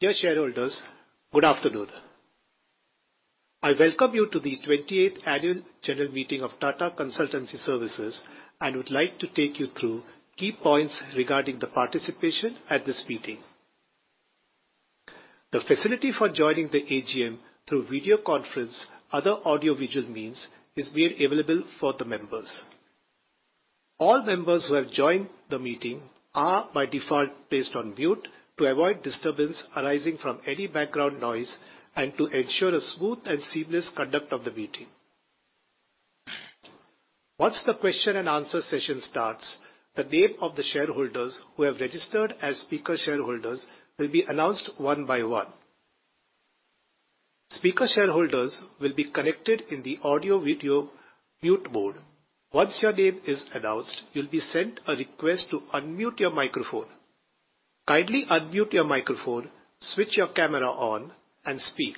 Dear shareholders, good afternoon. I welcome you to the 28th Annual General Meeting of Tata Consultancy Services, would like to take you through key points regarding the participation at this meeting. The facility for joining the AGM through video conference, other audio-visual means, is made available for the members. All members who have joined the meeting are by default placed on mute to avoid disturbance arising from any background noise and to ensure a smooth and seamless conduct of the meeting. Once the question-and-answer session starts, the name of the shareholders who have registered as speaker shareholders will be announced one by one. Speaker shareholders will be connected in the audio-video mute mode. Once your name is announced, you'll be sent a request to unmute your microphone. Kindly unmute your microphone, switch your camera on, and speak.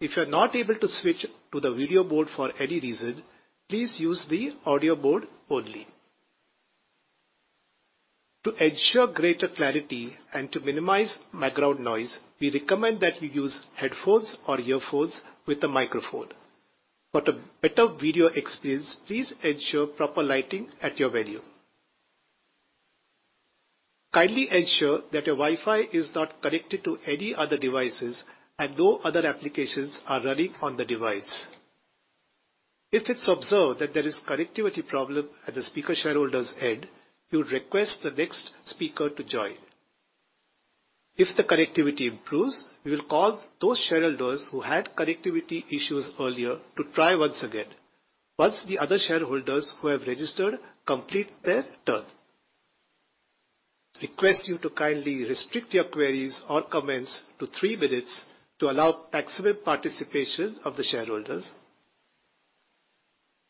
If you're not able to switch to the video mode for any reason, please use the audio mode only. To ensure greater clarity and to minimize background noise, we recommend that you use headphones or earphones with a microphone. For a better video experience, please ensure proper lighting at your venue. Kindly ensure that your Wi-Fi is not connected to any other devices and no other applications are running on the device. If it's observed that there is connectivity problem at the speaker shareholder's end, we would request the next speaker to join. If the connectivity improves, we will call those shareholders who had connectivity issues earlier to try once again, once the other shareholders who have registered complete their turn. Request you to kindly restrict your queries or comments to three minutes to allow maximum participation of the shareholders.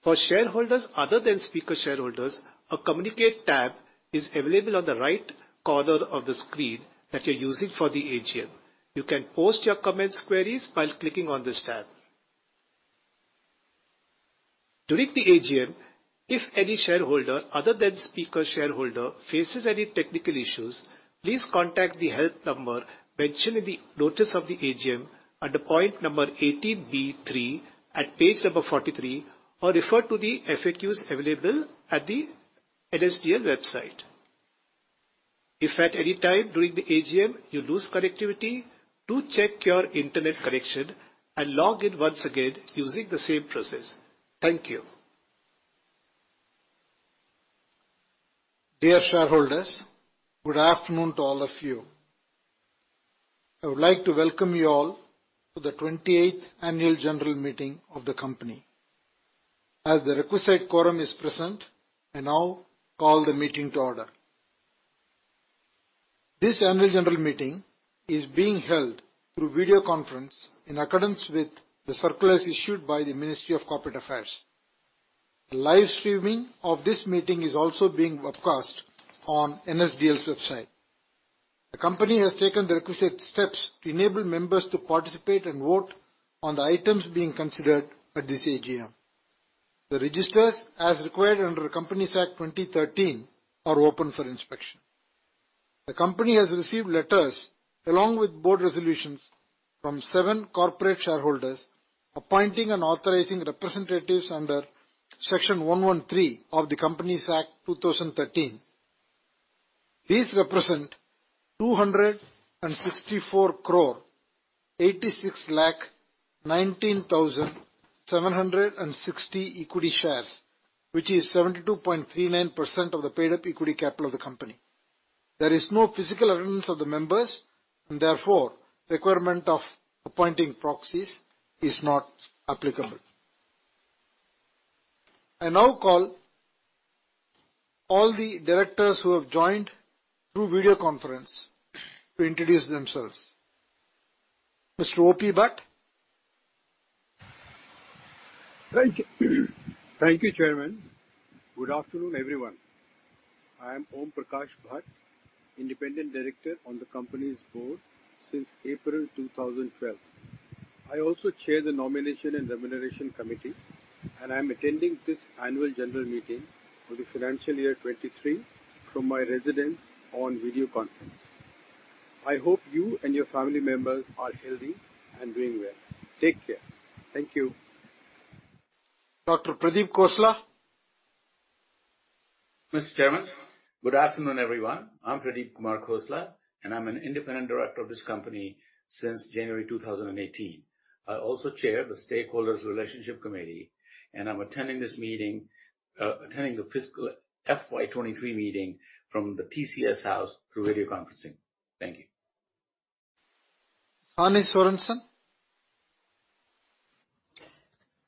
For shareholders other than speaker shareholders, a "Communicate" tab is available on the right corner of the screen that you're using for the AGM. You can post your comments, queries by clicking on this tab. During the AGM, if any shareholder, other than speaker shareholder, faces any technical issues, please contact the help number mentioned in the notice of the AGM under point number 18 B 3 at page number 43, or refer to the FAQs available at the NSDL website. If at any time during the AGM you lose connectivity, do check your internet connection and log in once again using the same process. Thank you. Dear shareholders, good afternoon to all of you. I would like to welcome you all to the 28th Annual General Meeting of the company. As the requisite quorum is present, I now call the meeting to order. This annual general meeting is being held through video conference in accordance with the circulars issued by the Ministry of Corporate Affairs. A live streaming of this meeting is also being webcast on NSDL's website. The company has taken the requisite steps to enable members to participate and vote on the items being considered at this AGM. The registers, as required under the Companies Act 2013, are open for inspection. The company has received letters, along with board resolutions from seven corporate shareholders, appointing and authorizing representatives under Section 113 of the Companies Act 2013. These represent 264 crore 861 lakh 19,760 equity shares, which is 72.39% of the paid-up equity capital of the company. There is no physical attendance of the members, and therefore, requirement of appointing proxies is not applicable. I now call all the directors who have joined through video conference to introduce themselves. Mr. O.P. Bhatt? Thank you. Thank you, Chairman. Good afternoon, everyone. I am Om Prakash Bhatt, Independent Director on the company's board since April 2012. I also chair the Nomination and Remuneration Committee. I'm attending this annual general meeting for the financial year 2023 from my residence on video conference. I hope you and your family members are healthy and doing well. Take care. Thank you. Dr. Pradeep Khosla? Mr. Chairman, good afternoon, everyone. I'm Pradeep Kumar Khosla, and I'm an Independent Director of this company since January 2018. I also chair the Stakeholders Relationship Committee, and I'm attending this meeting, attending the fiscal FY 2023 meeting from the TCS House through video conferencing. Thank you. Hanne Sorensen?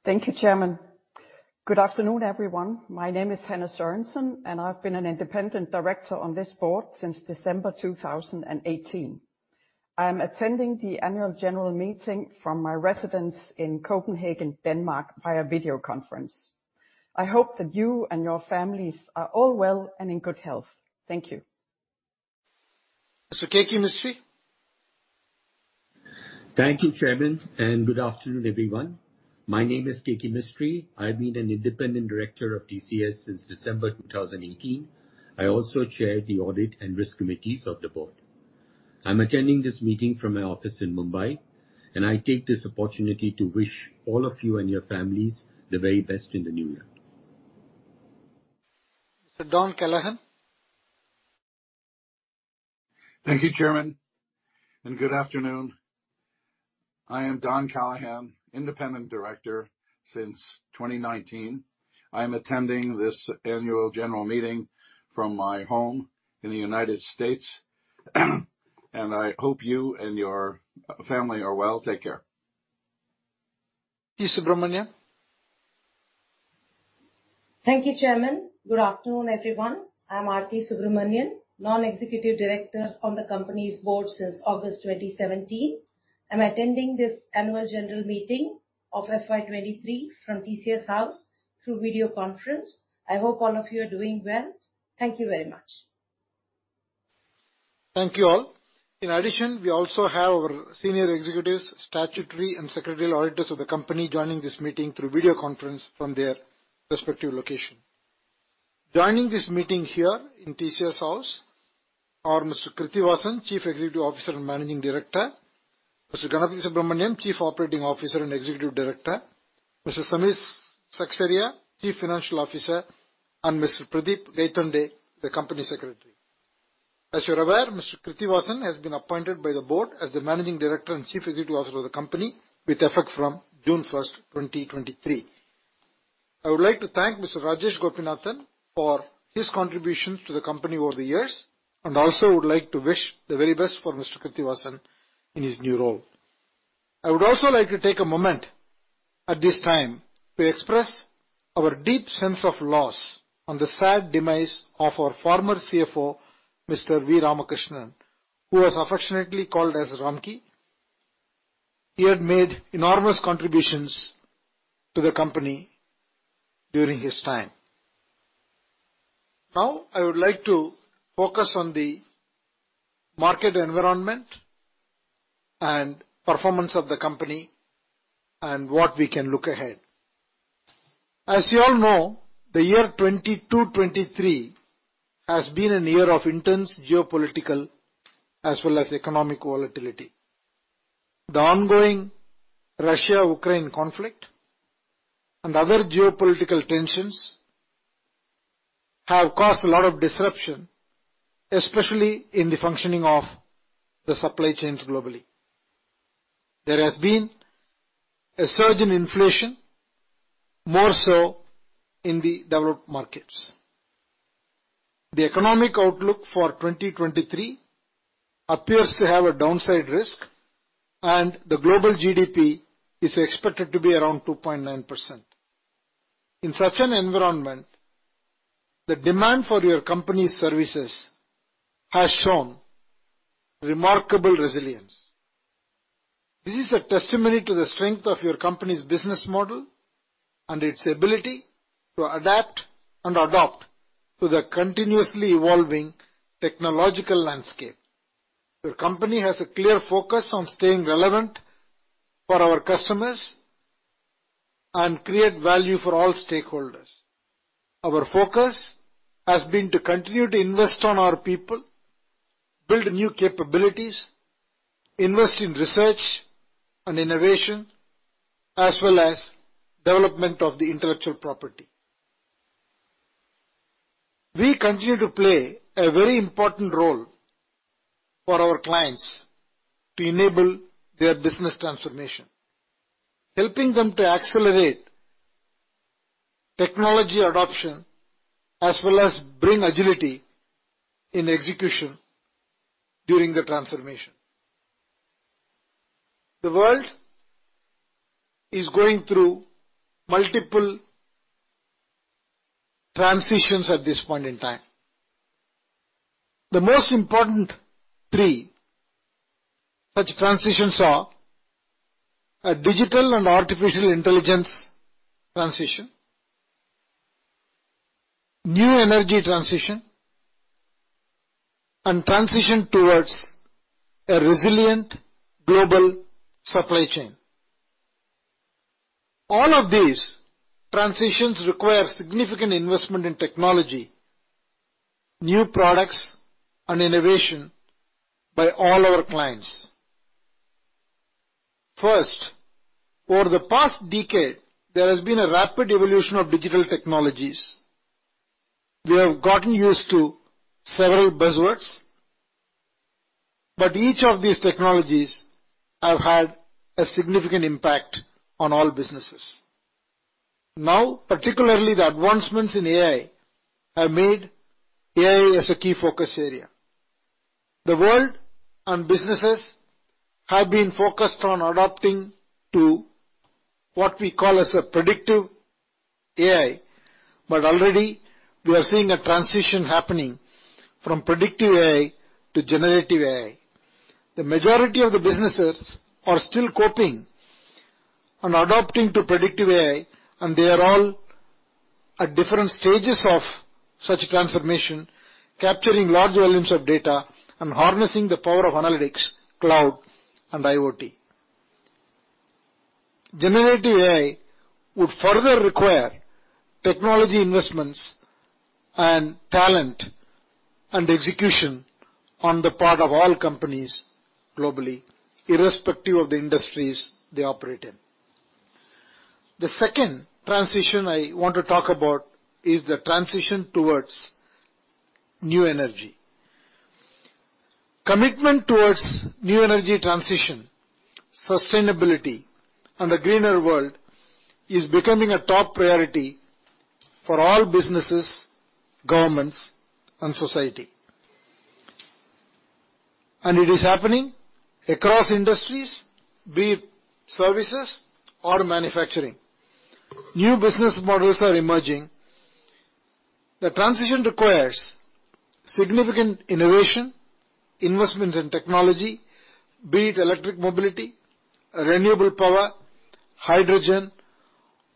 Thank you, Chairman. Good afternoon, everyone. My name is Hanne Sorensen. I've been an Independent Director on this board since December 2018. I am attending the annual general meeting from my residence in Copenhagen, Denmark, via video conference. I hope that you and your families are all well and in good health. Thank you. Mr. Keki Mistry? Thank you, Chairman. Good afternoon, everyone. My name is Keki Mistry. I've been an Independent Director of TCS since December 2018. I also chair the Audit and Risk Committees of the Board. I'm attending this meeting from my office in Mumbai. I take this opportunity to wish all of you and your families the very best in the new year. Mr. Don Callahan? Thank you, Chairman, good afternoon. I am Don Callahan, Independent Director since 2019. I'm attending this annual general meeting from my home in the United States. I hope you and your family are well. Take care. Aarthi Subramanian. Thank you, Chairman. Good afternoon, everyone. I'm Aarthi Subramanian, Non-Executive Director on the company's board since August 2017. I'm attending this annual general meeting of FY 2023 from TCS House through video conference. I hope all of you are doing well. Thank you very much. Thank you, all. In addition, we also have our senior executives, statutory and secretary auditors of the company joining this meeting through video conference from their respective location. Joining this meeting here in TCS House are Mr. Krithivasan, Chief Executive Officer and Managing Director, Mr. Ganapathy Subramaniam, Chief Operating Officer and Executive Director, Mr. Samir Seksaria, Chief Financial Officer, and Mr. Pradeep Gaitonde, the Company Secretary. As you're aware, Mr. Krithivasan has been appointed by the Board as the Managing Director and Chief Executive Officer of the company, with effect from June 1, 2023. I would like to thank Mr. Rajesh Gopinathan for his contributions to the company over the years, and also would like to wish the very best for Mr. Krithivasan in his new role. I would also like to take a moment at this time to express our deep sense of loss on the sad demise of our former CFO, Mr. V. Ramakrishnan, who was affectionately called as Ramki. He had made enormous contributions to the company during his time. I would like to focus on the market environment and performance of the company and what we can look ahead. As you all know, the year 2022-2023 has been a year of intense geopolitical as well as economic volatility. The ongoing Russia-Ukraine conflict and other geopolitical tensions have caused a lot of disruption, especially in the functioning of the supply chains globally. There has been a surge in inflation, more so in the developed markets. The economic outlook for 2023 appears to have a downside risk, and the global GDP is expected to be around 2.9%. In such an environment, the demand for your company's services has shown remarkable resilience. This is a testimony to the strength of your company's business model and its ability to adapt and adopt to the continuously evolving technological landscape. Your company has a clear focus on staying relevant for our customers and create value for all stakeholders. Our focus has been to continue to invest on our people, build new capabilities, invest in research and innovation, as well as development of the intellectual property. We continue to play a very important role for our clients to enable their business transformation, helping them to accelerate technology adoption, as well as bring agility in execution during the transformation. The world is going through multiple transitions at this point in time. The most important three such transitions are: a digital and artificial intelligence transition, new energy transition, and transition towards a resilient global supply chain. All of these transitions require significant investment in technology, new products and innovation by all our clients. First, over the past decade, there has been a rapid evolution of digital technologies. We have gotten used to several buzzwords, but each of these technologies have had a significant impact on all businesses. Now, particularly the advancements in AI have made AI as a key focus area. The world and businesses have been focused on adapting to what we call as a predictive AI, but already we are seeing a transition happening from predictive AI to generative AI. The majority of the businesses are still. Adopting to predictive AI, and they are all at different stages of such transformation, capturing large volumes of data and harnessing the power of analytics, cloud, and IoT. Generative AI would further require technology investments and talent, and execution on the part of all companies globally, irrespective of the industries they operate in. The second transition I want to talk about is the transition towards new energy. Commitment towards new energy transition, sustainability, and a greener world is becoming a top priority for all businesses, governments, and society. It is happening across industries, be it services or manufacturing. New business models are emerging. The transition requires significant innovation, investment in technology, be it electric mobility, renewable power, hydrogen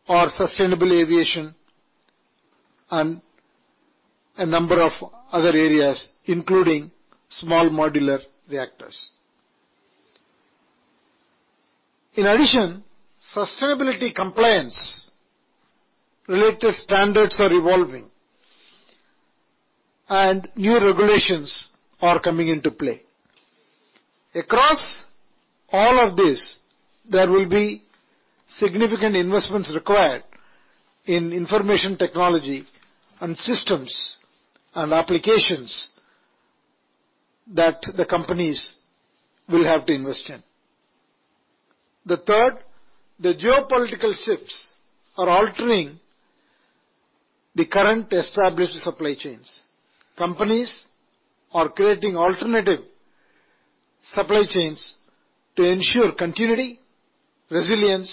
or sustainable aviation, and a number of other areas, including small modular reactors. In addition, sustainability compliance-related standards are evolving, and new regulations are coming into play. Across all of this, there will be significant investments required in information technology and systems and applications that the companies will have to invest in. The third, the geopolitical shifts are altering the current established supply chains. Companies are creating alternative supply chains to ensure continuity, resilience,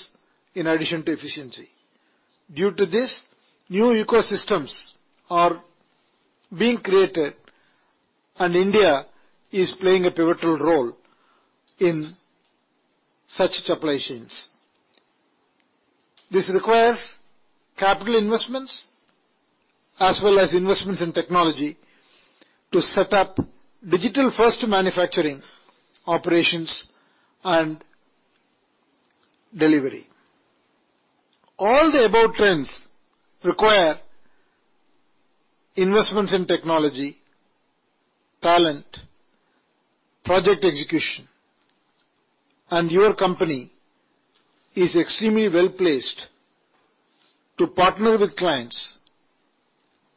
in addition to efficiency. Due to this, new ecosystems are being created, and India is playing a pivotal role in such supply chains. This requires capital investments as well as investments in technology to set up digital-first manufacturing operations and delivery. All the above trends require investments in technology, talent, project execution, and your company is extremely well-placed to partner with clients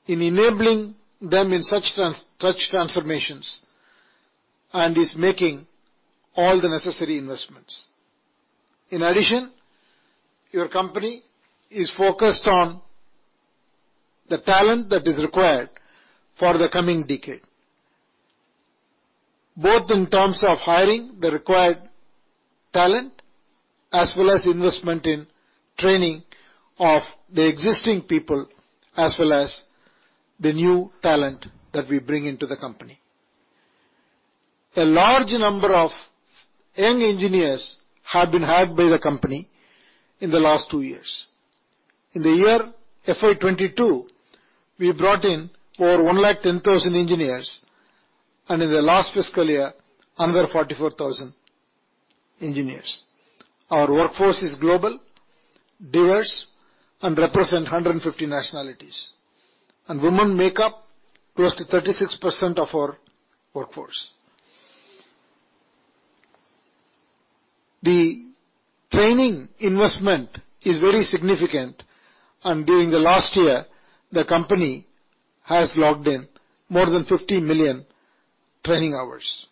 in enabling them in such transformations, and is making all the necessary investments. In addition, your company is focused on the talent that is required for the coming decade, both in terms of hiring the required talent, as well as investment in training of the existing people, as well as the new talent that we bring into the company. A large number of young engineers have been hired by the company in the last two years. In the year FY 2022, we brought in over 110,000 engineers. In the last fiscal year, another 44,000 engineers. Our workforce is global, diverse, and represent 150 nationalities. Women make up close to 36% of our workforce. The training investment is very significant. During the last year, the company has logged in more than 50 million training hours.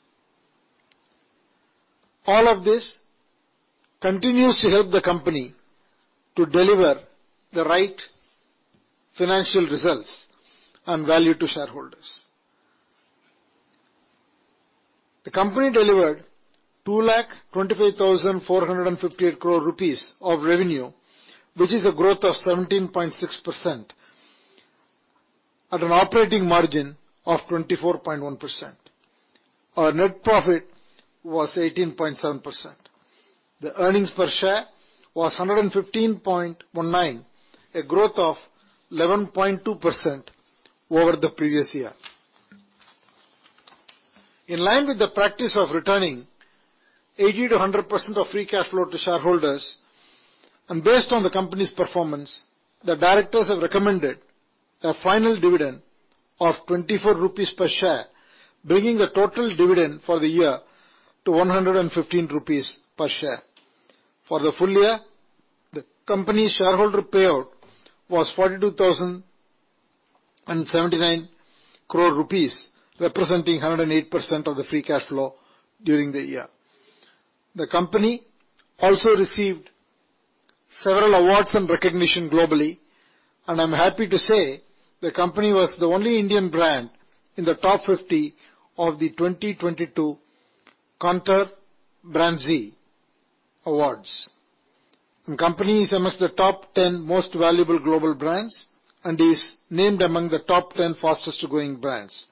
All of this continues to help the company to deliver the right financial results and value to shareholders. The company delivered 225,458 crore rupees of revenue, which is a growth of 17.6%, at an operating margin of 24.1%. Our net profit was 18.7%. The earnings per share was 115.19, a growth of 11.2% over the previous year. In line with the practice of returning 80%-100% of free cash flow to shareholders, based on the company's performance, the directors have recommended a final dividend of 24 rupees per share, bringing the total dividend for the year to 115 rupees per share. For the full year, the company's shareholder payout was 42,079 crore rupees, representing 108% of the free cash flow during the year. The company also received several awards and recognition globally. I'm happy to say the company was the only Indian brand in the Top 50 of the 2022 Kantar BrandZ Awards. Company is amongst the Top 100 Most Valuable Global Brands and is named among the Top 10 Fastest Growing Brands.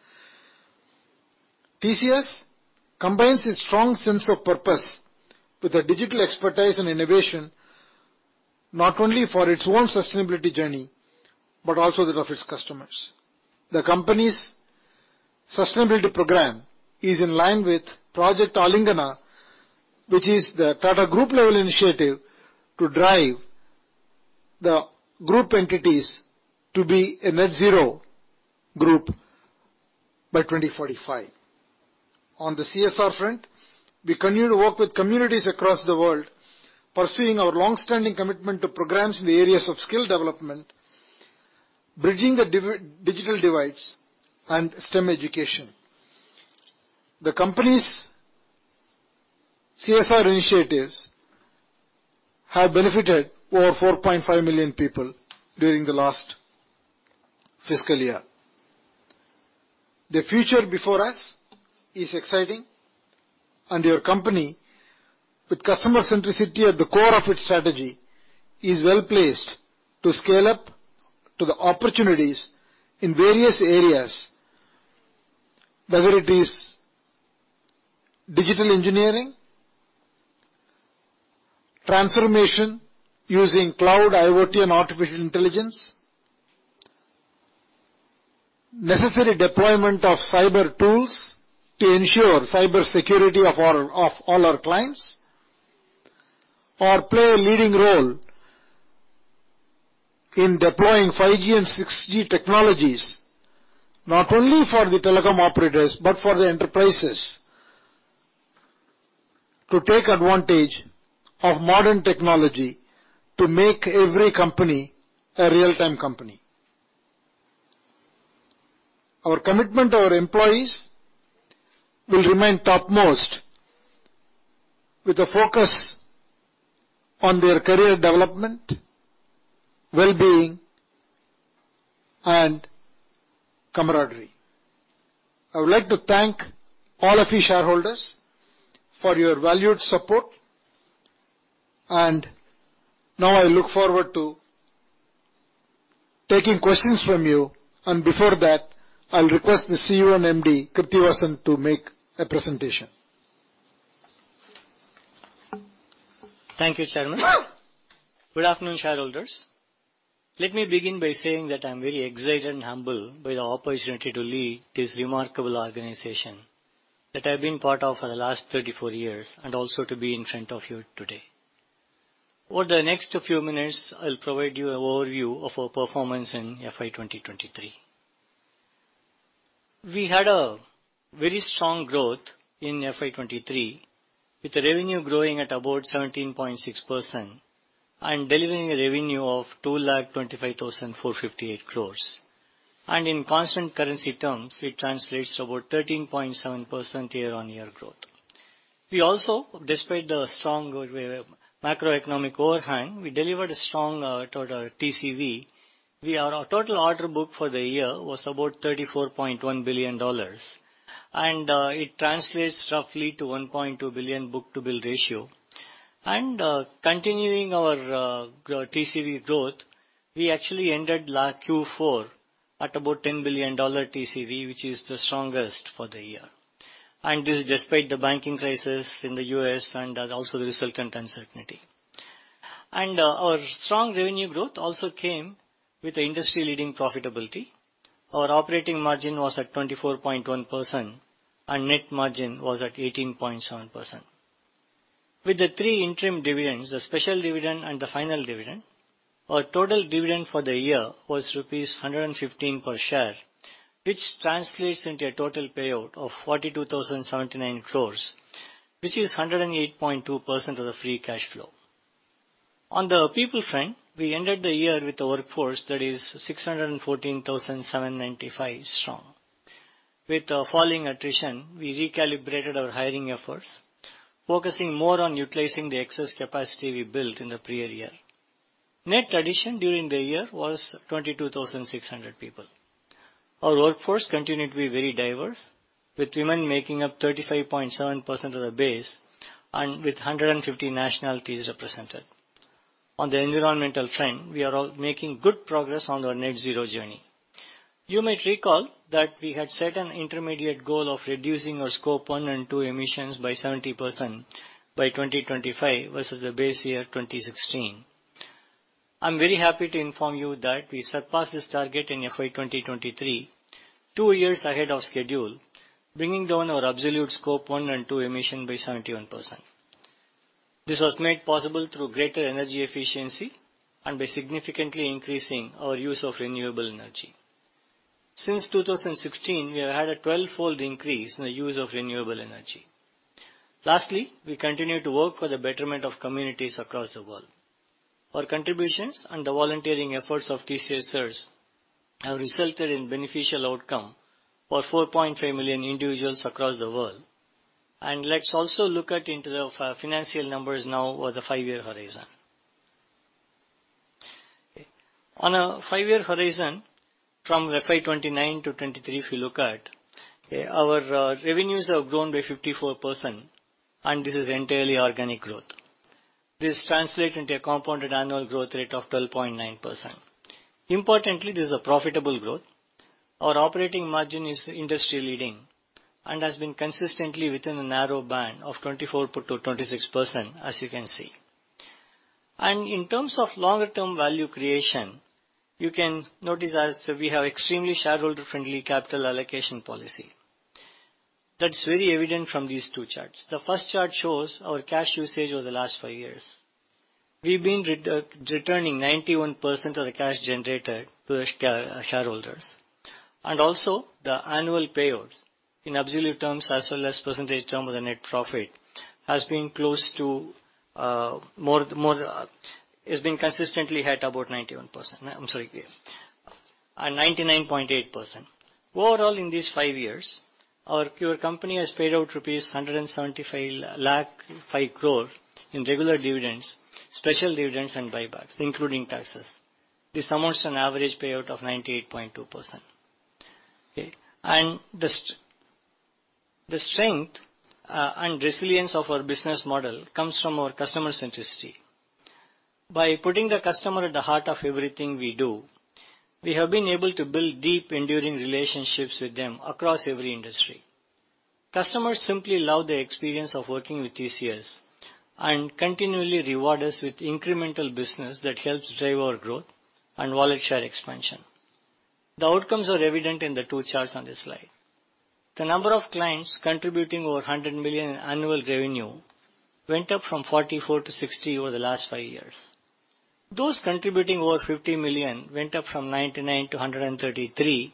TCS combines its strong sense of purpose with a digital expertise and innovation, not only for its own sustainability journey, but also that of its customers. The company's sustainability program is in line with Project Aalingana, which is the Tata Group-level initiative to drive the group entities to be a net zero group by 2045. On the CSR front, we continue to work with communities across the world, pursuing our long-standing commitment to programs in the areas of skill development, bridging the digital divides and STEM education. The company's CSR initiatives have benefited over 4.5 million people during the last fiscal year. The future before us is exciting. Your company, with customer centricity at the core of its strategy, is well-placed to scale up to the opportunities in various areas, whether it is digital engineering, transformation using cloud, IoT, and artificial intelligence, necessary deployment of cyber tools to ensure cybersecurity of all our clients, or play a leading role in deploying 5G and 6G technologies, not only for the telecom operators, but for the enterprises, to take advantage of modern technology to make every company a real-time company. Our commitment to our employees will remain topmost, with a focus on their career development, well-being, and camaraderie. I would like to thank all of you, shareholders, for your valued support. Now I look forward to taking questions from you. Before that, I'll request the CEO and MD, Krithivasan, to make a presentation. Thank you, Chairman. Good afternoon, shareholders. Let me begin by saying that I'm very excited and humbled by the opportunity to lead this remarkable organization, that I've been part of for the last 34 years, and also to be in front of you today. Over the next few minutes, I'll provide you an overview of our performance in FY 2023. We had a very strong growth in FY 2023, with the revenue growing at about 17.6% and delivering a revenue of 225,458 crores. In constant currency terms, it translates to about 13.7% year-on-year growth. We also, despite the strong macroeconomic overhang, we delivered a strong total TCV. Our total order book for the year was about $34.1 billion, and it translates roughly to 1.2 billion book-to-bill ratio. Continuing our TCV growth, we actually ended Q4 at about $10 billion TCV, which is the strongest for the year, and this despite the banking crisis in the U.S. and also the resultant uncertainty. Our strong revenue growth also came with industry-leading profitability. Our operating margin was at 24.1%, and net margin was at 18.7%. With the three interim dividends, the special dividend and the final dividend, our total dividend for the year was rupees 115 per share, which translates into a total payout of 42,079 crores, which is 108.2% of the free cash flow. On the people front, we ended the year with a workforce that is 614,795 strong. With falling attrition, we recalibrated our hiring efforts, focusing more on utilizing the excess capacity we built in the prior year. Net addition during the year was 22,600 people. Our workforce continued to be very diverse, with women making up 35.7% of the base and with 150 nationalities represented. On the environmental front, we are all making good progress on our net zero journey. You might recall that we had set an intermediate goal of reducing our Scope 1 and 2 emissions by 70% by 2025, versus the base year 2016. I'm very happy to inform you that we surpassed this target in FY 2023, two years ahead of schedule, bringing down our absolute Scope 1 and 2 emissions by 71%. This was made possible through greater energy efficiency and by significantly increasing our use of renewable energy. Since 2016, we have had a twelvefold increase in the use of renewable energy. Lastly, we continue to work for the betterment of communities across the world. Our contributions and the volunteering efforts of TCSers have resulted in beneficial outcome for 4.5 million individuals across the world. Let's also look at into the financial numbers now over the five-year horizon. Okay, on a five-year horizon, from FY 2029 to 2023, if you look at, our revenues have grown by 54%, and this is entirely organic growth. This translate into a compounded annual growth rate of 12.9%. Importantly, this is a profitable growth. Our operating margin is industry-leading and has been consistently within a narrow band of 24%-26%, as you can see. In terms of longer-term value creation, you can notice as we have extremely shareholder-friendly capital allocation policy. That's very evident from these two charts. The first chart shows our cash usage over the last five years. We've been re-returning 91% of the cash generated to the shareholders. Also, the annual payouts in absolute terms, as well as percentage term of the net profit, has been close to, It's been consistently at about 91%, I'm sorry, at 99.8%. Overall, in these five years, our pure company has paid out rupees 175 lakh 5 crore in regular dividends, special dividends, and buybacks, including taxes. This amounts an average payout of 98.2%. Okay? The strength and resilience of our business model comes from our customer centricity. By putting the customer at the heart of everything we do, we have been able to build deep, enduring relationships with them across every industry. Customers simply love the experience of working with TCS, and continually reward us with incremental business that helps drive our growth and wallet share expansion. The outcomes are evident in the two charts on this slide. The number of clients contributing over $100 million in annual revenue went up from 44 to 60 over the last five years. Those contributing over $50 million went up from 99 to 133,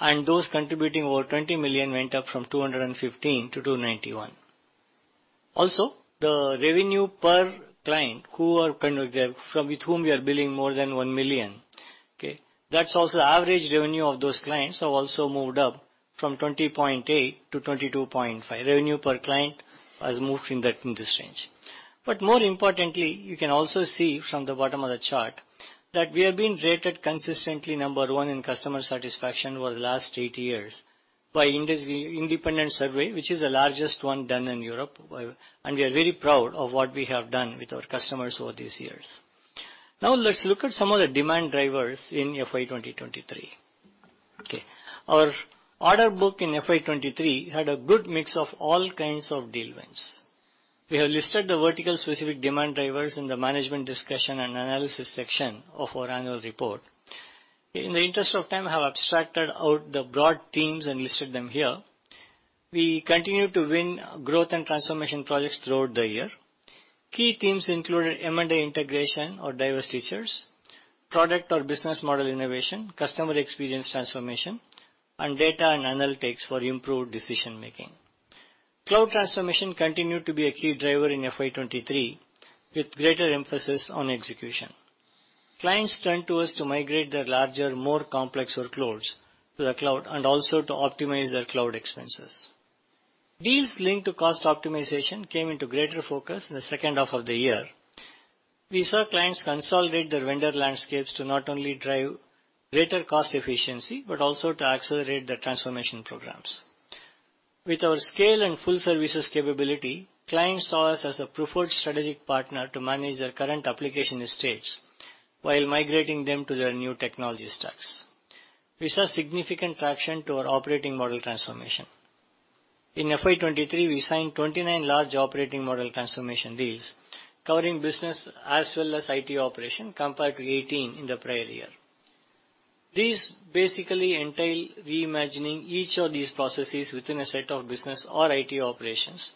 and those contributing over $20 million went up from 215 to 291. The revenue per client who are kind of there, from with whom we are billing more than $1 million, okay? That's also average revenue of those clients have also moved up from 20.8 to 22.5. Revenue per client has moved in that, in this range. More importantly, you can also see from the bottom of the chart that we have been rated consistently number one in customer satisfaction over the last eight years by industry independent survey, which is the largest one done in Europe, and we are very proud of what we have done with our customers over these years. Now, let's look at some of the demand drivers in FY 2023. Okay. Our order book in FY 2023 had a good mix of all kinds of deal wins. We have listed the vertical specific demand drivers in the Management Discussion and Analysis section of our annual report. In the interest of time, I have abstracted out the broad themes and listed them here. We continue to win growth and transformation projects throughout the year. Key themes included M&A integration or divestitures, product or business model innovation, customer experience transformation, and data and analytics for improved decision-making. Cloud transformation continued to be a key driver in FY 2023, with greater emphasis on execution. Clients turned to us to migrate their larger, more complex workloads to the cloud and also to optimize their cloud expenses. Deals linked to cost optimization came into greater focus in the second half of the year. We saw clients consolidate their vendor landscapes to not only drive greater cost efficiency, but also to accelerate their transformation programs. With our scale and full services capability, clients saw us as a preferred strategic partner to manage their current application estates while migrating them to their new technology stacks. We saw significant traction to our operating model transformation. In FY 2023, we signed 29 large operating model transformation deals, covering business as well as IT operation, compared to 18 in the prior year. These basically entail reimagining each of these processes within a set of business or IT operations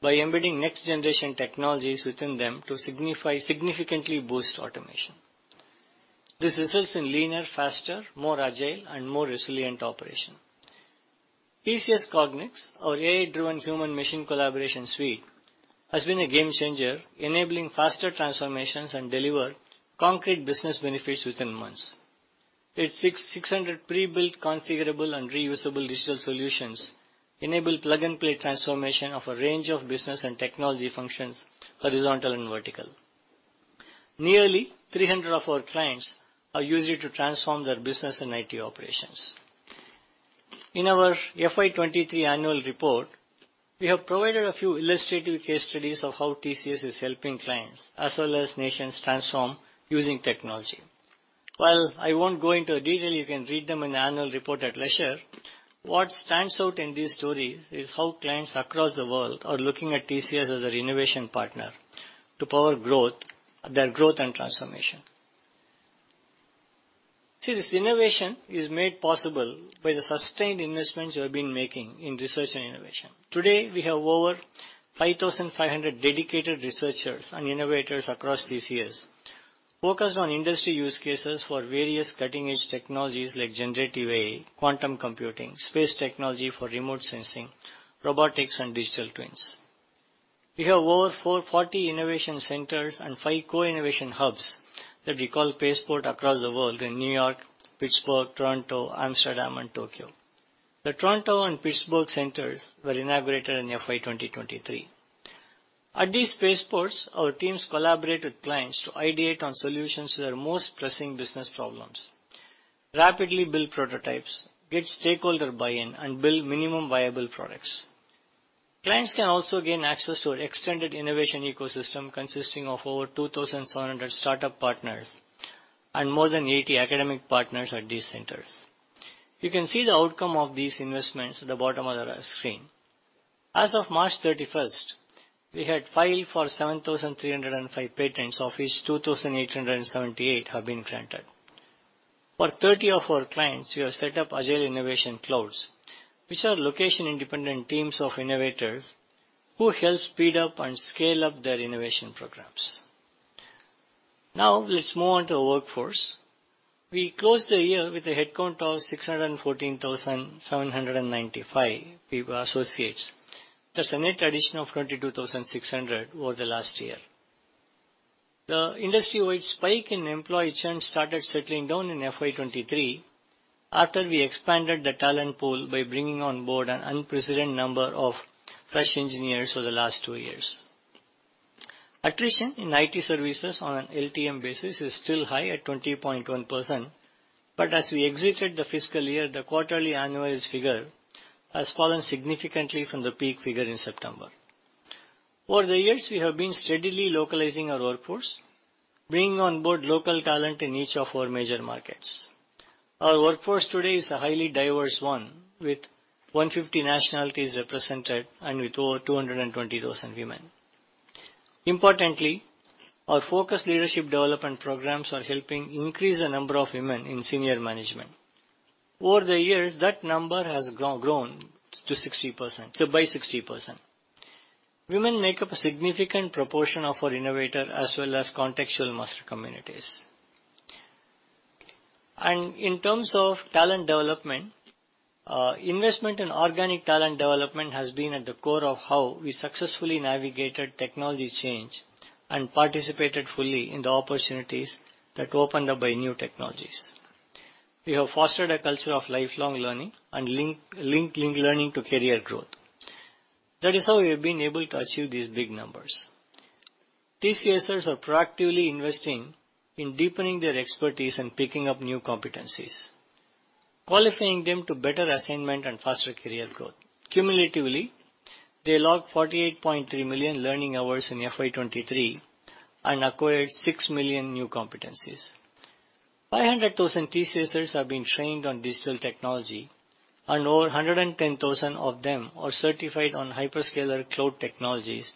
by embedding next-generation technologies within them to significantly boost automation. This results in leaner, faster, more agile, and more resilient operation. TCS Cognix, our AI-driven human machine collaboration suite, has been a game changer, enabling faster transformations and deliver concrete business benefits within months. Its 600 prebuilt, configurable, and reusable digital solutions enable plug-and-play transformation of a range of business and technology functions, horizontal and vertical. Nearly 300 of our clients are using it to transform their business and IT operations. In our FY 2023 annual report, we have provided a few illustrative case studies of how TCS is helping clients, as well as nations transform using technology. While I won't go into the detail, you can read them in the annual report at leisure. What stands out in these stories is how clients across the world are looking at TCS as their innovation partner to power growth, their growth and transformation. See, this innovation is made possible by the sustained investments we have been making in research and innovation. Today, we have over 5,500 dedicated researchers and innovators across TCS, focused on industry use cases for various cutting-edge technologies like generative AI, quantum computing, space technology for remote sensing, robotics, and digital twins. We have over 440 innovation centers and five co-innovation hubs that we call Pace Port across the world in New York, Pittsburgh, Toronto, Amsterdam, and Tokyo. The Toronto and Pittsburgh centers were inaugurated in FY 2023. At these Pace Ports, our teams collaborate with clients to ideate on solutions to their most pressing business problems, rapidly build prototypes, get stakeholder buy-in, and build minimum viable products. Clients can also gain access to our extended innovation ecosystem, consisting of over 2,700 startup partners and more than 80 academic partners at these centers. You can see the outcome of these investments at the bottom of the screen. As of March 31st, we had filed for 7,305 patents, of which 2,878 have been granted. For 30 of our clients, we have set up agile innovation clouds, which are location-independent teams of innovators who help speed up and scale up their innovation programs. Now, let's move on to our workforce. We closed the year with a headcount of 614,795 people, associates. That's a net addition of 22,600 over the last year. The industry-wide spike in employee churn started settling down in FY 2023 after we expanded the talent pool by bringing on board an unprecedented number of fresh engineers over the last two years. Attrition in IT services on an LTM basis is still high at 20.1%, but as we exited the fiscal year, the quarterly annualized figure has fallen significantly from the peak figure in September. Over the years, we have been steadily localizing our workforce, bringing on board local talent in each of our major markets. Our workforce today is a highly diverse one, with 150 nationalities represented and with over 220,000 women. Importantly, our focused leadership development programs are helping increase the number of women in senior management. Over the years, that number has grown by 60%. Women make up a significant proportion of our innovator as well as contextual master communities. In terms of talent development, investment in organic talent development has been at the core of how we successfully navigated technology change and participated fully in the opportunities that opened up by new technologies. We have fostered a culture of lifelong learning and link learning to career growth. That is how we have been able to achieve these big numbers. TCSers are proactively investing in deepening their expertise and picking up new competencies, qualifying them to better assignment and faster career growth. Cumulatively, they logged 48.3 million learning hours in FY 2023 and acquired 6 million new competencies. Five hundred thousand TCSers have been trained on digital technology, and over 110,000 of them are certified on hyperscaler cloud technologies,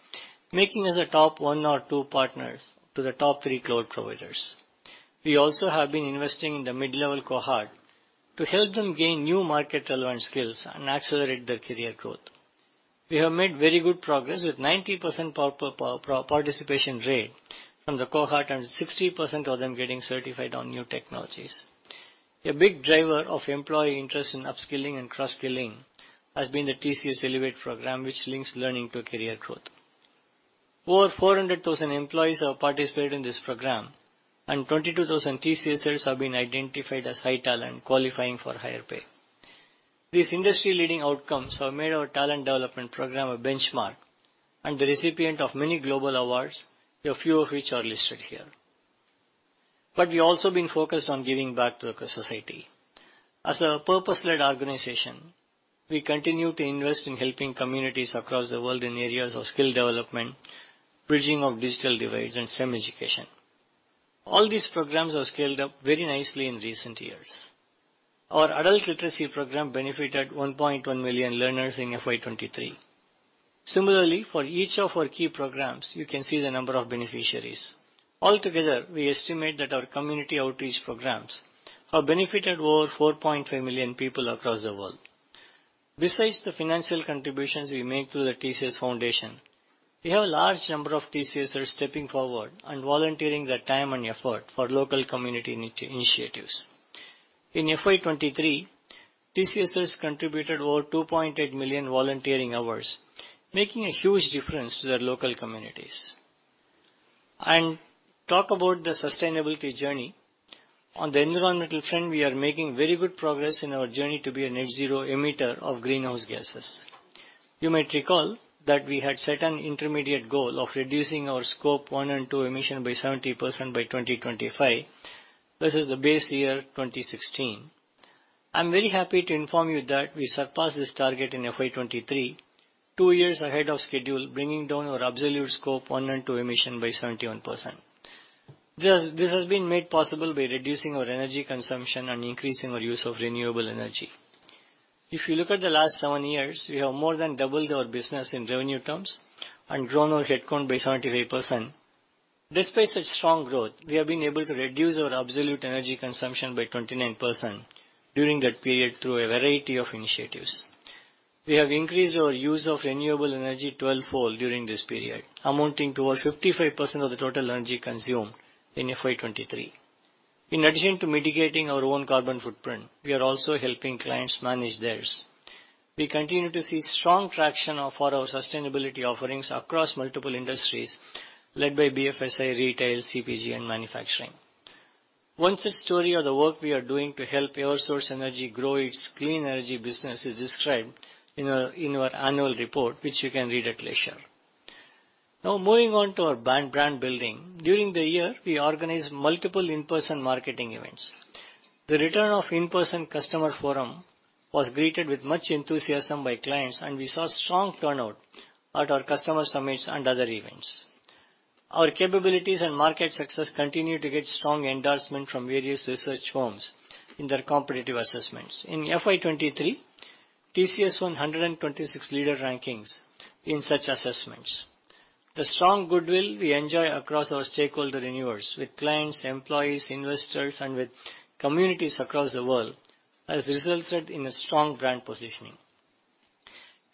making us a top one or two partners to the top three cloud providers. We also have been investing in the mid-level cohort to help them gain new market-relevant skills and accelerate their career growth. We have made very good progress, with 90% participation rate from the cohort, and 60% of them getting certified on new technologies. A big driver of employee interest in upskilling and cross-skilling has been the TCS Elevate program, which links learning to career growth. Over 400,000 employees have participated in this program, and 22,000 TCSers have been identified as high talent, qualifying for higher pay. These industry-leading outcomes have made our talent development program a benchmark and the recipient of many global awards, a few of which are listed here. We've also been focused on giving back to the society. As a purpose-led organization, we continue to invest in helping communities across the world in areas of skill development, bridging of digital divide, and STEM education. All these programs have scaled up very nicely in recent years. Our adult literacy program benefited 1.1 million learners in FY 2023. Similarly, for each of our key programs, you can see the number of beneficiaries. Altogether, we estimate that our community outreach programs have benefited over 4.5 million people across the world. Besides the financial contributions we make through the TCS Foundation, we have a large number of TCSers stepping forward and volunteering their time and effort for local community initiatives. In FY 2023, TCSers contributed over 2.8 million volunteering hours, making a huge difference to their local communities. Talk about the sustainability journey. On the environmental front, we are making very good progress in our journey to be a net zero emitter of greenhouse gases. You might recall that we had set an intermediate goal of reducing our Scope 1 and 2 emission by 70% by 2025. This is the base year, 2016. I'm very happy to inform you that we surpassed this target in FY 2023, two years ahead of schedule, bringing down our absolute Scope 1 and 2 emissions by 71%. This has been made possible by reducing our energy consumption and increasing our use of renewable energy. If you look at the last seven years, we have more than doubled our business in revenue terms and grown our headcount by 73%. Despite such strong growth, we have been able to reduce our absolute energy consumption by 29% during that period through a variety of initiatives. We have increased our use of renewable energy 12-fold during this period, amounting to over 55% of the total energy consumed in FY 2023. In addition to mitigating our own carbon footprint, we are also helping clients manage theirs. We continue to see strong traction for our sustainability offerings across multiple industries, led by BFSI, Retail and CPG, and Manufacturing. One such story of the work we are doing to help Eversource Energy grow its clean energy business is described in our annual report, which you can read at leisure. Moving on to our brand building. During the year, we organized multiple in-person marketing events. The return of in-person customer forum was greeted with much enthusiasm by clients, and we saw strong turnout at our customer summits and other events. Our capabilities and market success continue to get strong endorsement from various research firms in their competitive assessments. In FY 2023, TCS won 126 leader rankings in such assessments. The strong goodwill we enjoy across our stakeholder universe with clients, employees, investors, and with communities across the world, has resulted in a strong brand positioning.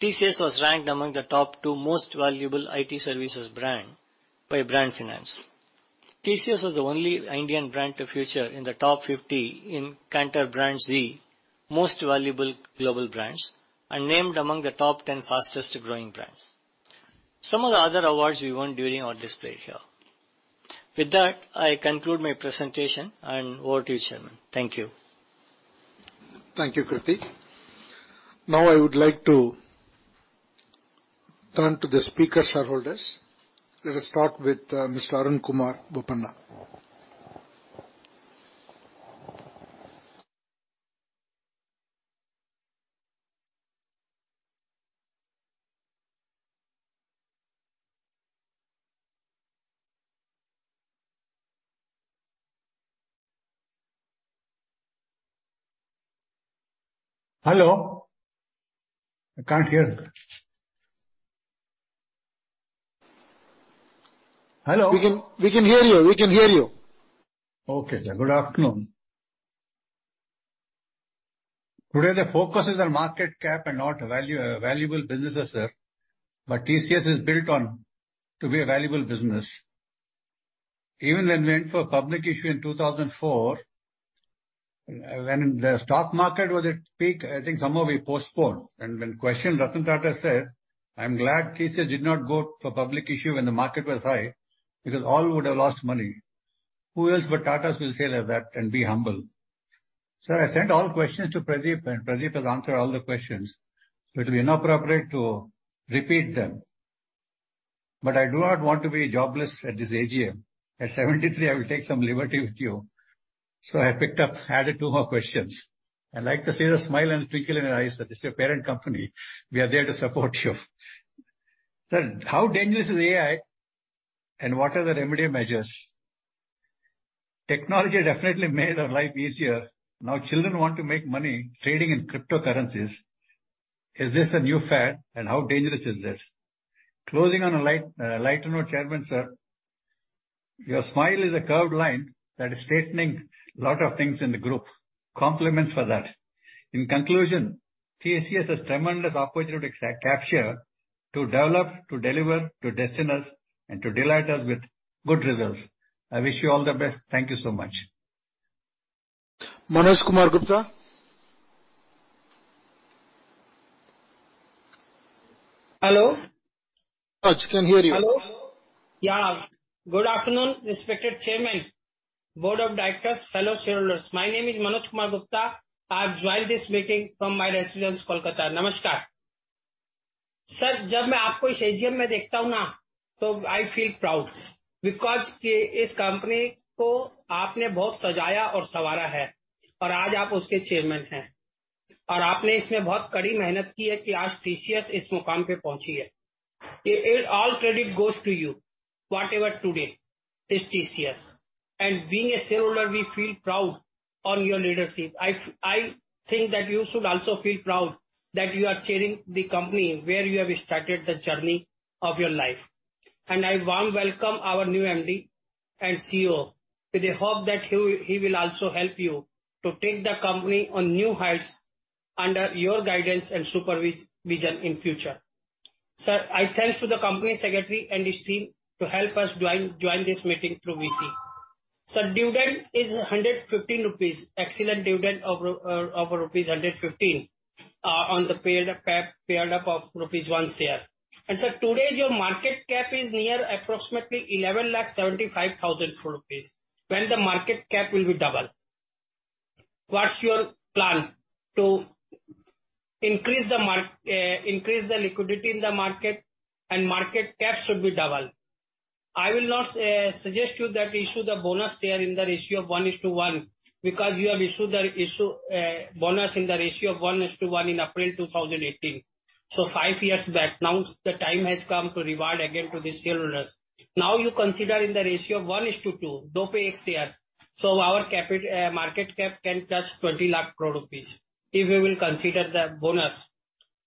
TCS was ranked among the top 2 most valuable IT services brand by Brand Finance. TCS was the only Indian brand to feature in the Top 50 in Kantar BrandZ Most Valuable Global Brands, and named among the Top 10 fastest growing brands. Some of the other awards we won during are displayed here. With that, I conclude my presentation. Over to you, Chairman. Thank you. Thank you, Krithi. I would like to turn to the speaker shareholders. Let us start with Mr. Arun Kumar Boppana. Hello? I can't hear you. Hello? We can hear you. We can hear you. Okay. Good afternoon. Today, the focus is on market cap and not value, valuable businesses, sir. TCS is built on to be a valuable business. Even when went for public issue in 2004, when the stock market was at peak, I think somehow we postponed. When questioned, Ratan Tata said, "I'm glad TCS did not go for public issue when the market was high, because all would have lost money." Who else but Tata will say like that and be humble? Sir, I send all questions to Pradeep. Pradeep has answered all the questions. It will be inappropriate to repeat them. But I do not want to be jobless at this AGM. At 73, I will take some liberty with you. I picked up, added two more questions. I'd like to see the smile and twinkle in your eyes, that it's your parent company, we are there to support you. Sir, how dangerous is AI, and what are the remedy measures? Technology definitely made our life easier. Now, children want to make money trading in cryptocurrencies. Is this a new fad, and how dangerous is this? Closing on a light, lighter note, Chairman, sir, your smile is a curved line that is straightening a lot of things in the group. Compliments for that. In conclusion, TCS has tremendous opportunity to capture, to develop, to deliver, to destine us, and to delight us with good results. I wish you all the best. Thank you so much. Manoj Kumar Gupta? Hello? Yes, can hear you. Hello. Yeah. Good afternoon, respected Chairman, Board of Directors, fellow shareholders. My name is Manoj Kumar Gupta. I've joined this meeting from my residence, Kolkata. Namaskar. Sir, I feel proud because, and today you are its chairman. TCS. It all credit goes to you. Whatever today is TCS. Being a shareholder, we feel proud on your leadership. I think that you should also feel proud that you are chairing the company where you have started the journey of your life. I warm welcome our new MD and CEO, with the hope that he will also help you to take the company on new heights under your guidance and supervision in future. Sir, I thank to the Company Secretary and his team to help us join this meeting through VC. Sir, dividend is 115 rupees. Excellent dividend of rupees 115 on the paired up of rupees 1 share. Sir, today, your market cap is near approximately 1.175 crore rupees. When the market cap will be double? What's your plan to increase the liquidity in the market, and market cap should be double. I will not suggest to you that issue the bonus share in the ratio of 1:1, because you have issued the bonus in the ratio of 1:1 in April 2018, so 5 years back. The time has come to reward again to the shareholders. You consider in the ratio of 1:2, so our market cap can touch 20 lakh crore rupees, if you will consider the bonus.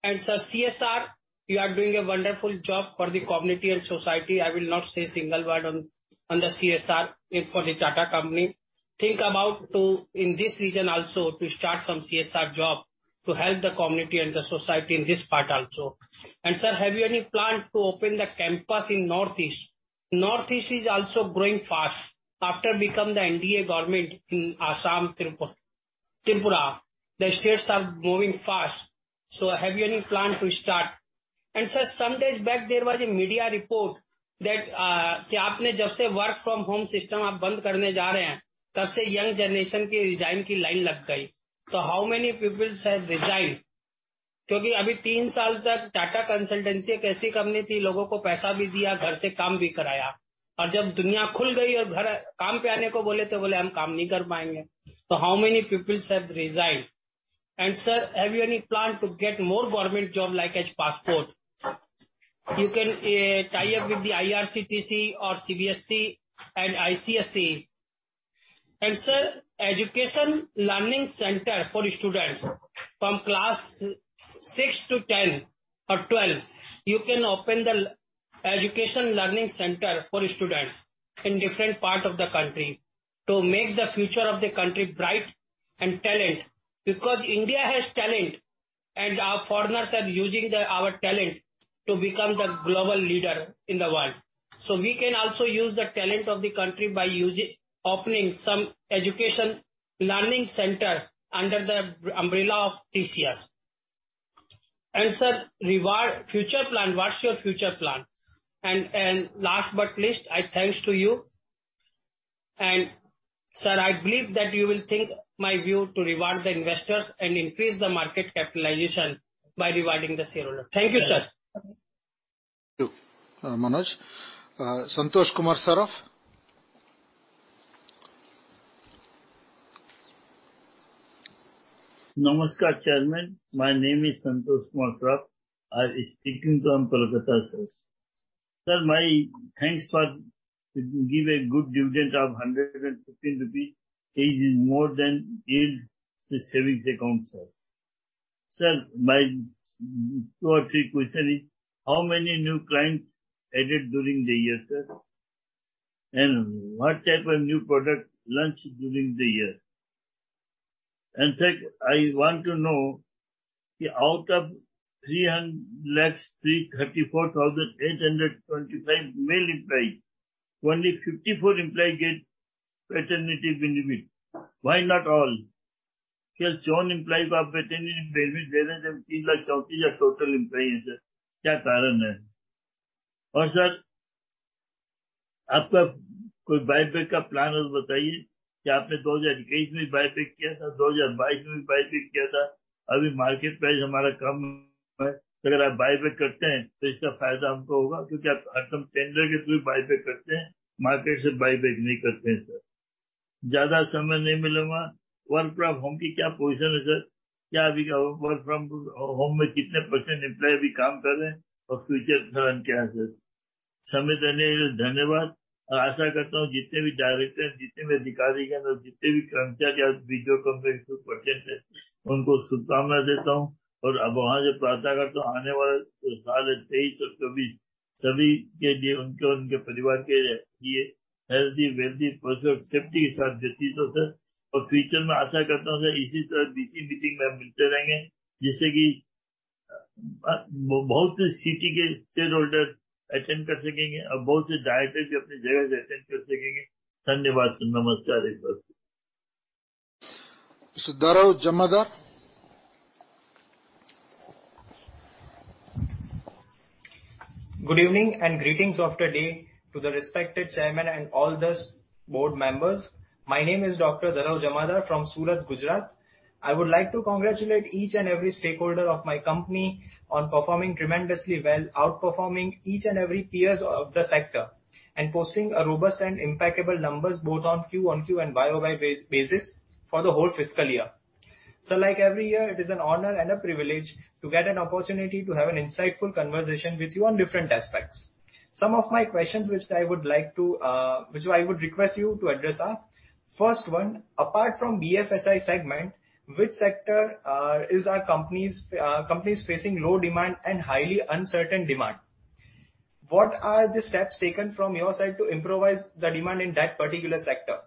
CSR, you are doing a wonderful job for the community and society. I will not say a single word on the CSR for the Tata company. Think about to, in this region also, to start some CSR job, to help the community and the society in this part also. Have you any plan to open the campus in Northeast? Northeast is also growing fast. After become the NDA government in Assam, Tripura, the states are moving fast. Have you any plan to start? Some days back, there was a media report that, work from home system, young generation. How many peoples have resigned? क्योंकि अभी 3 years तक Tata Consultancy Services एक ऐसी company थी, लोगों को पैसा भी दिया, घर से काम भी कराया और जब दुनिया खुल गई और घर काम पर आने को बोले तो बोले हम काम नहीं कर पाएंगे. How many people है resign? Sir, have you any plan to get more government job like a passport? You can tie up with the IRCTC or CBSE and ICSE. Sir, education learning center for students from class 6 to 10 or 12. You can open the education learning center for students in different part of the country to make the future of the country bright and talent because India है talent and foreigners are using our talent ज्यादा समय नहीं मिलेगा। Work from home की क्या position है, sir? क्या अभी वर्क फ्रॉम होम में कितने % एंप्लॉई अभी काम कर रहे हैं और फ्यूचर प्लान क्या है, sir? समय देने के लिए धन्यवाद। आशा करता हूं जितने भी director हैं, जितने भी अधिकारी हैं और जितने भी कर्मचारी और भी जो company में present हैं, उनको शुभकामनाएं देता हूं। अब वहां से प्रार्थना करता हूं आने वाले साल 23 और 24 सभी के लिए उनके और उनके परिवार के लिए healthy, wealthy, personal safety के साथ व्यतीत हो, sir. future में आशा करता हूं कि इसी तरह DC meeting में मिलते रहेंगे, जिससे की बहुत से city के shareholder attend कर सकेंगे और बहुत से director भी अपनी जगह से attend कर सकेंगे। धन्यवाद! नमस्कार, एक बार। Dharav Jamadar. Good evening and greetings of the day to the respected chairman and all the board members. My name is doctor Daro Jamadar from Surat, Gujarat. I would like to congratulate, each and every stakeholder of my company on performing tremendously well, outperforming each and every peers of the sector and posting, robust and impressible numbers both on Q one Q and by bye basis for the whole fiscal year. So like every year, it is an honour and privilege to get an opportunity to have an insightful conversation with you on different aspects. Some of my question which I would like to, uh, which I would request you to address are, first one, apart from BFSI segment, which sector is our companies, companies facing low demand and highly uncertain demand. What are the steps taken from your side to improvise the demand in that particular sector?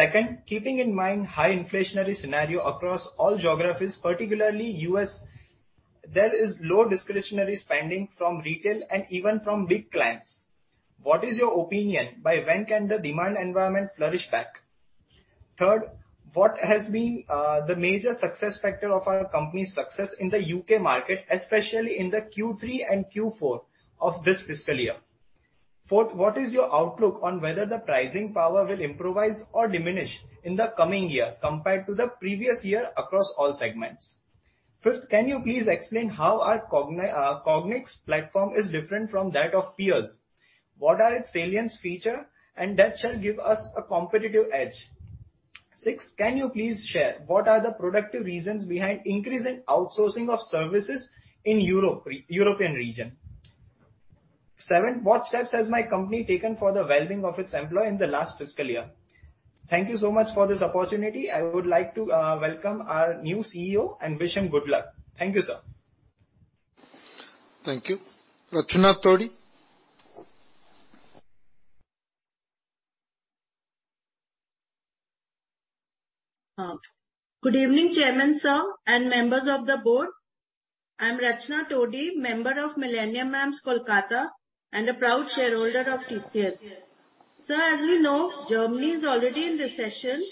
Second, keeping in mind high inflation scenario across all geography, particularly US, there is low discretionary spending from retail and even from big clients. What is your opinion by when can the demand environment flourish back? Third, what has been the major success factor of our company success in the UK market, specially in the Q three and Q four of this fiscal year. Fourth, what is your outlook on whether? The pricing power will improve or diminish in the coming year compare to the previous year across all segment. Fifth, can you please explain how are cogni, Cognix platform is different from that of peers? What are its salient feature and that shall give us a competitive edge. Six, can you please share what are the productive reasons behind increasing outsourcing of services in Europe, European region. Seven, what steps has my company taken for the well being of its employee in the last fiscal year? Thank you so much for this opportunity. I would like to welcome our new CEO and wish him good luck. Thank you, sir! Thank you. Rachana Todi. Uh, good evening, chairman sir and members of the board. I am रचना तोडी, member of Millennium, Kolkata and a proud shareholder of TCS. Sir, as we know, Germany is already in recession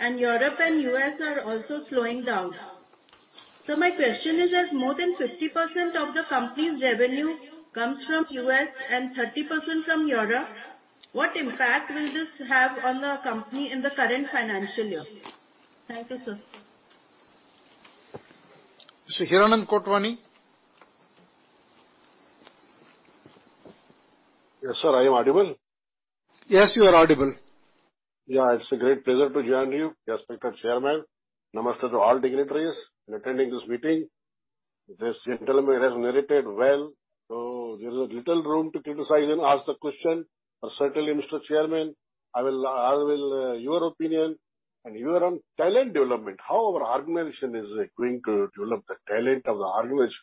and Europe and US are also slowing down. So my question is, as more than fifty percent of the company's revenue comes from US and thirty percent from Europe. What impact will this have on the company in the current financial year? Thank you, sir. Mr. Hiranand Kotwani? Yes, sir, I am audible? Yes, you are audible. Yeah, it's a great pleasure to join you, respected Chairman. Namaste to all dignitaries attending this meeting. This gentleman has narrated well, there is a little room to criticize and ask the question. Certainly, Mr. Chairman, I will—your opinion and your own talent development, how our organization is going to develop the talent of the organization.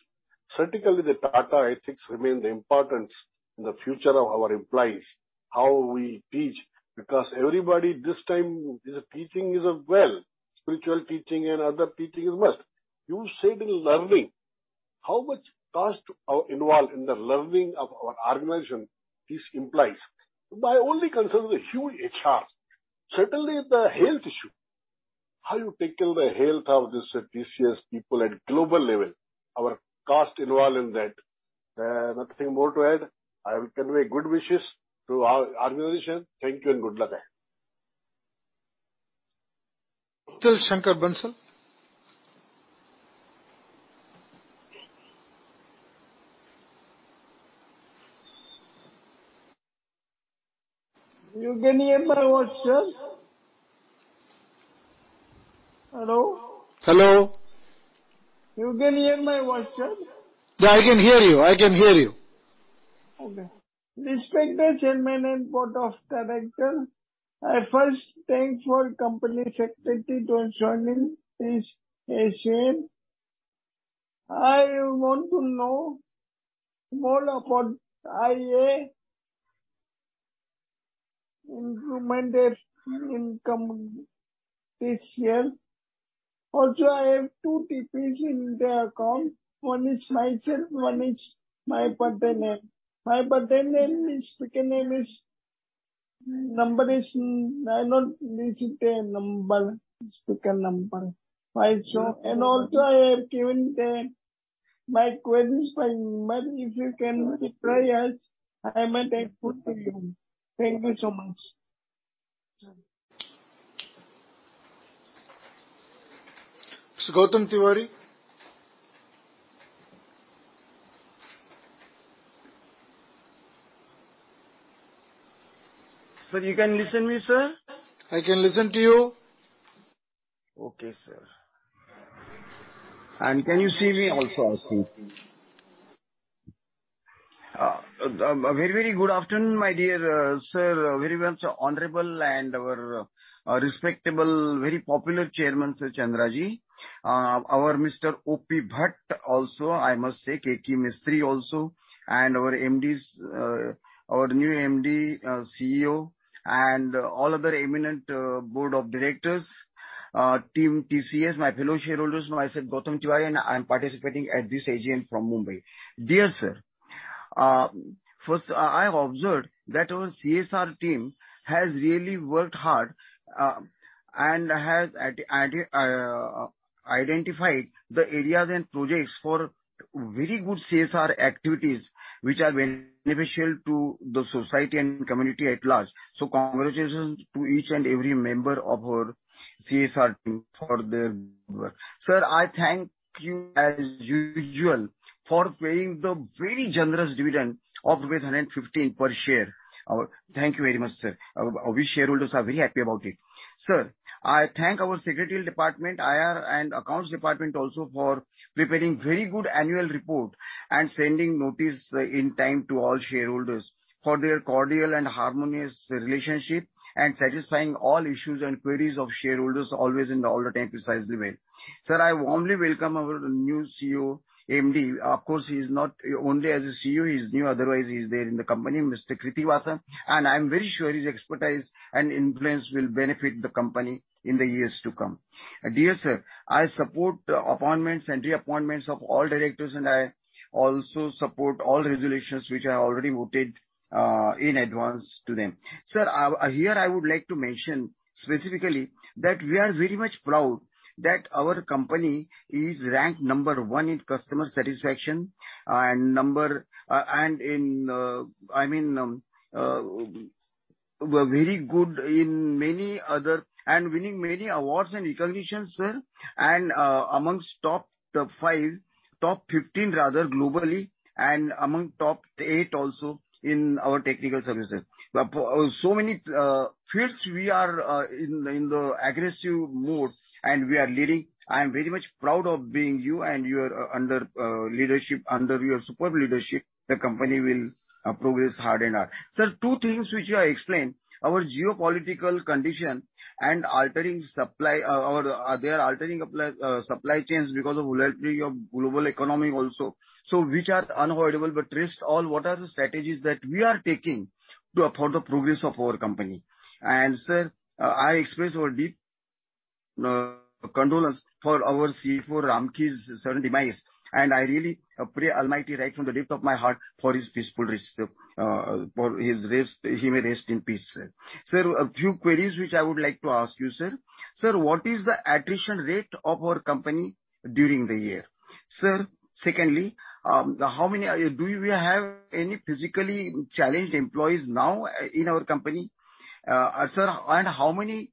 Certainly, the Tata ethics remain the importance in the future of our employees, how we teach, because everybody this time is a teaching is a well, spiritual teaching and other teaching is well. You said in learning, how much cost are involved in the learning of our organization, these employees? My only concern is the huge HR. Certainly, the health issue. How you tackle the health of this TCS people at global level, our cost involved in that? Nothing more to add. I will convey good wishes to our organization. Thank you and good luck. Shankar Bansal? You can hear my voice, sir? Hello. Hello. You can hear my voice, sir? Yeah, I can hear you. I can hear you. Okay. Respected Chairman and Board of Directors, I first thank for Company Secretary to joining this AGM. I want to know more about [IA], [inaudible] income this year. Also, I have two TPs in the account. One is myself, one is my partner name. My partner name is, speaker name is, number is, I don't visit the number, speaker number. Right. Also, I have given my queries by email, if you can reply us, I might have put to you. Thank you so much. Mr. Gautam Tiwari? Sir, you can listen me, sir? I can listen to you. Okay, sir. Can you see me also? Very good afternoon, my dear sir, very much honorable and our respectable, very popular Chairman, Sir Chandra ji. Our Mr. O.P. Bhatt, also, I must say, Keki Mistry also, our MDs, our new MD, CEO, and all other eminent board of directors, team TCS, my fellow shareholders, myself, Gautam Tiwari, I'm participating at this AGM from Mumbai. Dear sir, first, I observed that our CSR team has really worked hard and has identified the areas and projects for very good CSR activities, which are beneficial to the society and community at large. Congratulations to each and every member of our CSR team for their work. Sir, I thank you, as usual, for paying the very generous dividend of 115 per share. Thank you very much, sir. We shareholders are very happy about it. Sir, I thank our secretary department, IR and accounts department also for preparing very good annual report and sending notice in time to all shareholders for their cordial and harmonious relationship, and satisfying all issues and queries of shareholders always in all the time, precisely well. Sir, I warmly welcome our new CEO, MD. Of course, he's not only as a CEO, he's new, otherwise he's there in the company, Mr. Krithivasan, and I'm very sure his expertise and influence will benefit the company in the years to come. Dear sir, I support the appointments and reappointments of all directors, and I also support all resolutions which I already voted in advance to them. Sir, here I would like to mention specifically, that we are very much proud that our company is ranked number 1 in customer satisfaction and number, I mean, we're very good in many other. Winning many awards and recognitions, sir, amongst top five, top 15 rather, globally, and among top eight also in our technical services. So many fields we are in the aggressive mode, we are leading. I am very much proud of being you and your under your superb leadership, the company will progress hard and hard. Sir, two things which you have explained, our geopolitical condition and altering supply, or they are altering supply chains because of volatility of global economy also. Which are unavoidable, but rest all, what are the strategies that we are taking to afford the progress of our company? Sir, I express our deep condolence for our CFO, Ramkis, sudden demise, and I really pray Almighty, right from the depth of my heart, for his peaceful rest, for his rest, he may rest in peace, sir. Sir, a few queries which I would like to ask you, sir. Sir, what is the attrition rate of our company during the year? Sir, secondly, how many do we have any physically challenged employees now in our company? Sir, how many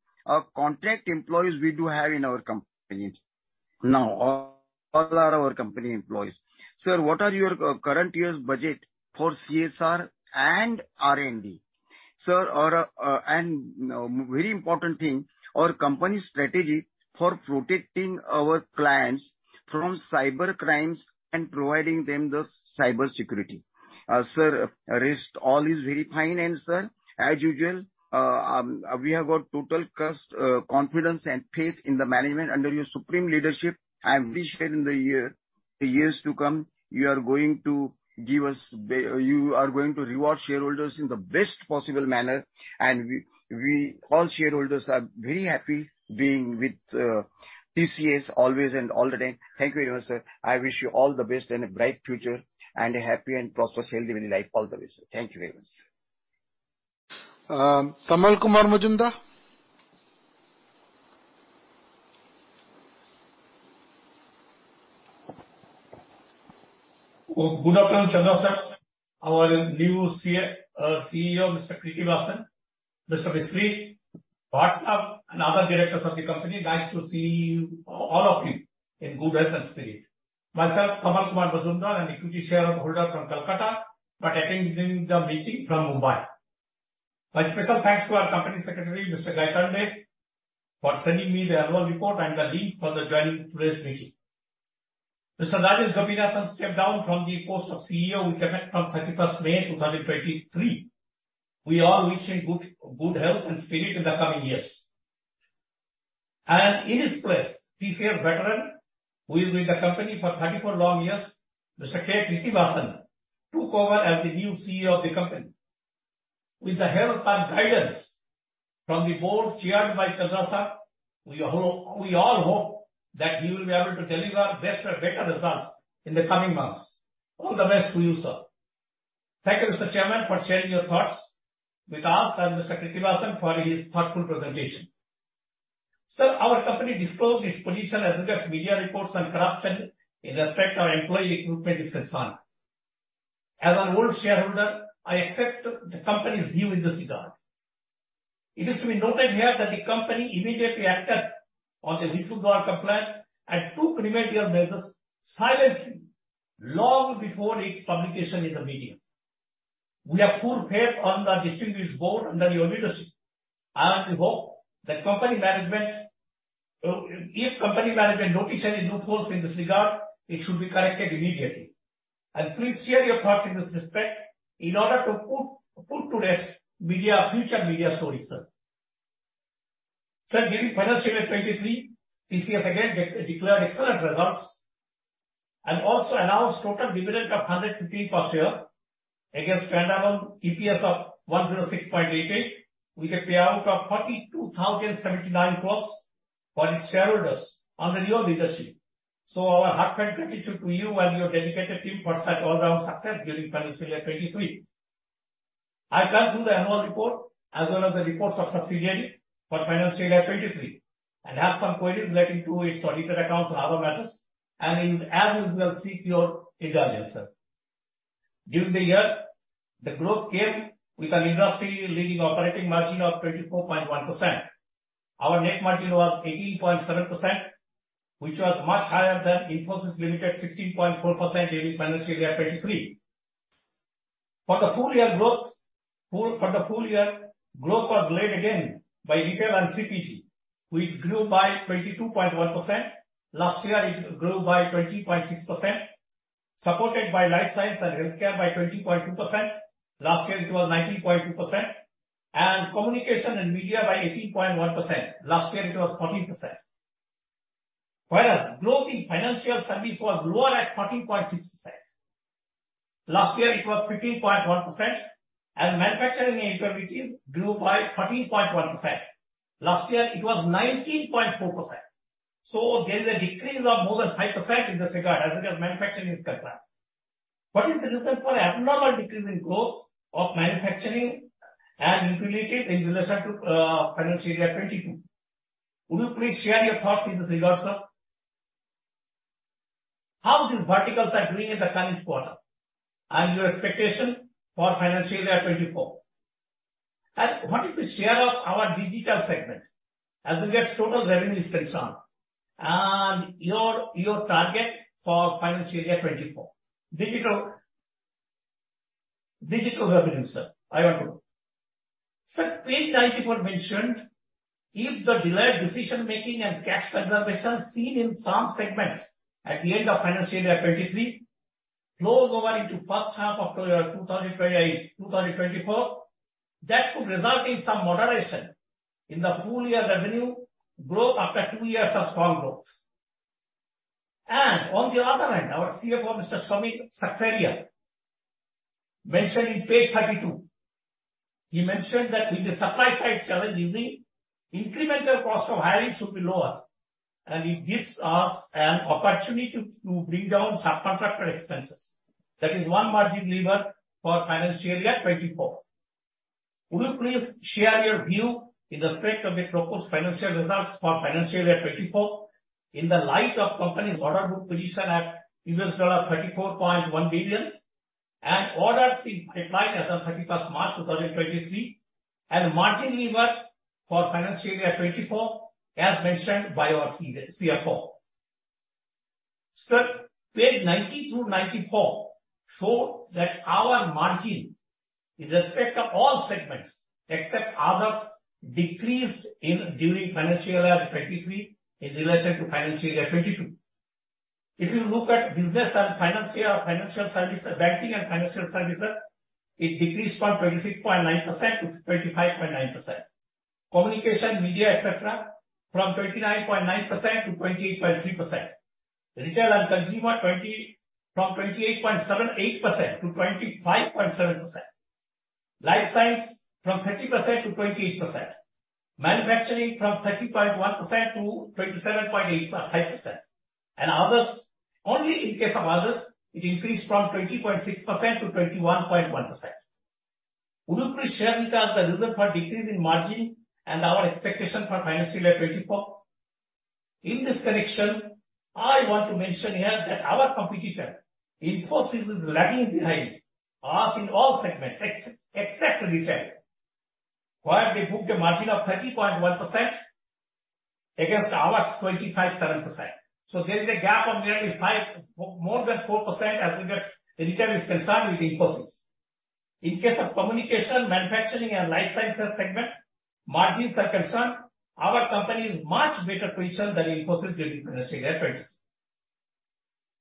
contract employees we do have in our company? Now, all are our company employees. Sir, what are your current year's budget for CSR and R&D? Sir, very important thing, our company's strategy for protecting our clients from cyber crimes and providing them the cybersecurity. Sir, rest all is very fine. Sir, as usual, we have got total trust, confidence, and faith in the management under your supreme leadership, and we share in the years to come, you are going to reward shareholders in the best possible manner. All shareholders are very happy being with TCS always and all the time. Thank you very much, sir. I wish you all the best and a bright future and a happy and prosperous, healthy, very life all the way, sir. Thank you very much. Tamal Kumar Majumder? Well, good afternoon, Chandra, sir. Our new CEO, Mr. Krithivasan, Mr. Mistry, Bhatt sir, and other directors of the company, nice to see you, all of you, in good health and spirit. Myself, Tamal Kumar Majumder, an equity shareholder from Kolkata, but attending the meeting from Mumbai. My special thanks to our company secretary, Mr. Gaitonde, for sending me the annual report and the link for the joining today's meeting. Mr. Rajesh Gopinathan stepped down from the post of CEO, effective from 31st May, 2023. We all wish him good health and spirit in the coming years. In his place, TCS veteran, who is with the company for 34 long years, Mr. K. Krithivasan, took over as the new CEO of the company. With the help and guidance from the Board chaired by Chandrasekaran, sir, we all hope that he will be able to deliver best or better results in the coming months. All the best to you, sir. Thank you, Mr. Chairman, for sharing your thoughts with us and Mr. K. Krithivasan for his thoughtful presentation. Sir, our company disclosed its position as regards media reports on corruption in respect our employee recruitment is concerned. As an old shareholder, I accept the company's view in this regard. It is to be noted here that the company immediately acted on the whistleblower complaint and took remedial measures silently, long before its publication in the media. We have full faith on the distinguished board under your leadership. We hope that company management, if company management notice any loopholes in this regard, it should be corrected immediately. Please share your thoughts in this respect in order to put to rest media, future media stories, sir. During financial year 2023, TCS again declared excellent results, and also announced total dividend of 115 per share against stand-alone EPS of 106.88, with a payout of 42,079 crores for the shareholders under your leadership. Our heartfelt gratitude to you and your dedicated team for such all-round success during financial year 2023. I've gone through the annual report, as well as the reports of subsidiary for financial year 2023, and have some queries relating to its audited accounts and other matters, and as usual, seek your indulgence, sir. During the year, the growth came with an industry-leading operating margin of 24.1%. Our net margin was 18.7%, which was much higher than Infosys Limited's 16.4% during financial year 2023. For the full year, growth was led again by Retail and CPG, which grew by 22.1%. Last year, it grew by 20.6%, supported by Life Sciences and Healthcare by 20.2%. Last year, it was 19.2%. Communication and Media by 18.1%. Last year, it was 14%. Whereas growth in BFSI was lower at 14.6%. Last year, it was 15.1%. Manufacturing and Utilities grew by 13.1%. Last year, it was 19.4%. There is a decrease of more than 5% in this regard, as Manufacturing is concerned. What is the reason for abnormal decrease in growth of Manufacturing and Utilities in relation to financial year 2022? Would you please share your thoughts in this regard, sir? How these verticals are doing in the current quarter, and your expectation for financial year 2024? What is the share of our digital segment as regards total revenue is concerned, and your target for financial year 2024? Digital revenue, sir, I want to know. Sir, page 94 mentioned, "If the delayed decision-making and cash preservation seen in some segments at the end of financial year 2023 flows over into first half of year 2024, that could result in some moderation in the full year revenue growth after two years of strong growth." On the other hand, our CFO, Mr. Samir Seksaria, mentioned in page 32, he mentioned that with the supply side challenge easing, incremental cost of hiring should be lower, and it gives us an opportunity to bring down subcontractor expenses. That is one margin lever for financial year 2024. Would you please share your view in the strength of the proposed financial results for financial year 2024, in the light of company's order book position at $34.1 billion, and orders in pipeline as at 31st March, 2023, and margin lever for financial year 2024, as mentioned by your CFO. Sir, page 90-94 shows that our margin in respect of all segments, except Others, decreased in during financial year 2023 in relation to financial year 2022. If you look at BFSI it decreased from 26.9% to 25.9%. Communication, Media, et cetera, from 29.9% to 28.3%. Retail and Consumer, from 28.8% to 25.7%. Life Sciences from 30% to 28%. Manufacturing from 30.1% to 27.5%. Others, only in case of Others, it increased from 20.6% to 21.1%. Would you please share with us the reason for decrease in margin and our expectation for financial year 2024? In this connection, I want to mention here that our competitor, Infosys, is lagging behind us in all segments, except retail, where they booked a margin of 30.1% against ours, 25.7%. There is a gap of nearly 5%, more than 4% as regards the retail is concerned with Infosys. In case of Communication, Manufacturing and Life Sciences segment, margins are concerned, our company is much better position than Infosys during financial year 2023.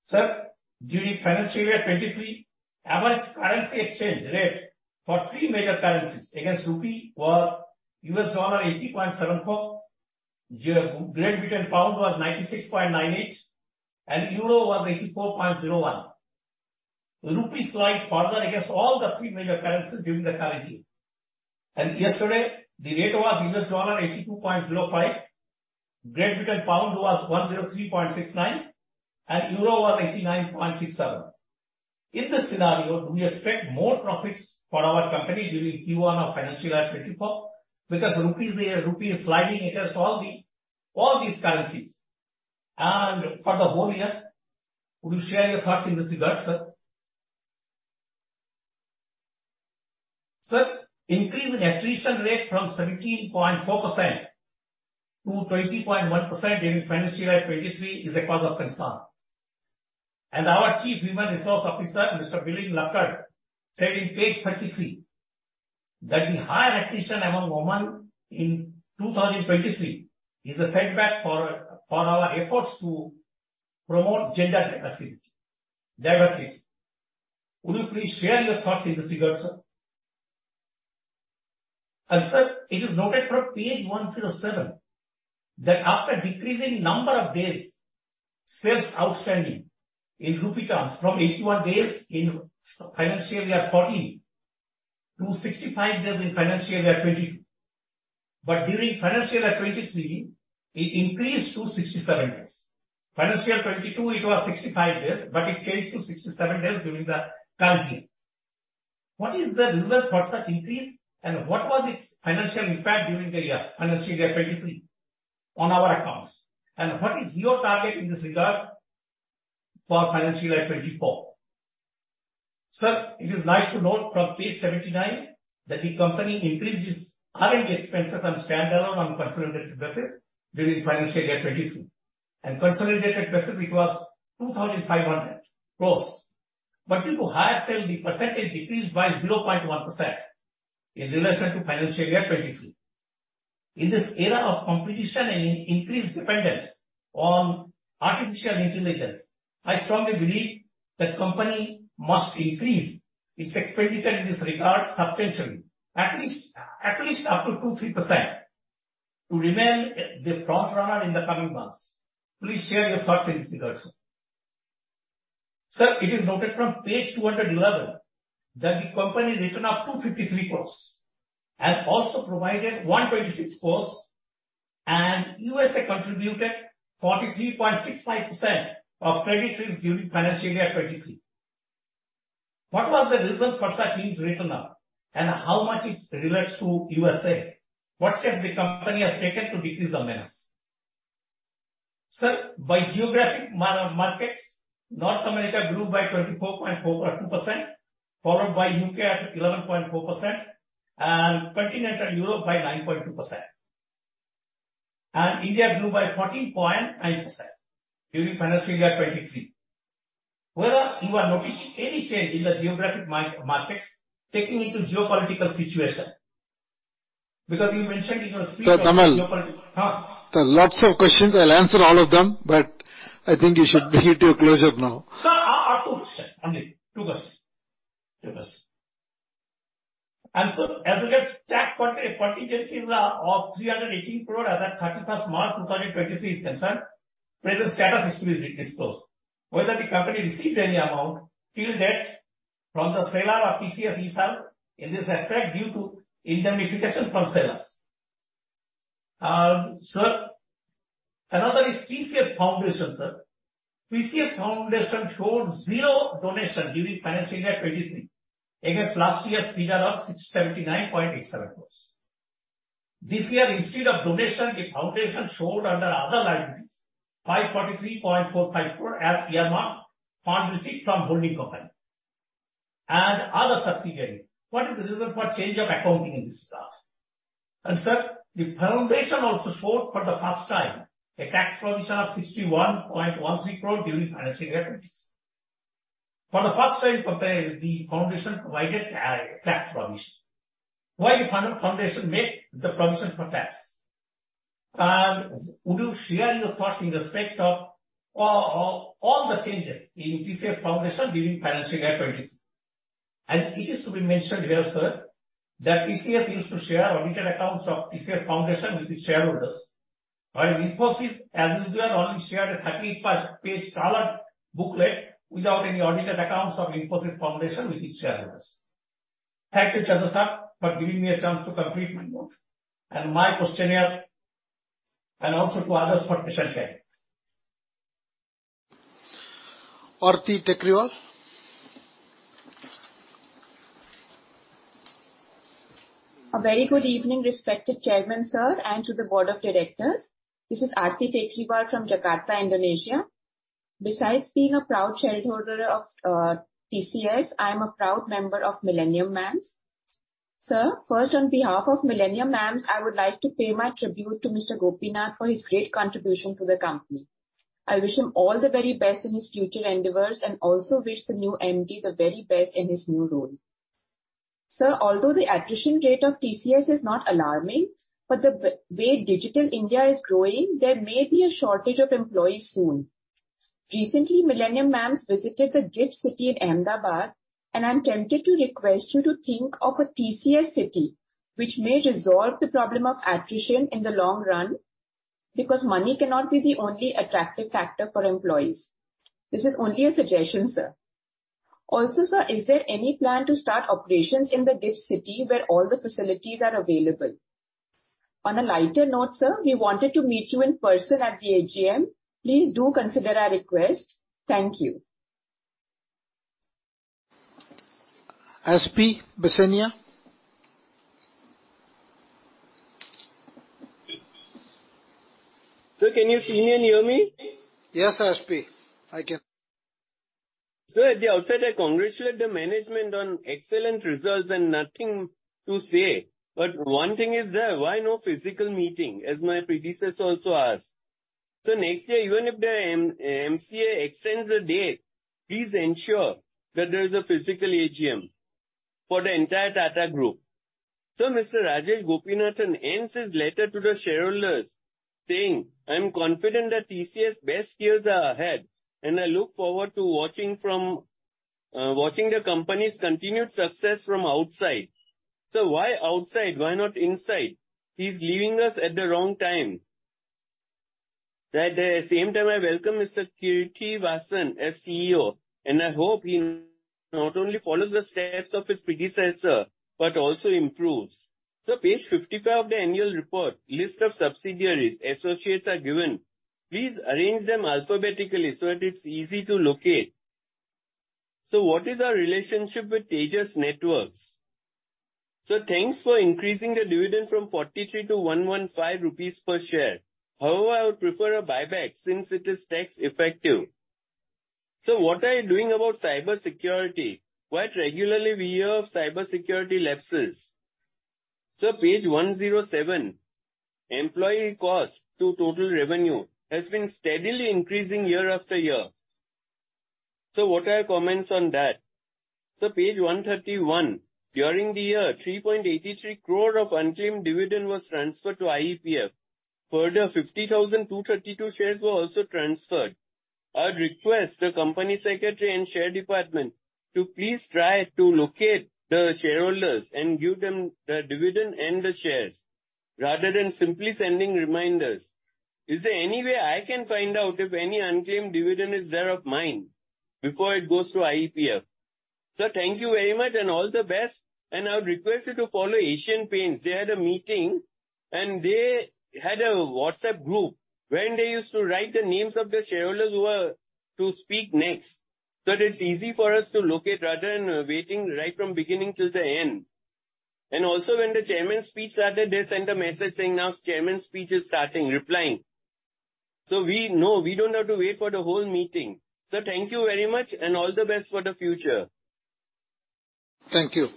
Sir, during financial year 2023, average currency exchange rate for three major currencies against rupee were: U.S. dollar, 80.74, Great Britain pound was 96.98, and Euro was 84.01. The rupee slide furthers against all the three major currencies during the current year. Yesterday, the rate was U.S. dollar, 82.05, Great Britain pound was 103.69, and Euro was 89.67. In this scenario, do we expect more profits for our company during Q1 of financial year 2024? Because rupee is sliding against all these currencies. For the whole year, would you share your thoughts in this regard, sir? Sir, increase in attrition rate from 17.4% to 20.1% during financial year 2023 is a cause of concern. Our Chief Human Resources Officer, Mr. Milind Lakkad, said in page 33, that the high attrition among women in 2023 is a setback for our efforts to promote gender diversity. Would you please share your thoughts in this regard, sir? Sir, it is noted from page 107, that after decreasing number of days sales outstanding in rupee terms from 81 days in financial year 2014 to 65 days in financial year 2022. During financial year 2023, it increased to 67 days. For financial year 2022, it was 65 days, but it changed to 67 days during the current year. What is the reason for such increase? What was its financial impact during the year, financial year 2023, on our accounts? What is your target in this regard for financial year 2024? Sir, it is nice to note from page 79, that the company increased its R&D expenses on standalone on consolidated basis during financial year 2022, and consolidated basis, it was 2,500 crore. Due to higher sale, the percentage decreased by 0.1% in relation to financial year 2022. In this era of competition and increased dependence on artificial intelligence, I strongly believe that company must increase its expenditure in this regard substantially, at least up to 2%-3%, to remain the front runner in the coming months. Please share your thoughts in this regard, sir. Sir, it is noted from page 211, that the company written off 253 crores and also provided 126 crores, and U.S.A contributed 43.65% of credit risk during financial year 2023. What was the reason for such huge written off, and how much is relates to U.S.A? What steps the company has taken to decrease the menace? Sir, by geographic markets, North America grew by 24.42%, followed by U.K. at 11.4%, and Continental Europe by 9.2%. India grew by 14.9% during financial year 2023. Whether you are noticing any change in the geographic markets taking into geopolitical situation? Because you mentioned in your speech. Tamal- Huh? There are lots of questions. I'll answer all of them, but I think you should get your closure now. Sir, two questions only. Two questions. Sir, as regards tax contingency in the of 318 crore as at 31st March, 2023 is concerned, present status is to be disclosed. Whether the company received any amount till date from the seller of TCS e-Serve in this respect, due to indemnification from sellers? Sir, another is TCS Foundation, sir. TCS Foundation showed 0 donation during financial year 2023, against last year's figure of 679.87 crore. This year, instead of donation, the foundation showed under other liabilities, 543.45 crore as earmarked fund received from holding company and other subsidiaries. What is the reason for change of accounting in this class? Sir, the foundation also showed for the first time a tax provision of 61.13 crore during financial year 2023. For the first time, the foundation provided a tax provision. Why the foundation made the provision for tax? Would you share your thoughts in respect of all the changes in TCS Foundation during financial year 2023? It is to be mentioned here, sir, that TCS used to share audited accounts of TCS Foundation with its shareholders. While Infosys, as usual, only shared a 30-page colored booklet without any audited accounts of Infosys Foundation with its shareholders. Thank you, Chandra sir, for giving me a chance to complete my note and my questionnaire, and also to others for patient hearing. Arti Tekriwal. A very good evening, respected Chairman, sir, and to the Board of Directors. This is Arti Tekriwal from Jakarta, Indonesia. Besides being a proud shareholder of TCS, I'm a proud member of Millennium Mams. Sir, first on behalf of Millennium Mams, I would like to pay my tribute to Mr. Gopinath for his great contribution to the company. I wish him all the very best in his future endeavors, also wish the new MD the very best in his new role. Sir, although the attrition rate of TCS is not alarming, the way digital India is growing, there may be a shortage of employees soon. Recently, Millennium Mams visited the GIFT City in Ahmedabad. I'm tempted to request you to think of a TCS city, which may resolve the problem of attrition in the long run, because money cannot be the only attractive factor for employees. This is only a suggestion, sir. Sir, is there any plan to start operations in the GIFT City where all the facilities are available? On a lighter note, sir, we wanted to meet you in person at the AGM. Please do consider our request. Thank you. Aspi Bhesenia. Sir, can you see me and hear me? Yes, Aspi, I can. Sir, at the outset, I congratulate the management on excellent results and nothing to say, but one thing is there, why no physical meeting, as my predecessor also asked? Next year, even if the MCA extends the date, please ensure that there is a physical AGM for the entire Tata group. Mr. Rajesh Gopinathan ends his letter to the shareholders, saying: "I am confident that TCS's best years are ahead, and I look forward to watching the company's continued success from outside." Sir, why outside? Why not inside? He's leaving us at the wrong time. At the same time, I welcome Mr. K. Krithivasan as CEO, and I hope he not only follows the steps of his predecessor, but also improves. Sir, page 55 of the annual report, list of subsidiaries, associates are given. Please arrange them alphabetically so that it's easy to locate. Sir, what is our relationship with Tejas Networks? Sir, thanks for increasing the dividend from 43 to 115 rupees per share. However, I would prefer a buyback since it is tax-effective. Sir, what are you doing about cybersecurity? Quite regularly, we hear of cybersecurity lapses. Sir, page 107, employee cost to total revenue has been steadily increasing year-after-year. Sir, what are your comments on that? Sir, page 131, during the year, 3.83 crore of unclaimed dividend was transferred to IEPF. Further, 50,232 shares were also transferred. I would request the company secretary and share department to please try to locate the shareholders and give them the dividend and the shares, rather than simply sending reminders. Is there any way I can find out if any unclaimed dividend is there of mine before it goes to IEPF? Sir, thank you very much and all the best. I would request you to follow Asian Paints. They had a meeting. They had a WhatsApp group where they used to write the names of the shareholders who were to speak next. That it's easy for us to locate rather than waiting right from beginning till the end. Also, when the chairman's speech started, they sent a message saying, "Now chairman's speech is starting, replying." We know we don't have to wait for the whole meeting. Sir, thank you very much and all the best for the future. Thank you.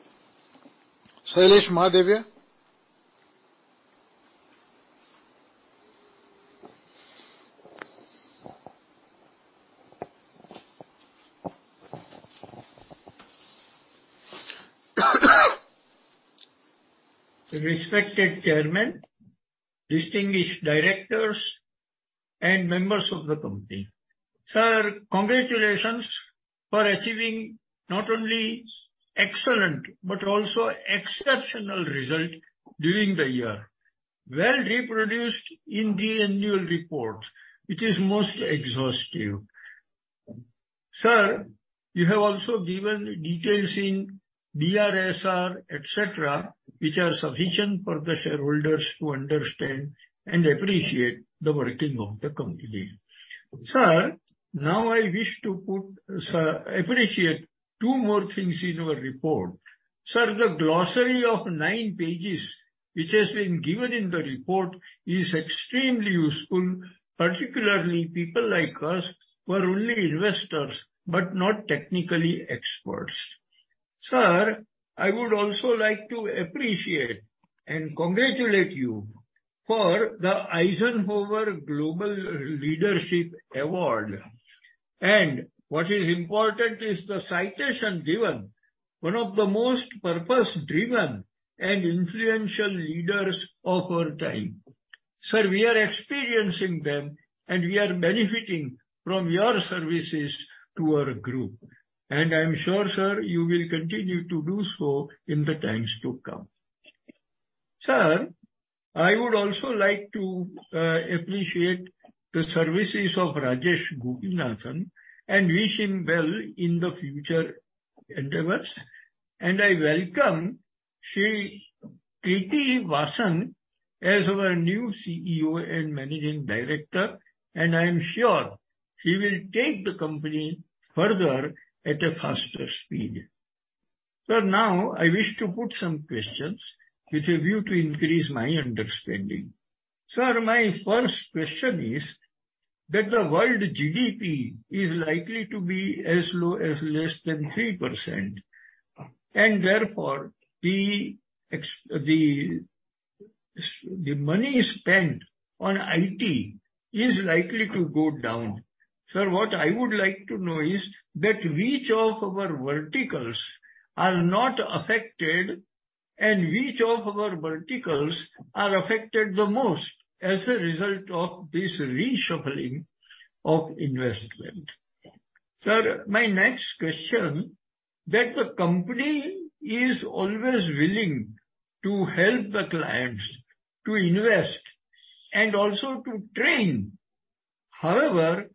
Shailesh Mahadevia? Respected Chairman, distinguished directors, and members of the company. Sir, congratulations for achieving not only excellent, but also exceptional result during the year. Well reproduced in the annual report, which is most exhaustive. Sir, you have also given details in BRSR, et cetera, which are sufficient for the shareholders to understand and appreciate the working of the company. Sir, now I wish to appreciate two more things in your report. Sir, the glossary of nine pages which has been given in the report is extremely useful, particularly people like us who are only investors, but not technically experts. Sir, I would also like to appreciate and congratulate you for the Eisenhower Global Leadership Award. What is important is the citation given, "One of the most purpose-driven and influential leaders of our time." Sir, we are experiencing them, and we are benefiting from your services to our group, and I'm sure, sir, you will continue to do so in the times to come. Sir, I would also like to appreciate the services of Rajesh Gopinathan and wish him well in the future endeavors. I welcome Krithivasan as our new CEO and Managing Director. I am sure he will take the company further at a faster speed. Sir, now, I wish to put some questions with a view to increase my understanding. Sir, my first question is that the world GDP is likely to be as low as less than 3%, and therefore, the money spent on IT is likely to go down. Sir, what I would like to know is that which of our verticals are not affected and which of our verticals are affected the most as a result of this reshuffling of investment? Sir, my next question, that the company is always willing to help the clients to invest and also to train. However,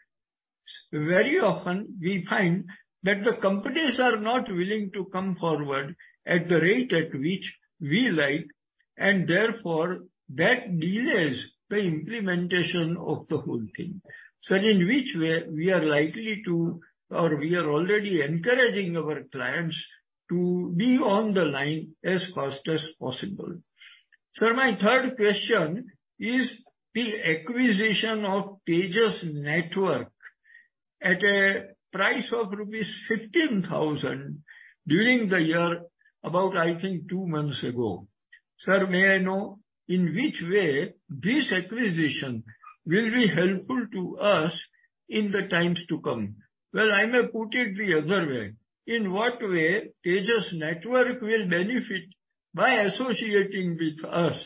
very often we find that the companies are not willing to come forward at the rate at which we like, and therefore, that delays the implementation of the whole thing. Sir, in which way we are likely to or we are already encouraging our clients to be on the line as fast as possible? Sir, my third question is the acquisition of Tejas Networks at a price of rupees 15,000 during the year, about, I think, two months ago. Sir, may I know in which way this acquisition will be helpful to us in the times to come? Well, I may put it the other way. In what way Tejas Networks will benefit by associating with us,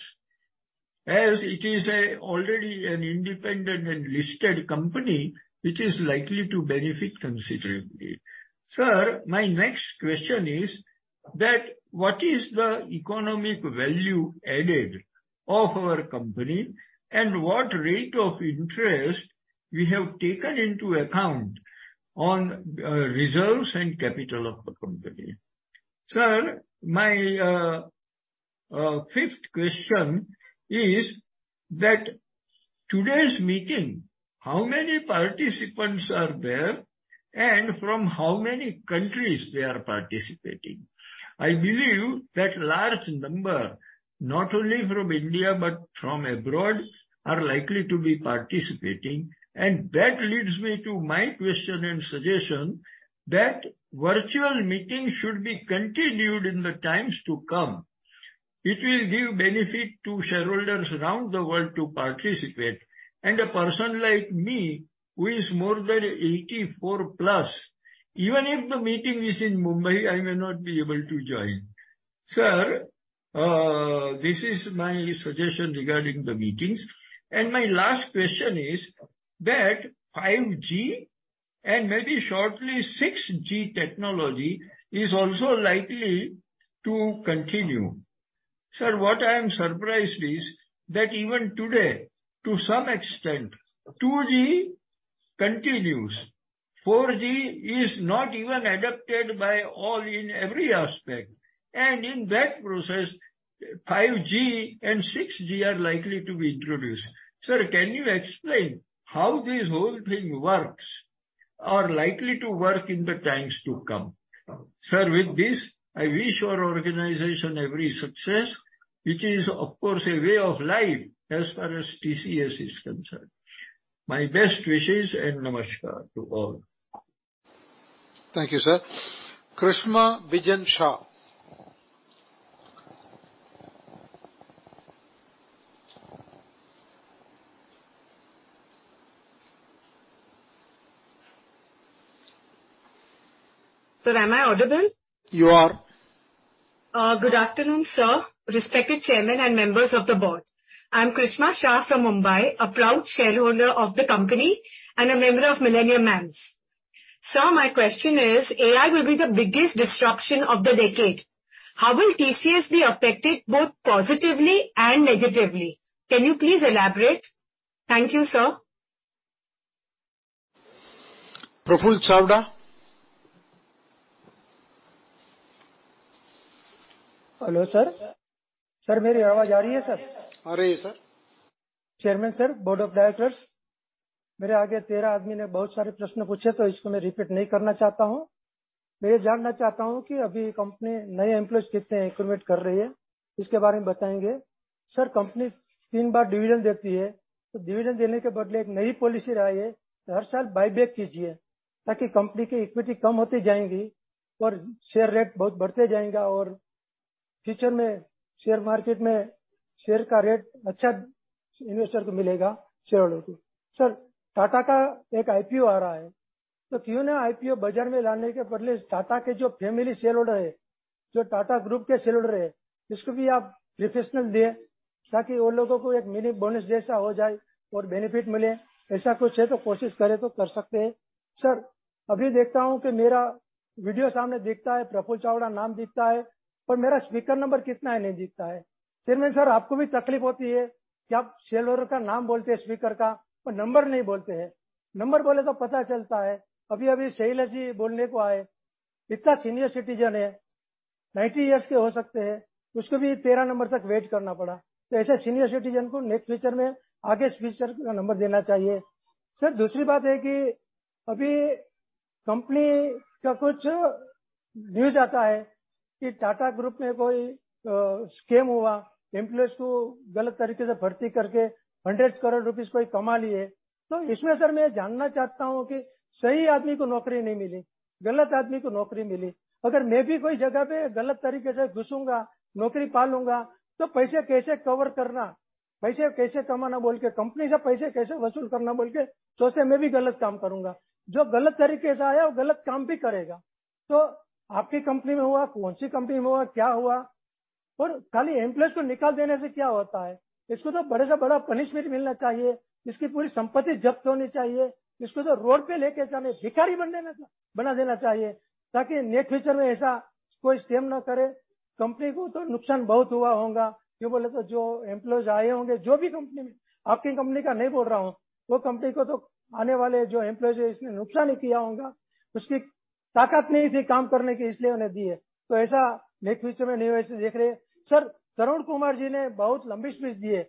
as it is already an independent and listed company which is likely to benefit considerably. Sir, my next question is that what is the economic value added of our company, and what rate of interest we have taken into account on reserves and capital of the company? Sir, my fifth question is that today's meeting, how many participants are there and from how many countries they are participating? I believe that large number, not only from India, but from abroad, are likely to be participating. That leads me to my question and suggestion that virtual meetings should be continued in the times to come. It will give benefit to shareholders around the world to participate, and a person like me, who is more than 84+, even if the meeting is in Mumbai, I may not be able to join. Sir, this is my suggestion regarding the meetings. My last question is that 5G, and maybe shortly, 6G technology, is also likely to continue. Sir, what I am surprised is that even today, to some extent, 2G continues, 4G is not even adapted by all in every aspect, and in that process, 5G and 6G are likely to be introduced. Sir, can you explain how this whole thing works or likely to work in the times to come? Sir, with this, I wish your organization every success, which is, of course, a way of life as far as TCS is concerned. My best wishes and namaskar to all. Thank you, sir. Krishma Bijen Shah. Sir, am I audible? You are. Good afternoon, sir, respected Chairman, and members of the Board. I'm Krishna Shah from Mumbai, a proud shareholder of the company and a member of Millennium Mams. Sir, my question is: AI will be the biggest disruption of the decade. How will TCS be affected, both positively and negatively? Can you please elaborate? Thank you, sir. Praful Chavda. Hello, sir. Sir, mere awaz aa rahi hai, sir? Aa rahi hai, sir. Chairman, sir, Board of Directors. Mere aage 13 aadmi ne bahut sare prashn puche to isko main repeat nahi karna chahta hoon. Main jaanana chahta hoon ki abhi company naye employees kitne increment kar rahi hai, iske baare mein batayenge. Sir, company 3 baar dividend deti hai, to dividend dene ke badle 1 nayi policy laaye, har saal buyback kijiye taki company ki equity kam hoti jayegi aur share rate bahut badhte jayega aur future mein share market mein share ka rate achcha investor ko milega, shareholder ko. Sir, Tata ka 1 IPO aa raha hai to kyon nahi IPO bazaar mein lane ke badle Tata ke jo family shareholder hai, jo Tata Group ke shareholder hai, isko bhi aap preference de taki un logon ko 1 mini bonus jaisa ho jaye aur benefit mile. Aisa kuch hai to koshis kare to kar sakte hai. Sir, abhi dekhta hoon ki mera video saamne dikhta hai. Prafull Chavda naam dikhta hai par mera speaker number kitna hai, nahi dikhta hai. Chairman sir, aapko bhi taklif hoti hai ki aap shareholder ka naam bolte hai speaker ka par number nahi bolte hai. Number bole to pata chalta hai. Abhi-abhi Sailesh ji bolne ko aaye. Itna senior citizen hai, 90 years ke ho sakte hai, usko bhi 13 number tak wait karna pada. Aise senior citizen ko next future mein aage speaker ka number dena chahiye. Sir, dusri baat hai ki abhi company ka kuch news aata hai ki Tata Group mein koi scam hua. Employees ko galat tareeke se bharti karke INR 100 crore koi kama liye. Isme sir main jaanana chahta hoon ki sahi aadmi ko naukri nahi mili, galat aadmi ko naukri mili. Agar main bhi koi jagah pe galat tareeke se ghusunga, naukri pa lunga to paise kaise cover karna, paise kaise kamana bolke company se paise kaise vasool karna bolke sochte, main bhi galat kaam karunga. Jo galat tareeke se aaya wo galat kaam bhi karega. Aapki company mein hua, kaun si company mein hua, kya hua? Khali employees ko nikal dene se kya hota hai? Isko to bada se bada punishment milna chahiye. Iski puri sampatti japt honi chahiye. Isko to road pe leke jaane bhikhari bana dena chahiye taki next future mein aisa koi scam na kare. Company ko to nuksan bahut hua hoga. Bole to jo employees aaye honge, jo bhi company mein aapki company ka nahi bol raha hoon. Woh company ko to aane wale jo employees hai isne nuksan hi kiya hoga. Uski taakat nahi thi kaam karne ki, isliye unhe diye. Aisa next future mein nahi dekh rahe. Sir, Tarun Kumar ji ne bahut lambi speech di hai.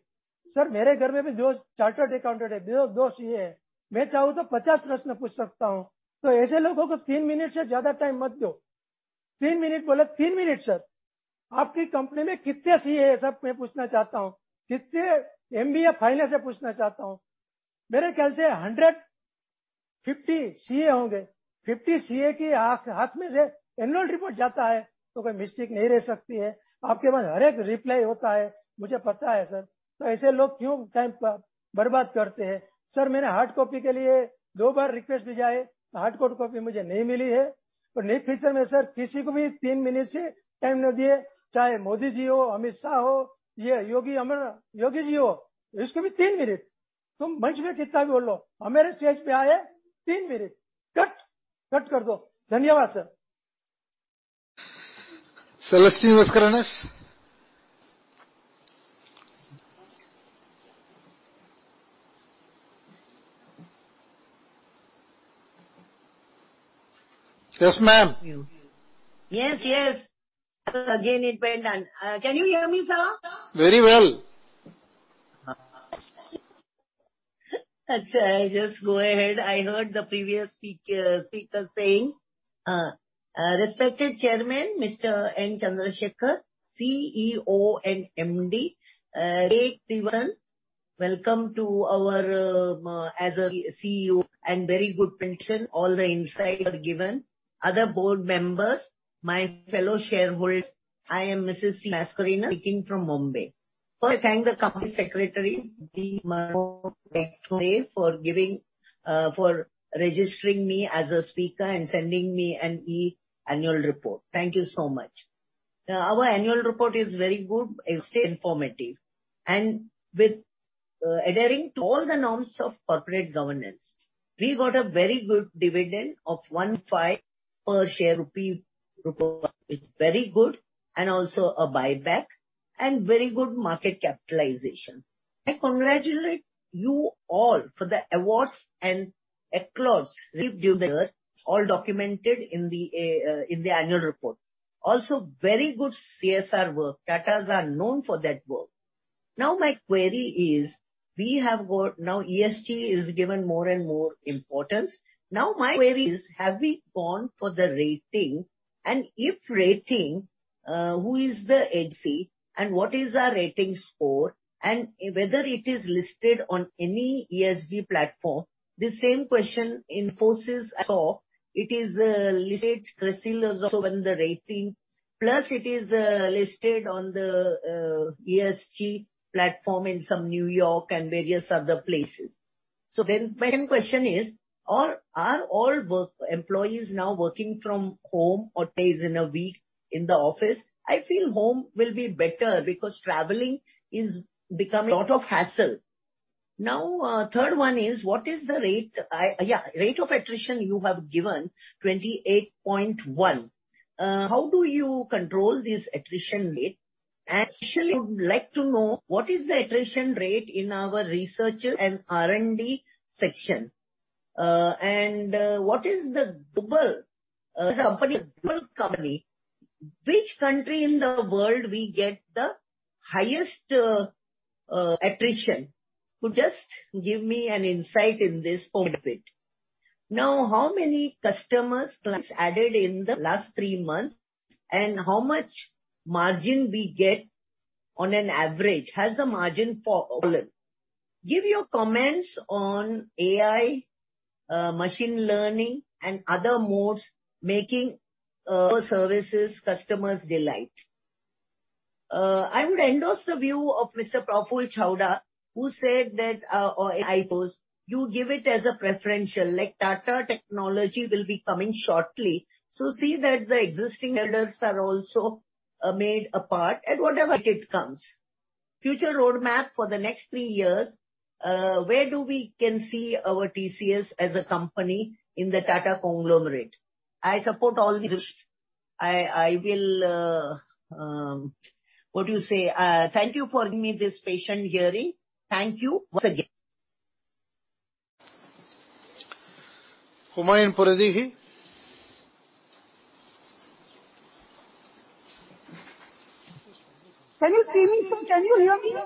Sir, mere ghar mein bhi two chartered accountant hai, two-two CA hai. Main chahu to 50 prashn puch sakta hoon. Aise logon ko three minute se zyada time mat do. Three minute bole three minute sir. Aapki company mein kitne CA hai, yeh main puchna chahta hoon. Kitne MBA final se puchna chahta hoon. Mere khayal se 150 CA honge. 50 CA ki haath mein se annual report jata hai to koi mistake nahi reh sakti hai. Aapke pass har ek reply hota hai. Mujhe pata hai sir. Aise log kyon time barbad karte hai? Sir, maine hard copy ke liye two baar request bhi jaye, hard copy mujhe nahi mili hai aur next future mein sir kisi ko bhi three minute se time na diye. Chahe Modi ji ho, Amit Shah ho ya Yogi Adityanath Yogi ji ho, isko bhi three minute. Tum manch mein kitna bhi bolo, hamare stage pe aaye, three minute cut kar do. Dhanyawaad sir. Celestine Elizabeth Mascarenhas. Yes, ma'am. Yes. Again it went down. Can you hear me, sir? Very well. Achha, I'll just go ahead. I heard the previous speaker saying. Respected Chairman, Mr. N. Chandrasekaran, CEO and MD. Welcome to our as a CEO and very good mention. All the insights you are given. Other board members, my fellow shareholders. I am Mrs. C. Mascarenhas speaking from Mumbai. First, I thank the Company Secretary Pradeep Manohar Gaitonde, for giving, for registering me as a speaker and sending me an e-annual report. Thank you so much. Our annual report is very good, informative and with adhering to all the norms of corporate governance, we got a very good dividend of 115 per share. It's very good. Also a buyback and very good market capitalization. I congratulate you all for the awards and accolades received during the year. All documented in the annual report. Also, very good CSR work. Tatas are known for that work. My query is ESG is given more and more importance. My query is: have we gone for the rating? If rating, who is the agency and what is our rating score and whether it is listed on any ESG platform? The same question Infosys I saw it listed Crisil also on the rating, plus it is listed on the ESG platform in some New York and various other places. My second question is, are all work employees now working from home or days in a week in the office? I feel home will be better because traveling is becoming a lot of hassle. Now, third one is, what is the rate of attrition you have given, 20.1%. How do you control this attrition rate? Actually, I would like to know what is the attrition rate in our researchers and R&D section? What is the global company, which country in the world we get the highest attrition? Just give me an insight in this point of it. Now, how many customers clients added in the last three months, and how much margin we get on an average? Has the margin fallen? Give your comments on AI, machine learning, and other modes making services customers delight. I would endorse the view of Mr. Praful Chavda, who said that, or IPOs, you give it as a preferential, like Tata Technologies will be coming shortly. See that the existing vendors are also made a part at whatever it comes. Future roadmap for the next three years, where do we can see our TCS as a company in the Tata conglomerate? I support all this. I will, what do you say? Thank you for giving me this patient hearing. Thank you once again. Homayun B. Pouredehi? Can you see me, sir? Can you hear me?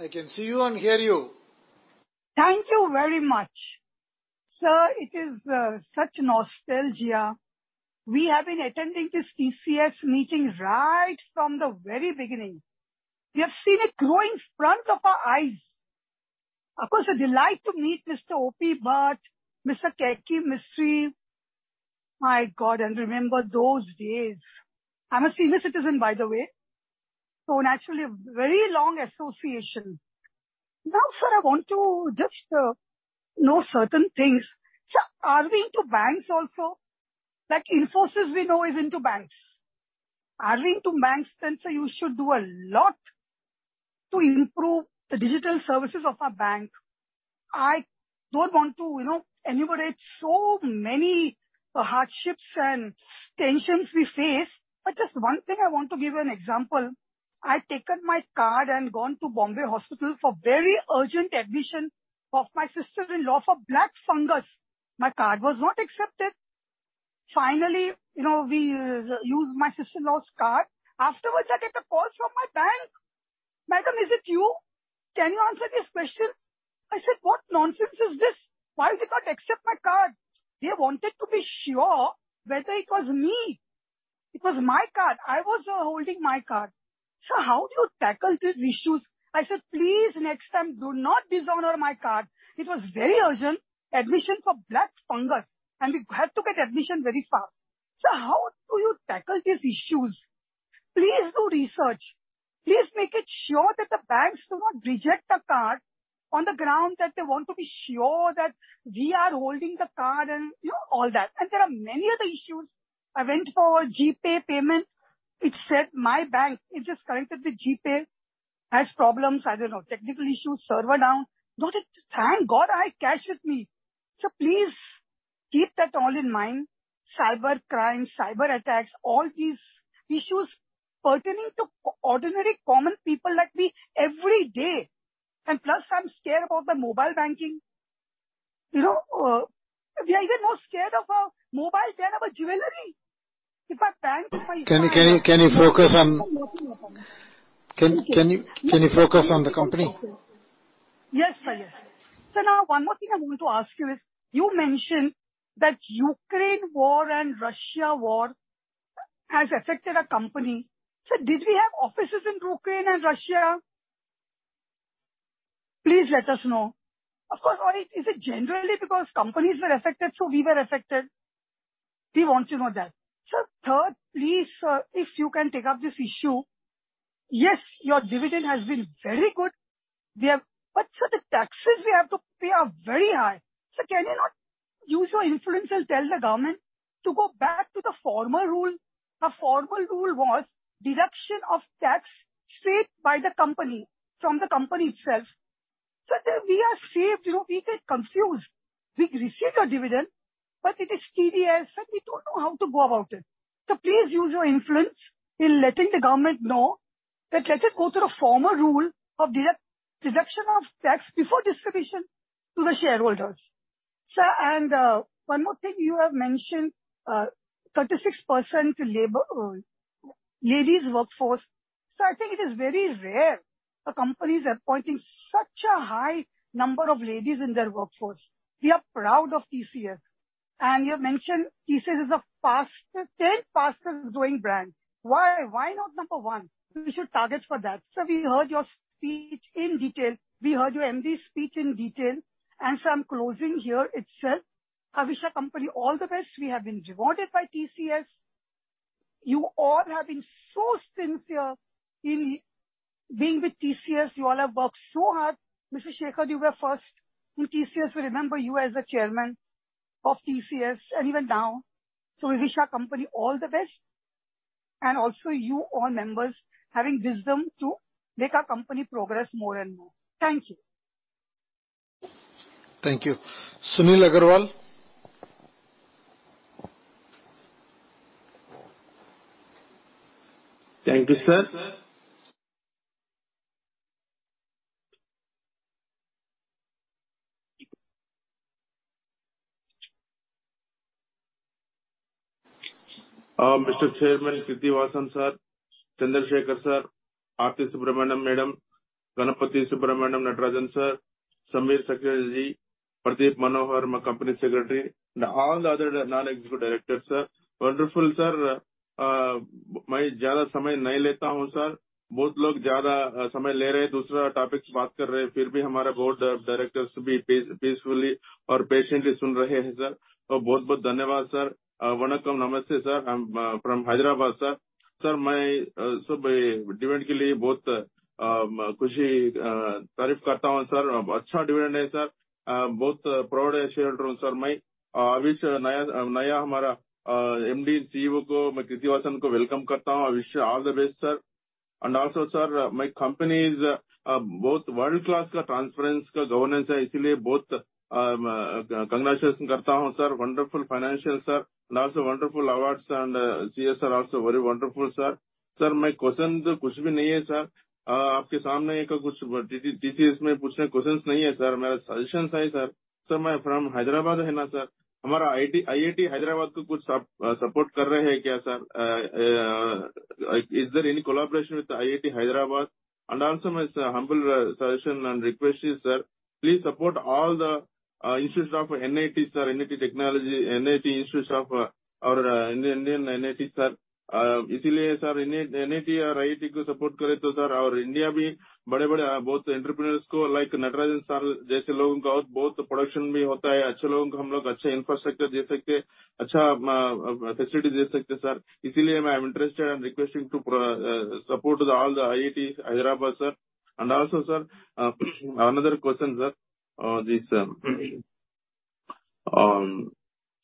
I can see you and hear you. Thank you very much. Sir, it is such nostalgia. We have been attending this TCS meeting right from the very beginning. We have seen it grow in front of our eyes. Of course, a delight to meet Mr. O.P. Bhatt, Mr. Keki Mistry. My God! Remember those days. I'm a senior citizen, by the way, so naturally, a very long association. Sir, I want to just know certain things. Sir, are we into banks also? Infosys we know is into banks. Are we into banks? Sir, you should do a lot to improve the digital services of our bank. I don't want to, you know, enumerate so many hardships and tensions we face, but just one thing I want to give you an example. I've taken my card and gone to Bombay Hospital for very urgent admission of my sister-in-law for black fungus. My card was not accepted. Finally, you know, we used my sister-in-law's card. Afterwards, I get a call from my bank. "Madam, is it you? Can you answer these questions?" I said: "What nonsense is this? Why did you not accept my card?" They wanted to be sure whether it was me. It was my card. I was holding my card. Sir, how do you tackle these issues? I said, "Please, next time, do not dishonor my card." It was very urgent admission for black fungus, and we had to get admission very fast. Sir, how do you tackle these issues? Please do research. Please make it sure that the banks do not reject the card on the ground, that they want to be sure that we are holding the card and, you know, all that. There are many other issues. I went for GPay payment. It said my bank is disconnected with GPay, has problems, I don't know, technical issues, server down. Thank God, I had cash with me. Sir, please keep that all in mind. Cyber crimes, cyber attacks, all these issues pertaining to ordinary, common people like me every day. Plus, I'm scared about the mobile banking. You know, we are even more scared of our mobile than of our jewelry. Can you focus on the company? Yes, sir. Yes. Now, one more thing I'm going to ask you is, you mentioned that Ukraine war and Russia war has affected our company. Did we have offices in Ukraine and Russia? Please let us know. Of course, or is it generally because companies were affected, so we were affected? We want to know that. Third, please, sir, if you can take up this issue. Yes, your dividend has been very good. Sir, the taxes we have to pay are very high. Can you not use your influence and tell the government to go back to the former rule? The former rule was deduction of tax straight by the company, from the company itself. We are saved. You know, we get confused. We receive a dividend, but it is TDS, and we don't know how to go about it. Please use your influence in letting the government know that let it go to the former rule of deduction of tax before distribution to the shareholders. Sir, one more thing, you have mentioned 36% labor, ladies workforce. Sir, I think it is very rare a company is appointing such a high number of ladies in their workforce. We are proud of TCS. You have mentioned TCS is a top 10 fastest growing brand. Why? Why not number one? We should target for that. Sir, we heard your speech in detail. We heard your MD speech in detail, I'm closing here itself. I wish our company all the best. We have been rewarded by TCS. You all have been so sincere in being with TCS. You all have worked so hard. Mr. Chandrasekaran, you were first in TCS. We remember you as the Chairman of TCS and even now. We wish our company all the best. And also you all members having wisdom to make our company progress more and more. Thank you. Thank you. Sunil Agarwal. Thank you, sir. Mr. Chairman, Krithivasan, sir, Chandrasekaran, sir, Aarthi Subramanian, madam, Ganapathy Subramaniam, Natarajan, sir, Samir Seksaria ji, Pradeep Manohar Gaitonde, my Company Secretary, and all the other non-executive directors, sir. Wonderful, sir. Main jyada samay nahin leta hun, sir. Bahut log jyada samay le rahe hai, dusra topics baat kar rahe hai, phir bhi hamara board of directors bhi peacefully aur patiently sun rahe hai, sir. Toh bahut bahut dhanyavad, sir. Vanakkam, namaste sir, I'm from Hyderabad, sir. Sir, main sub dividend ke liye bahut khushi tareef karta hun sir. Achcha dividend hai, sir. Bahut proud shareholder hun sir main. Wish naya hamara MD and CEO ko main Krithivasan ko welcome karta hun. I wish you all the best, sir. Also sir, my company is both world-class ka transparency ka governance hai, isliye bahut congratulation karta hun, sir. Wonderful financial, sir, wonderful awards and CSR also very wonderful, sir. Sir, my question toh kuch bhi nahin hai, sir. Aapke saamne kuch TCS mein puchhne questions nahin hai, sir. Mera suggestions hai, sir. Sir, main from Hyderabad hai na, sir. Hamara IIIT Hyderabad ko kuch support kar rahe hai kya, sir? Is there any collaboration with IIIT Hyderabad? My humble suggestion and request is, sir, please support all the institutes of NIT, sir, NIT Technology, NIT institutes of our Indian NIT, sir. Isliye sir, NIT aur IIT ko support kare toh sir, aur India bhi bade both entrepreneurs ko like Natarajan sir jaise logon ka bahut production bhi hota hai. Achhe logon ko hum log achhe infrastructure de sakte hai, achha facility de sakte hai, sir. Isiliye I am interested and requesting to support all the IIIT Hyderabad, sir. Also, sir, another question, sir. This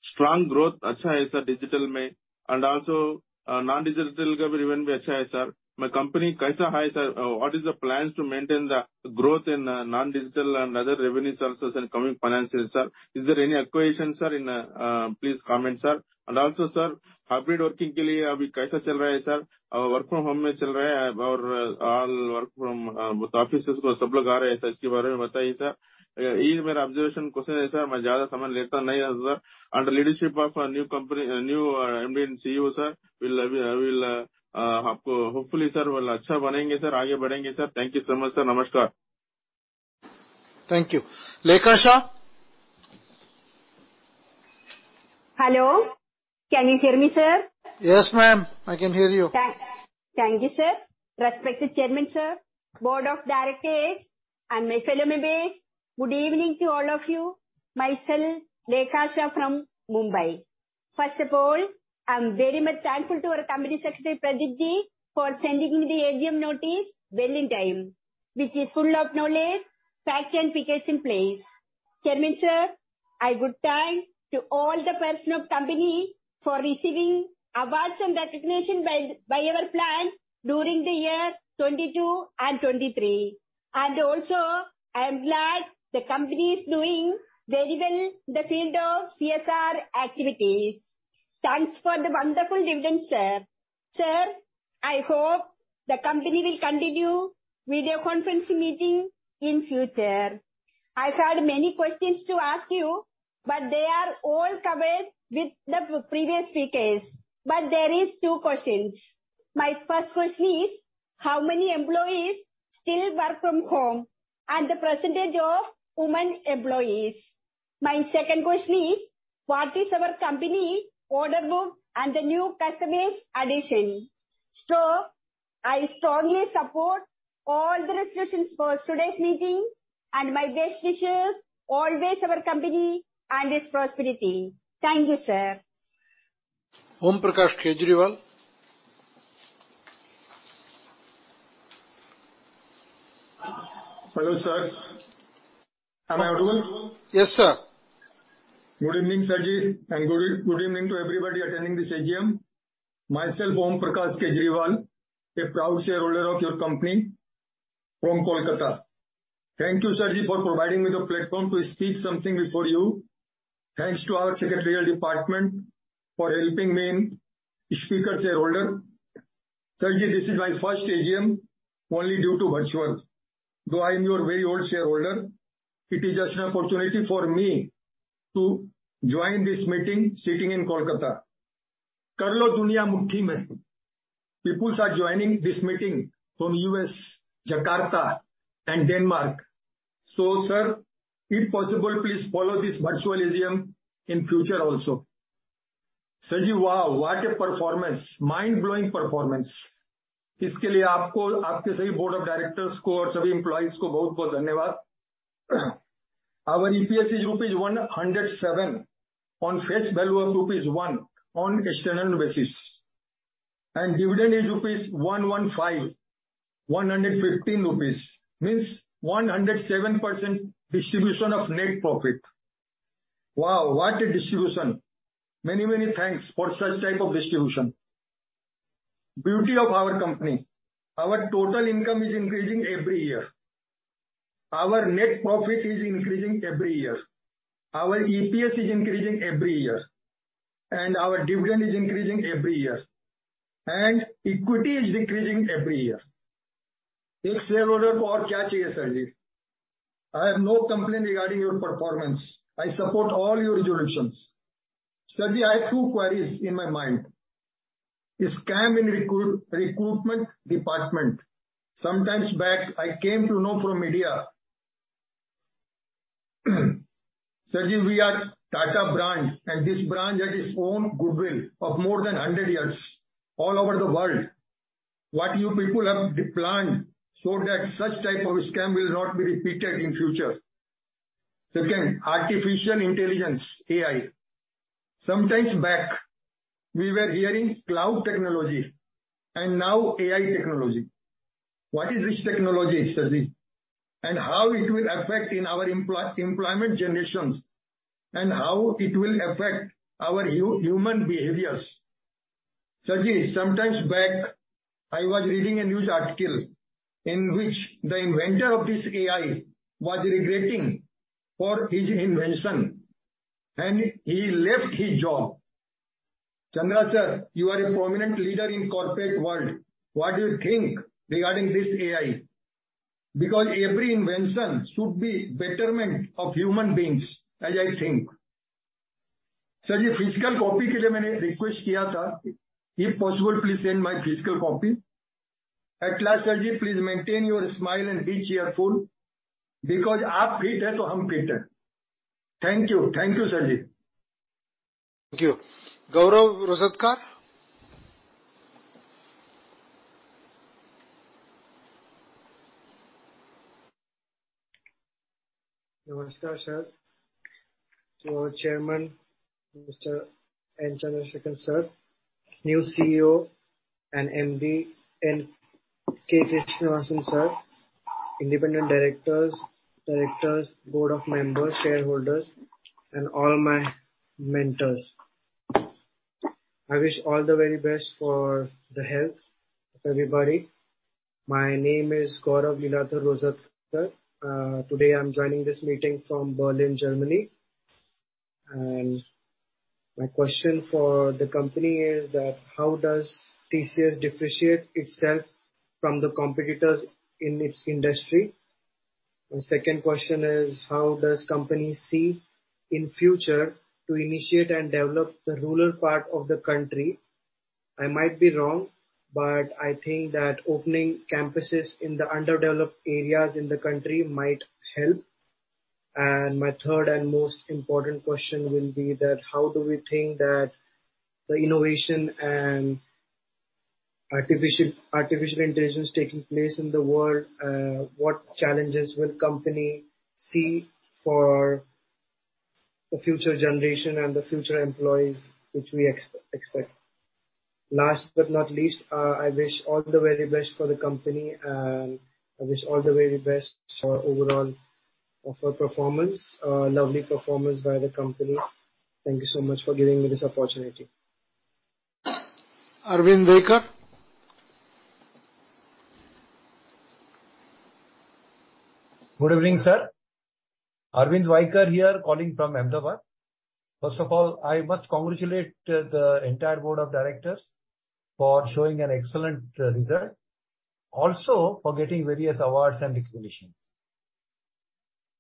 strong growth achcha hai sir digital mein, also non-digital ka bhi revenue bhi achcha hai, sir. My company kaisa hai, sir? What is the plans to maintain the growth in non-digital and other revenue sources in coming finances, sir? Is there any acquisition, sir, in please comment, sir. Also, sir, hybrid working ke liye abhi kaisa chal raha hai, sir? Work from home mein chal raha hai aur all work from both offices ko sab log aa rahe hai, sir, iske bare mein bataye, sir. Yeh mera observation question hai, sir. Main jyada samay leta nahin hun, sir. Under leadership of a new company, new MD and CEO, sir, will aapko hopefully, sir, woh achcha banenge sir, aage badhenge sir. Thank you so much, sir. Namaskar. Thank you. Lekha Shah? Hello, can you hear me, sir? Yes, ma'am, I can hear you. Thank you, sir. Respected Chairman, sir, Board of Directors and my fellow members, good evening to all of you. Myself, Lekha Shah from Mumbai. First of all, I'm very much thankful to our Company Secretary, Pradeep ji, for sending me the AGM notice well in time, which is full of knowledge, fact, and figures in place. Chairman, sir, a good time to all the persons of company for receiving awards and recognition by our plan during the year 2022 and 2023. Also, I am glad the company is doing very well in the field of CSR activities. Thanks for the wonderful dividend, sir. Sir, I hope the company will continue video conferencing meeting in future. I had many questions to ask you, but they are all covered with the previous speakers. There are two questions. My first question is: How many employees still work from home, and the percentage of women employees? My second question is: What is our company order book and the new customers addition? I strongly support all the resolutions for today's meeting, and my best wishes, always our company and its prosperity. Thank you, sir. Om Prakash Kejriwal. Hello, sir. Am I audible? Yes, sir. Good evening, sir ji, and good evening to everybody attending this AGM. Myself, Om Prakash Kejriwal, a proud shareholder of your company from Kolkata. Thank you, sir ji, for providing me the platform to speak something before you. Thanks to our Secretarial Department for helping me in speaker shareholder. Sir ji, this is my first AGM, only due to virtual, though I am your very old shareholder, it is just an opportunity for me to join this meeting sitting in Kolkata. Kar lo duniya mukti mein. People are joining this meeting from U.S., Jakarta, and Denmark. Sir, if possible, please follow this virtual AGM in future also. Sir ji, wow! What a performance, mind-blowing performance. Iske liye aapko, aapke sare Board of Directors ko, aur sabhi employees ko bahut bahut dhanyavaad. Our EPS is rupees 107 on face value of rupees 1 on external basis, and dividend is rupees 115, means 107% distribution of net profit. Wow! What a distribution. Many, many thanks for such type of distribution. Beauty of our company, our total income is increasing every year. Our net profit is increasing every year. Our EPS is increasing every year, and our dividend is increasing every year, and equity is decreasing every year. Ek shareholder ko aur kya chahiye, sirji. I have no complaint regarding your performance. I support all your resolutions. Sirji, I have two queries in my mind. The scam in recruitment department. Sometimes back, I came to know from media. Sirji, we are Tata brand, and this brand has its own goodwill of more than 100 years all over the world. What you people have planned so that such type of scam will not be repeated in future? Second, artificial intelligence, AI. Sometimes back, we were hearing cloud technology, now AI technology. What is this technology, sirji? How it will affect in our employment generations, and how it will affect our human behaviors. Sirji, sometimes back, I was reading a news article in which the inventor of this AI was regretting for his invention, and he left his job. Chandra Sir, you are a prominent leader in corporate world. What do you think regarding this AI? Every invention should be betterment of human beings, as I think. Sir ji, physical copy ke liye maine request kiya tha. If possible, please send my physical copy. At last, sir ji, please maintain your smile and be cheerful, because aap fit hai toh hum fit hai. Thank you. Thank you, sir ji. Thank you. Gaurav Rozatkar? Namaskar, sir. To our Chairman, Mr. N. Chandrasekaran, sir, new CEO and MD, K. Krithivasan, sir, independent directors, board of members, shareholders, and all my mentors. I wish all the very best for the health of everybody. My name is Gaurav Liladhar Rozatkar. Today I'm joining this meeting from Berlin, Germany. My question for the company is that how does TCS differentiate itself from the competitors in its industry? The second question is: how does company see in future to initiate and develop the rural part of the country? I might be wrong, but I think that opening campuses in the underdeveloped areas in the country might help. My third and most important question will be that how do we think that the innovation and artificial intelligence taking place in the world, what challenges will company see for the future generation and the future employees, which we expect? Last but not least, I wish all the very best for the company, and I wish all the very best for overall of our performance. Lovely performance by the company. Thank you so much for giving me this opportunity. Arvind Waikar. Good evening, sir. Arvind Waikar here, calling from Ahmedabad. First of all, I must congratulate the entire board of directors for showing an excellent result, also for getting various awards and recognitions.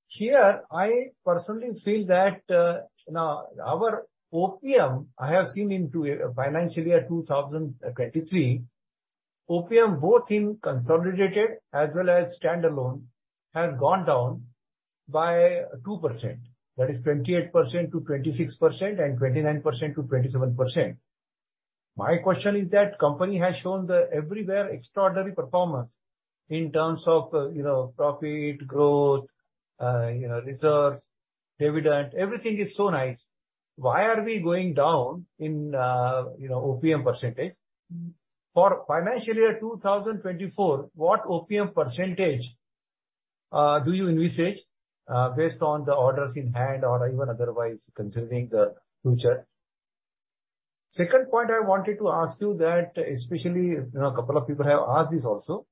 Here, I personally feel that now, our OPM, I have seen in two financial year 2023, OPM, both in consolidated as well as standalone, has gone down by 2%. That is 28% to 26% and 29% to 27%. My question is that company has shown the everywhere extraordinary performance in terms of, you know, profit, growth, you know, reserves, dividend, everything is so nice. Why are we going down in, you know, OPM percentage? For financial year 2024, what OPM percentage do you envisage based on the orders in hand or even otherwise, considering the future? Second point I wanted to ask you that, especially, you know, a couple of people have asked this also,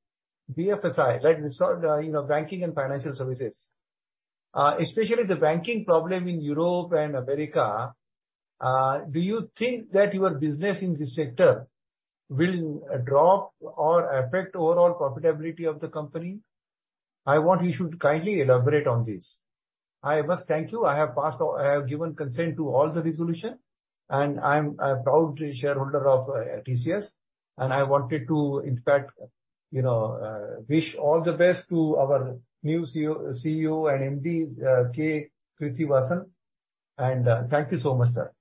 BFSI, right, we saw, you know, Banking and Financial Services. Especially the banking problem in Europe and America, do you think that your business in this sector will drop or affect overall profitability of the company? I want you should kindly elaborate on this. I must thank you. I have passed, I have given consent to all the resolution, and I'm a proud shareholder of TCS, and I wanted to, in fact, you know, wish all the best to our new CEO and MD, K. Krithivasan. Thank you so much, sir.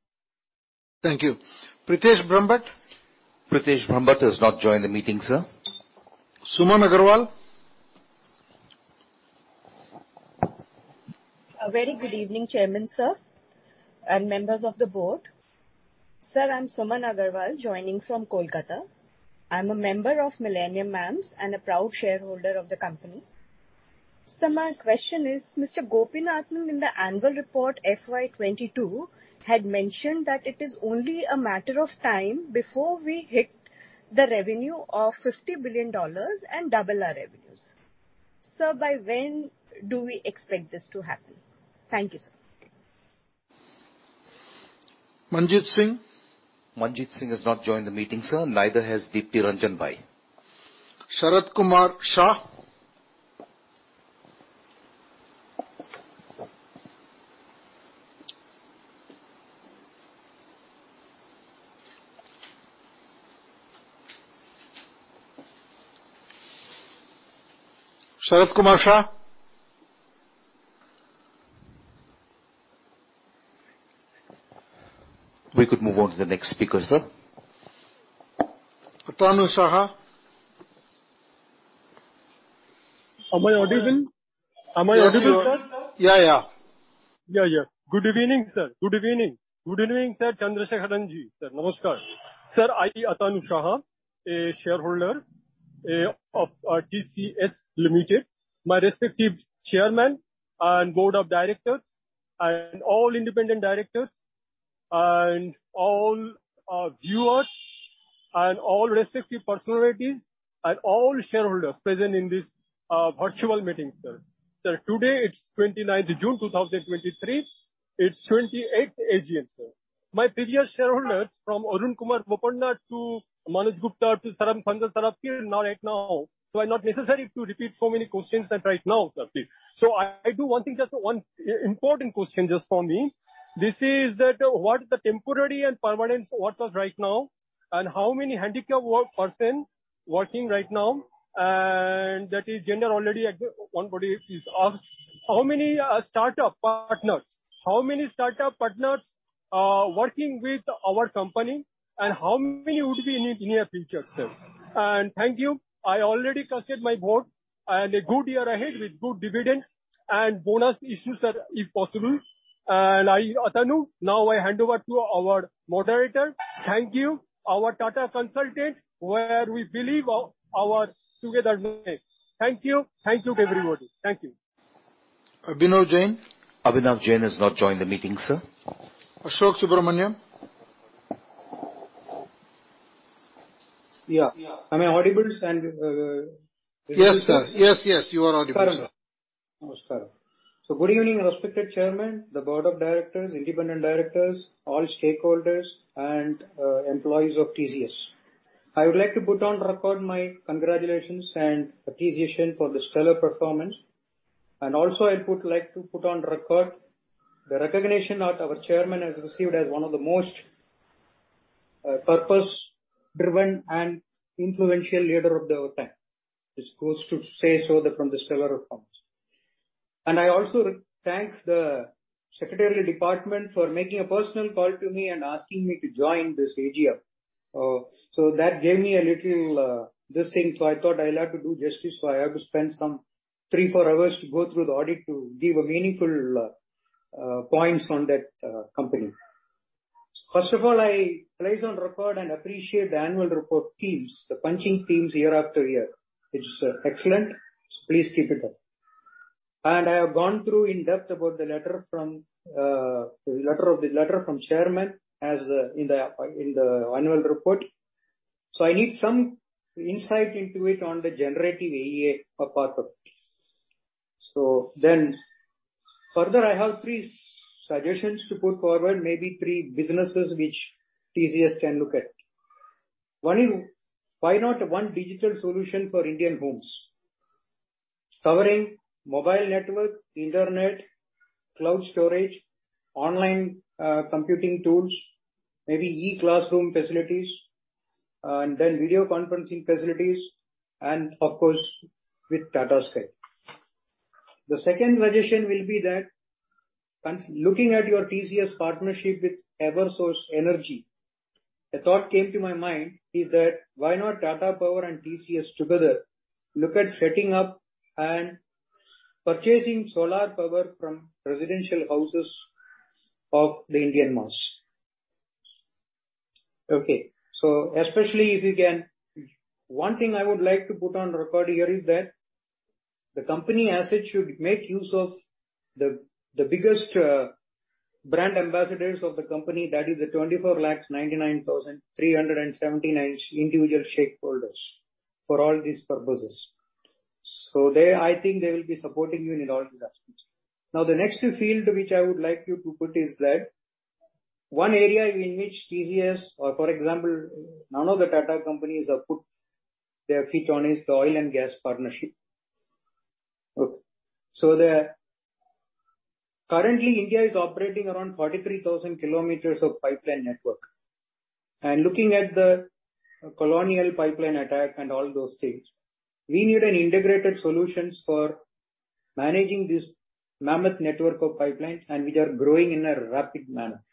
Thank you. Pritesh Brahmbhatt? Pritesh Brahmbhatt has not joined the meeting, sir. Suman Agarwal? A very good evening, Chairman, sir, and members of the Board. Sir, I'm Suman Agarwal, joining from Kolkata. I'm a member of Millennium Mams and a proud shareholder of the company. My question is, Mr. Gopinathan, in the annual report, FY 2022, had mentioned that it is only a matter of time before we hit the revenue of $50 billion and double our revenues. Sir, by when do we expect this to happen? Thank you, sir. Manjit Singh? Manjit Singh has not joined the meeting, sir, neither has Deepti Ranjan Bhai. Sharat Kumar Shah. Sharat Kumar Shah? We could move on to the next speaker, sir. Atanu Saha. Am I audible, sir? Yeah, yeah. Yeah, yeah. Good evening, sir. Good evening. Good evening, Sir Chandrasekaran ji. Namaskar. I, Atanu Saha, a shareholder of TCS Limited, my respective Chairman and Board of Directors, and all Independent Directors and all viewers, and all respective personalities, and all shareholders present in this virtual meeting, sir. Today, it's 29th June 2023. It's 28th AGM, sir. My previous shareholders, from Arun Kumar Boppana to Manoj Gupta to Santosh Kumar Saraf, not right now, I not necessary to repeat so many questions that right now, sir. I do one thing, just one important question just for me. This is that what the temporary and permanent workers right now, and how many handicapped work person working right now, and that is gender [inaudible] body is asked. How many startup partners, how many startup partners, working with our company, and how many would we need in near future, sir? Thank you. I already casted my vote, and a good year ahead with good dividend and bonus issues, sir, if possible. I, Atanu, now I hand over to our moderator. Thank you, our Tata consultant, where we believe our together. Thank you. Thank you, everybody. Thank you. Abhinav Jain? Abhinav Jain has not joined the meeting, sir. Ashok Subrahmanyam? Yeah. Am I audible? Yes, sir. Yes, yes, you are audible, sir. Namaskar. Good evening, respected Chairman, the Board of Directors, Independent Directors, all stakeholders, and employees of TCS. I would like to put on record my congratulations and appreciation for the stellar performance. Also I would like to put on record the recognition that our Chairman has received as one of the most purpose-driven and influential leader of the time. This goes to say so that from the stellar performance. I also thank the secretary department for making a personal call to me and asking me to join this AGM. That gave me a little this thing, I thought I'll have to do justice, I have to spend some three, four hours to go through the audit to give a meaningful points on that company. First of all, I place on record and appreciate the annual report teams, the punching teams year-after-year, which is excellent. Please keep it up. I have gone through in-depth about the letter from the Chairman as the, in the annual report, I need some insight into it on the generative AI apart of it. Further, I have three suggestions to put forward, maybe three businesses which TCS can look at. One is, why not one digital solution for Indian homes? Covering mobile network, internet, cloud storage, online computing tools, maybe e-classroom facilities, and then video conferencing facilities, and of course, with Tata Sky. The second suggestion will be that, looking at your TCS partnership with Eversource Energy, a thought came to my mind is that, why not Tata Power and TCS together look at setting up and purchasing solar power from residential houses of the Indian mass? Okay. Especially if you can—one thing I would like to put on record here is that the company as it should make use of the biggest brand ambassadors of the company, that is the 24 lakh, 99,379 individual shareholders, for all these purposes. They, I think they will be supporting you in all these aspects. The next field which I would like you to put is that, one area in which TCS, or for example, none of the Tata companies have put their feet on, is the oil and gas partnership. Okay. Currently, India is operating around 43,000 km of pipeline network. Looking at the colonial pipeline attack and all those things, we need an integrated solutions for managing this mammoth network of pipelines, and which are growing in a rapid manner.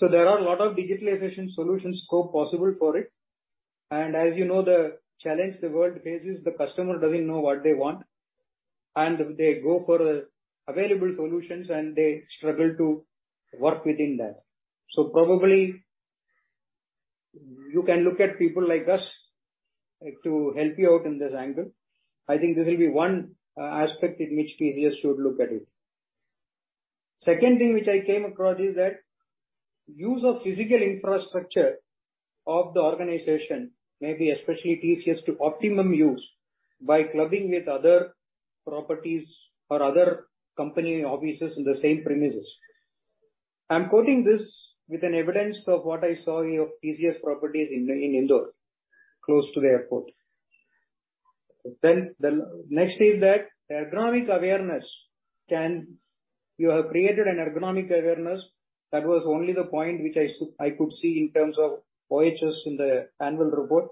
There are a lot of digitalization solutions so possible for it. As you know, the challenge the world faces, the customer doesn't know what they want. And they go for available solutions, and they struggle to work within that. Probably, you can look at people like us to help you out in this angle. I think this will be one aspect in which TCS should look at it. Second thing which I came across is that use of physical infrastructure of the organization, maybe especially TCS, to optimum use by clubbing with other properties or other company offices in the same premises. I'm quoting this with an evidence of what I saw your TCS properties in Indore, close to the airport. The next is that ergonomic awareness You have created an ergonomic awareness. That was only the point which I could see in terms of OHS in the annual report.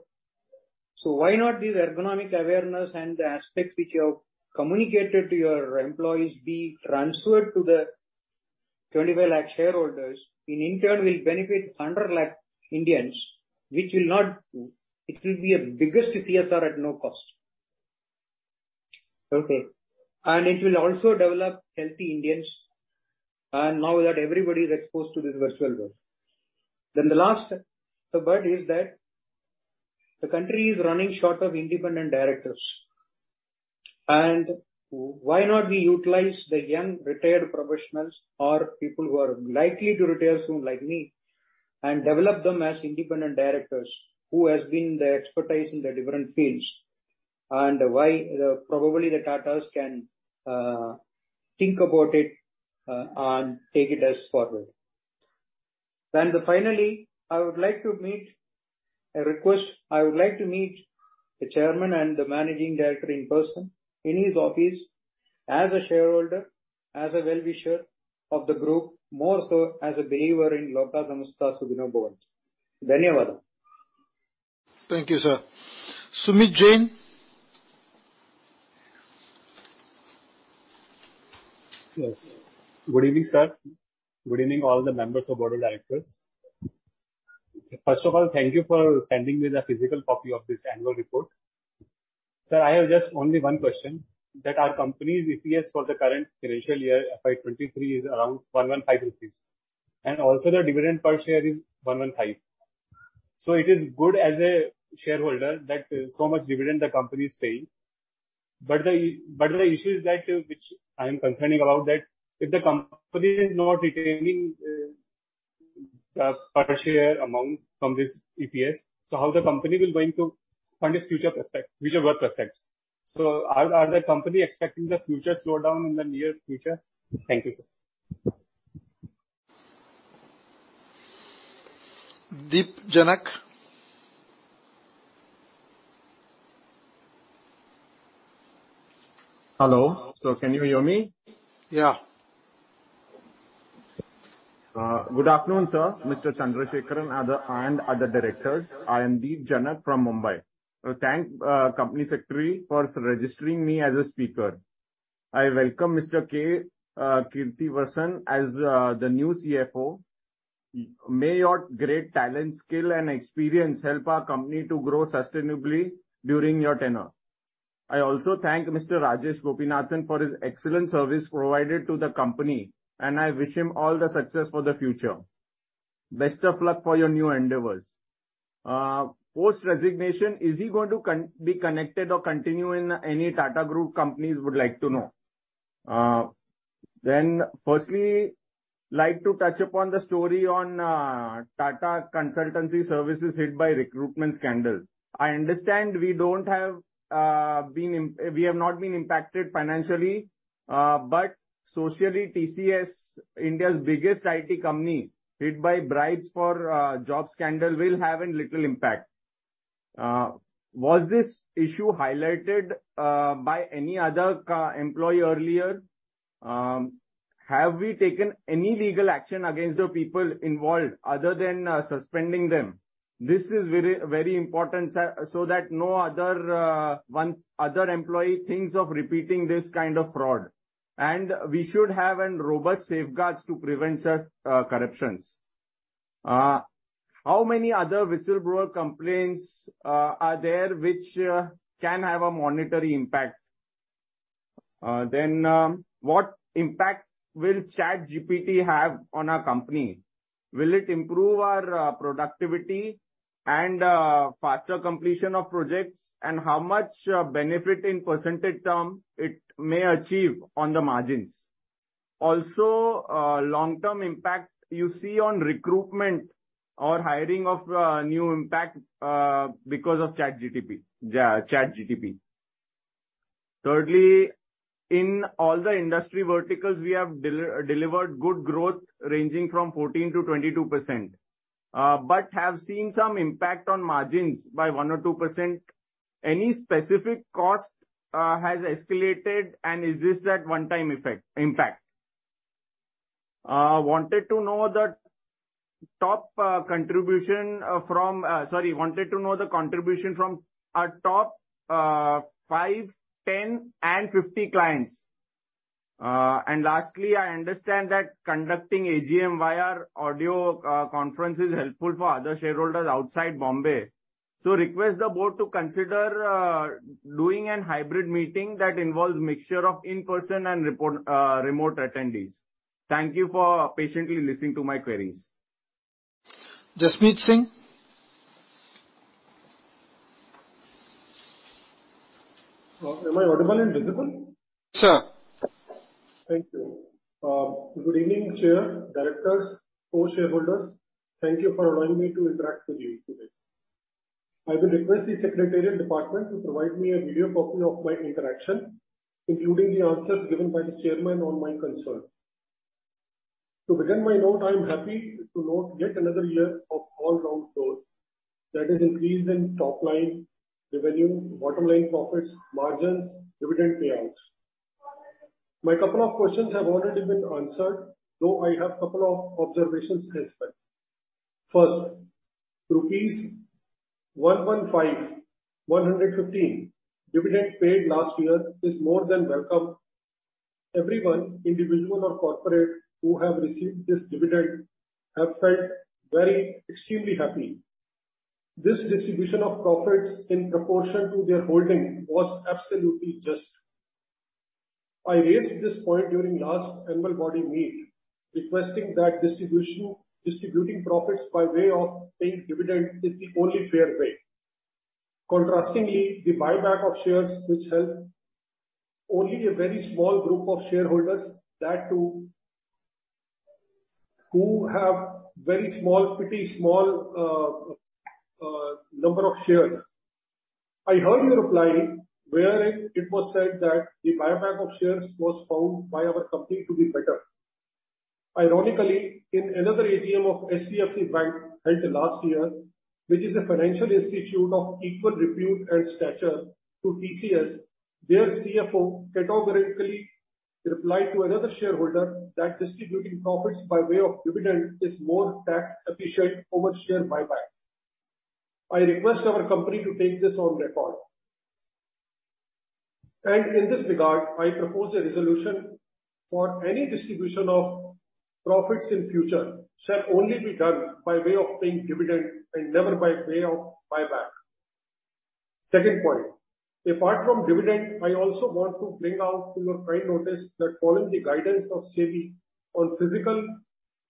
Why not this ergonomic awareness and the aspects which you have communicated to your employees, be transferred to the 25 lakh shareholders, in turn, will benefit 100 lakh Indians. It will be a biggest CSR at no cost. It will also develop healthy Indians, and now that everybody is exposed to this virtual world. The last, the bird is that, the country is running short of independent directors. Why not we utilize the young retired professionals or people who are likely to retire soon, like me, and develop them as independent directors, who has been the expertise in the different fields? Why probably the Tatas can think about it and take it as forward? The finally, I would like to make a request. I would like to meet the chairman and the managing director in person, in his office, as a shareholder, as a well-wisher of the group, more so as a believer in Lokah Samastah Sukhino Bhavantu. Dhanyavad. Thank you, sir. Sumit Jain? Good evening, sir. Good evening, all the members of Board of Directors. First of all, thank you for sending me the physical copy of this annual report. Sir, I have just only one question, that our company's EPS for the current financial year, FY 2023, is around 115 rupees, and also the dividend per share is 115. It is good as a shareholder that so much dividend the company is paying, but the issue is that, which I am concerning about, that if the company is not retaining the per share amount from this EPS, how the company will going to fund its future prospect, future work prospects? Are the company expecting the future slowdown in the near future? Thank you, sir. Deep Janak? Hello. Can you hear me? Yeah. Good afternoon, sir, Mr. Chandrasekaran and other directors. I am Deep Janak from Mumbai. Thank company secretary for registering me as a speaker. I welcome Mr. K. Krithivasan as the new CFO. May your great talent, skill, and experience help our company to grow sustainably during your tenure. I also thank Mr. Rajesh Gopinathan for his excellent service provided to the company, and I wish him all the success for the future. Best of luck for your new endeavors. Post resignation, is he going to be connected or continue in any Tata Group companies? Would like to know. Firstly, like to touch upon the story on Tata Consultancy Services hit by recruitment scandal. I understand we don't have—we have not been impacted financially, but socially, TCS, India's biggest IT company, hit by bribes for job scandal, will have a little impact. Was this issue highlighted by any other employee earlier? Have we taken any legal action against the people involved other than suspending them? This is very important, sir, so that no other one other employee thinks of repeating this kind of fraud. We should have an robust safeguards to prevent such corruptions. How many other whistleblower complaints are there, which can have a monetary impact? What impact will ChatGPT have on our company? Will it improve our productivity and faster completion of projects? How much benefit in percentage term it may achieve on the margins? Long-term impact you see on recruitment or hiring of new impact because of ChatGPT. In all the industry verticals, we have delivered good growth ranging from 14%-22%, but have seen some impact on margins by 1% or 2%. Any specific cost has escalated, is this that one-time effect, impact? Wanted to know the contribution from our top five, 10 and 50 clients. Lastly, I understand that conducting AGM via audio conference is helpful for other shareholders outside Bombay. Request the board to consider doing an hybrid meeting that involves mixture of in-person and report remote attendees. Thank you for patiently listening to my queries. Jasmeet Singh? Am I audible and visible? Sir. Thank you. good evening, Chair, directors, co-shareholders. Thank you for allowing me to interact with you today. I will request the Secretarial Department to provide me a video copy of my interaction, including the answers given by the Chairman on my concern. To begin my note, I am happy to note yet another year of all round growth, that is increase in top line revenue, bottom line profits, margins, dividend payouts. My couple of questions have already been answered, though I have couple of observations as well. First, rupees 115 dividend paid last year is more than welcome. Everyone, individual or corporate, who have received this dividend have felt very extremely happy. This distribution of profits in proportion to their holding was absolutely just. I raised this point during last annual body meet, requesting that distributing profits by way of paying dividend is the only fair way. The buyback of shares which help only a very small group of shareholders, that too, who have very small, pretty small number of shares. I heard your reply, wherein it was said that the buyback of shares was found by our company to be better. Ironically, in another AGM of HDFC Bank held last year, which is a financial institute of equal repute and stature to TCS, their CFO categorically replied to another shareholder that distributing profits by way of dividend is more tax efficient over share buyback. I request our company to take this on record. In this regard, I propose a resolution for any distribution of profits in future shall only be done by way of paying dividend and never by way of buyback. Second point, apart from dividend, I also want to bring out to your kind notice that following the guidance of SEBI on physical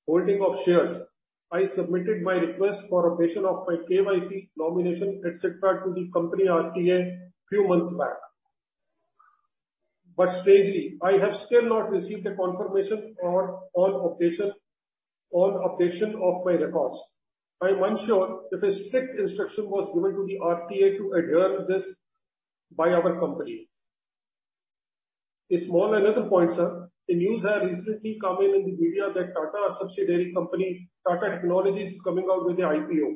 holding of shares, I submitted my request for updation of my KYC nomination, et cetera, to the company RTA few months back. Strangely, I have still not received a confirmation on updation of my records. I am unsure if a strict instruction was given to the RTA to adjourn this by our company. A small another point, sir. The news had recently come in the media that Tata subsidiary company, Tata Technologies, is coming out with a IPO.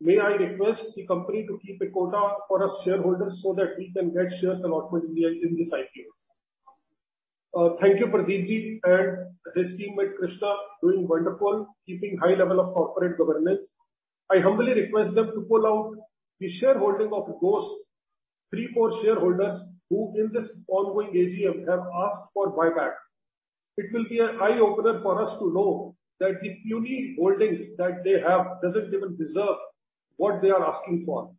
May I request the company to keep a quota for us shareholders, so that we can get shares allotment in this IPO? Thank you, Pradeep ji and his team with Krishna, doing wonderful, keeping high level of corporate governance. I humbly request them to pull out the shareholding of those three, four shareholders who, in this ongoing AGM, have asked for buyback. It will be an eye-opener for us to know that the puny holdings that they have doesn't even deserve what they are asking for.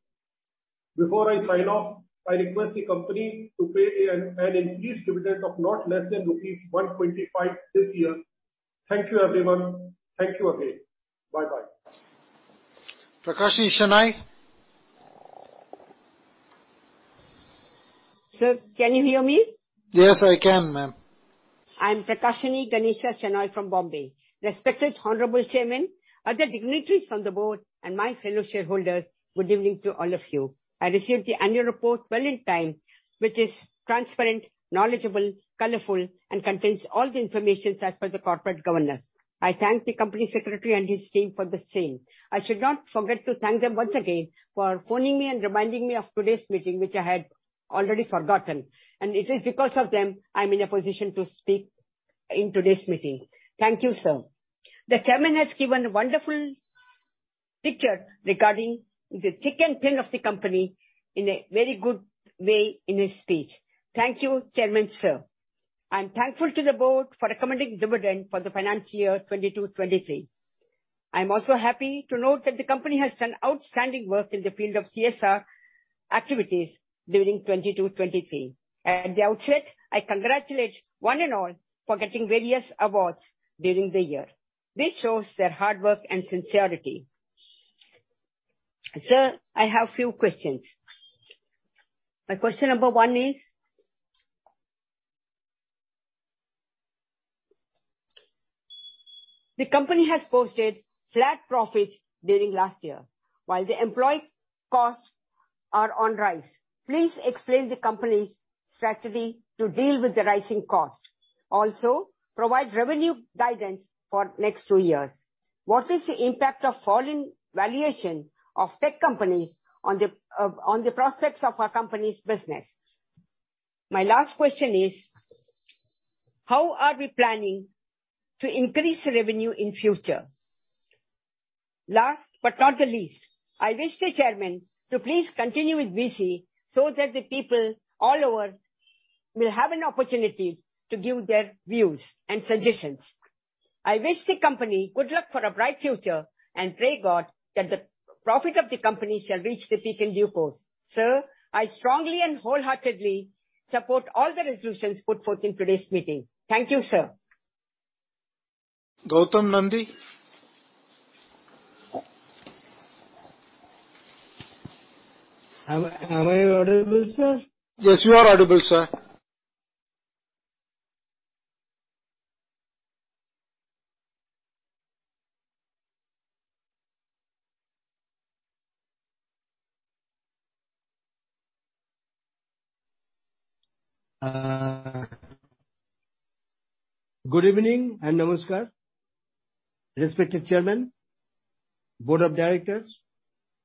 Before I sign off, I request the company to pay an increased dividend of not less than rupees 125 this year. Thank you, everyone. Thank you again. Bye-bye. Prakashini Shenoy? Sir, can you hear me? Yes, I can, ma'am. I'm Prakashini Ganesha Shenoy from Bombay. Respected honorable Chairman, other dignitaries on the board, and my fellow shareholders, good evening to all of you. I received the annual report well in time, which is transparent, knowledgeable, colorful, and contains all the informations as per the corporate governance. I thank the company secretary and his team for the same. I should not forget to thank them once again for phoning me and reminding me of today's meeting, which I had already forgotten, and it is because of them I'm in a position to speak in today's meeting. Thank you, sir. The Chairman has given a wonderful picture regarding the thick and thin of the company in a very good way in his speech. Thank you, Chairman, sir. I'm thankful to the Board for recommending dividend for the financial year 2022-2023. I'm also happy to note that the company has done outstanding work in the field of CSR activities during 2022, 2023. At the outset, I congratulate one and all for getting various awards during the year. This shows their hard work and sincerity. Sir, I have few questions. My question number one is: The company has posted flat profits during last year, while the employee costs are on rise. Please explain the company's strategy to deal with the rising costs. Provide revenue guidance for next two years. What is the impact of falling valuation of tech companies on the prospects of our company's business? My last question is: How are we planning to increase revenue in future? Last but not the least, I wish the chairman to please continue with VC so that the people all over will have an opportunity to give their views and suggestions. I wish the company good luck for a bright future, and pray God that the profit of the company shall reach the peak in due course. Sir, I strongly and wholeheartedly support all the resolutions put forth in today's meeting. Thank you, sir. Goutam Nandy? Am I audible, sir? Yes, you are audible, sir. Good evening, and namaskar. Respected Chairman, Board of Directors,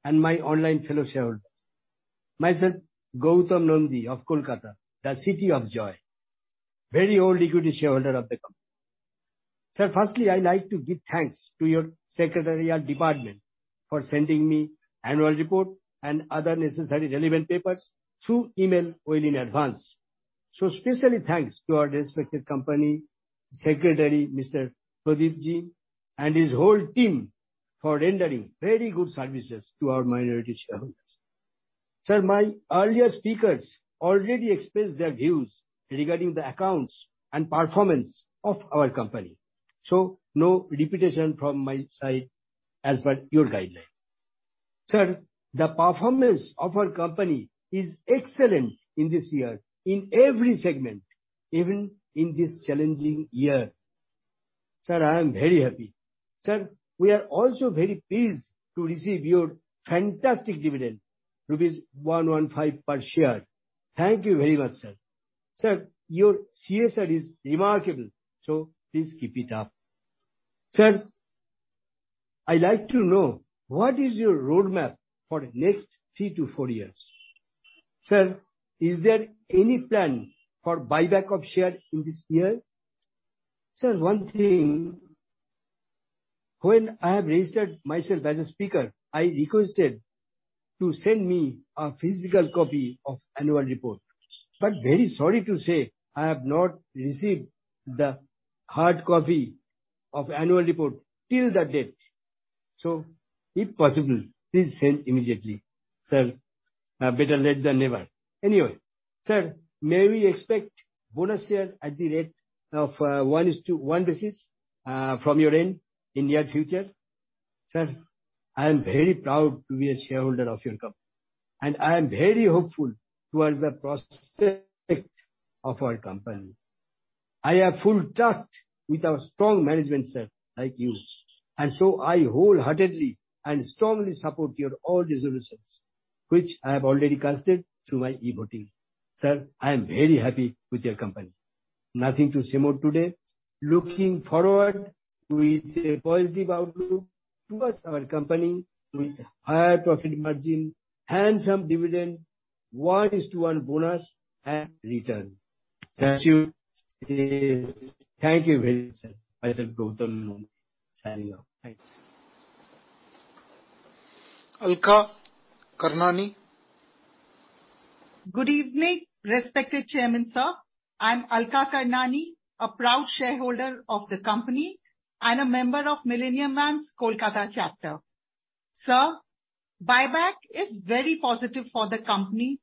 and my online fellow shareholders. Myself Goutam Nandy of Kolkata, the City of Joy, very old equity shareholder of the company. Sir, firstly, I'd like to give thanks to your secretariat department for sending me annual report and other necessary relevant papers through email well in advance. Specially thanks to our respected company secretary, Mr. Pradeep ji, and his whole team for rendering very good services to our minority shareholders. My earlier speakers already expressed their views regarding the accounts and performance of our company, so no repetition from my side as per your guideline. The performance of our company is excellent in this year, in every segment, even in this challenging year. I am very happy. We are also very pleased to receive your fantastic dividend, rupees 115 per share. Thank you very much, sir. Sir, your CSR is remarkable, so please keep it up. Sir, I'd like to know: what is your roadmap for next three to four years? Sir, is there any plan for buyback of share in this year? Sir, one thing, when I have registered myself as a speaker, I requested to send me a physical copy of annual report, but very sorry to say, I have not received the hard copy of annual report till the date. If possible, please send immediately, sir. Better late than never. Anyway, sir, may we expect bonus share at the rate of one is to one basis from your end in near future? Sir, I am very proud to be a shareholder of your company, and I am very hopeful towards the prospect of our company. I have full trust with our strong management, sir, like you. I wholeheartedly and strongly support your all resolutions, which I have already casted through my e-voting. Sir, I am very happy with your company. Nothing to say more today. Looking forward with a positive outlook towards our company, with higher profit margin and some dividend, 1:1 bonus and return. Thank you. Thank you very much, sir. Myself, Goutam Nandy. Signing off. Thank you. Alka Karnani? Good evening, respected Chairman, sir. I'm Alka Karnani, a proud shareholder of the company and a member of Millennium Mams, Kolkata chapter. Sir, buyback is very positive for the company,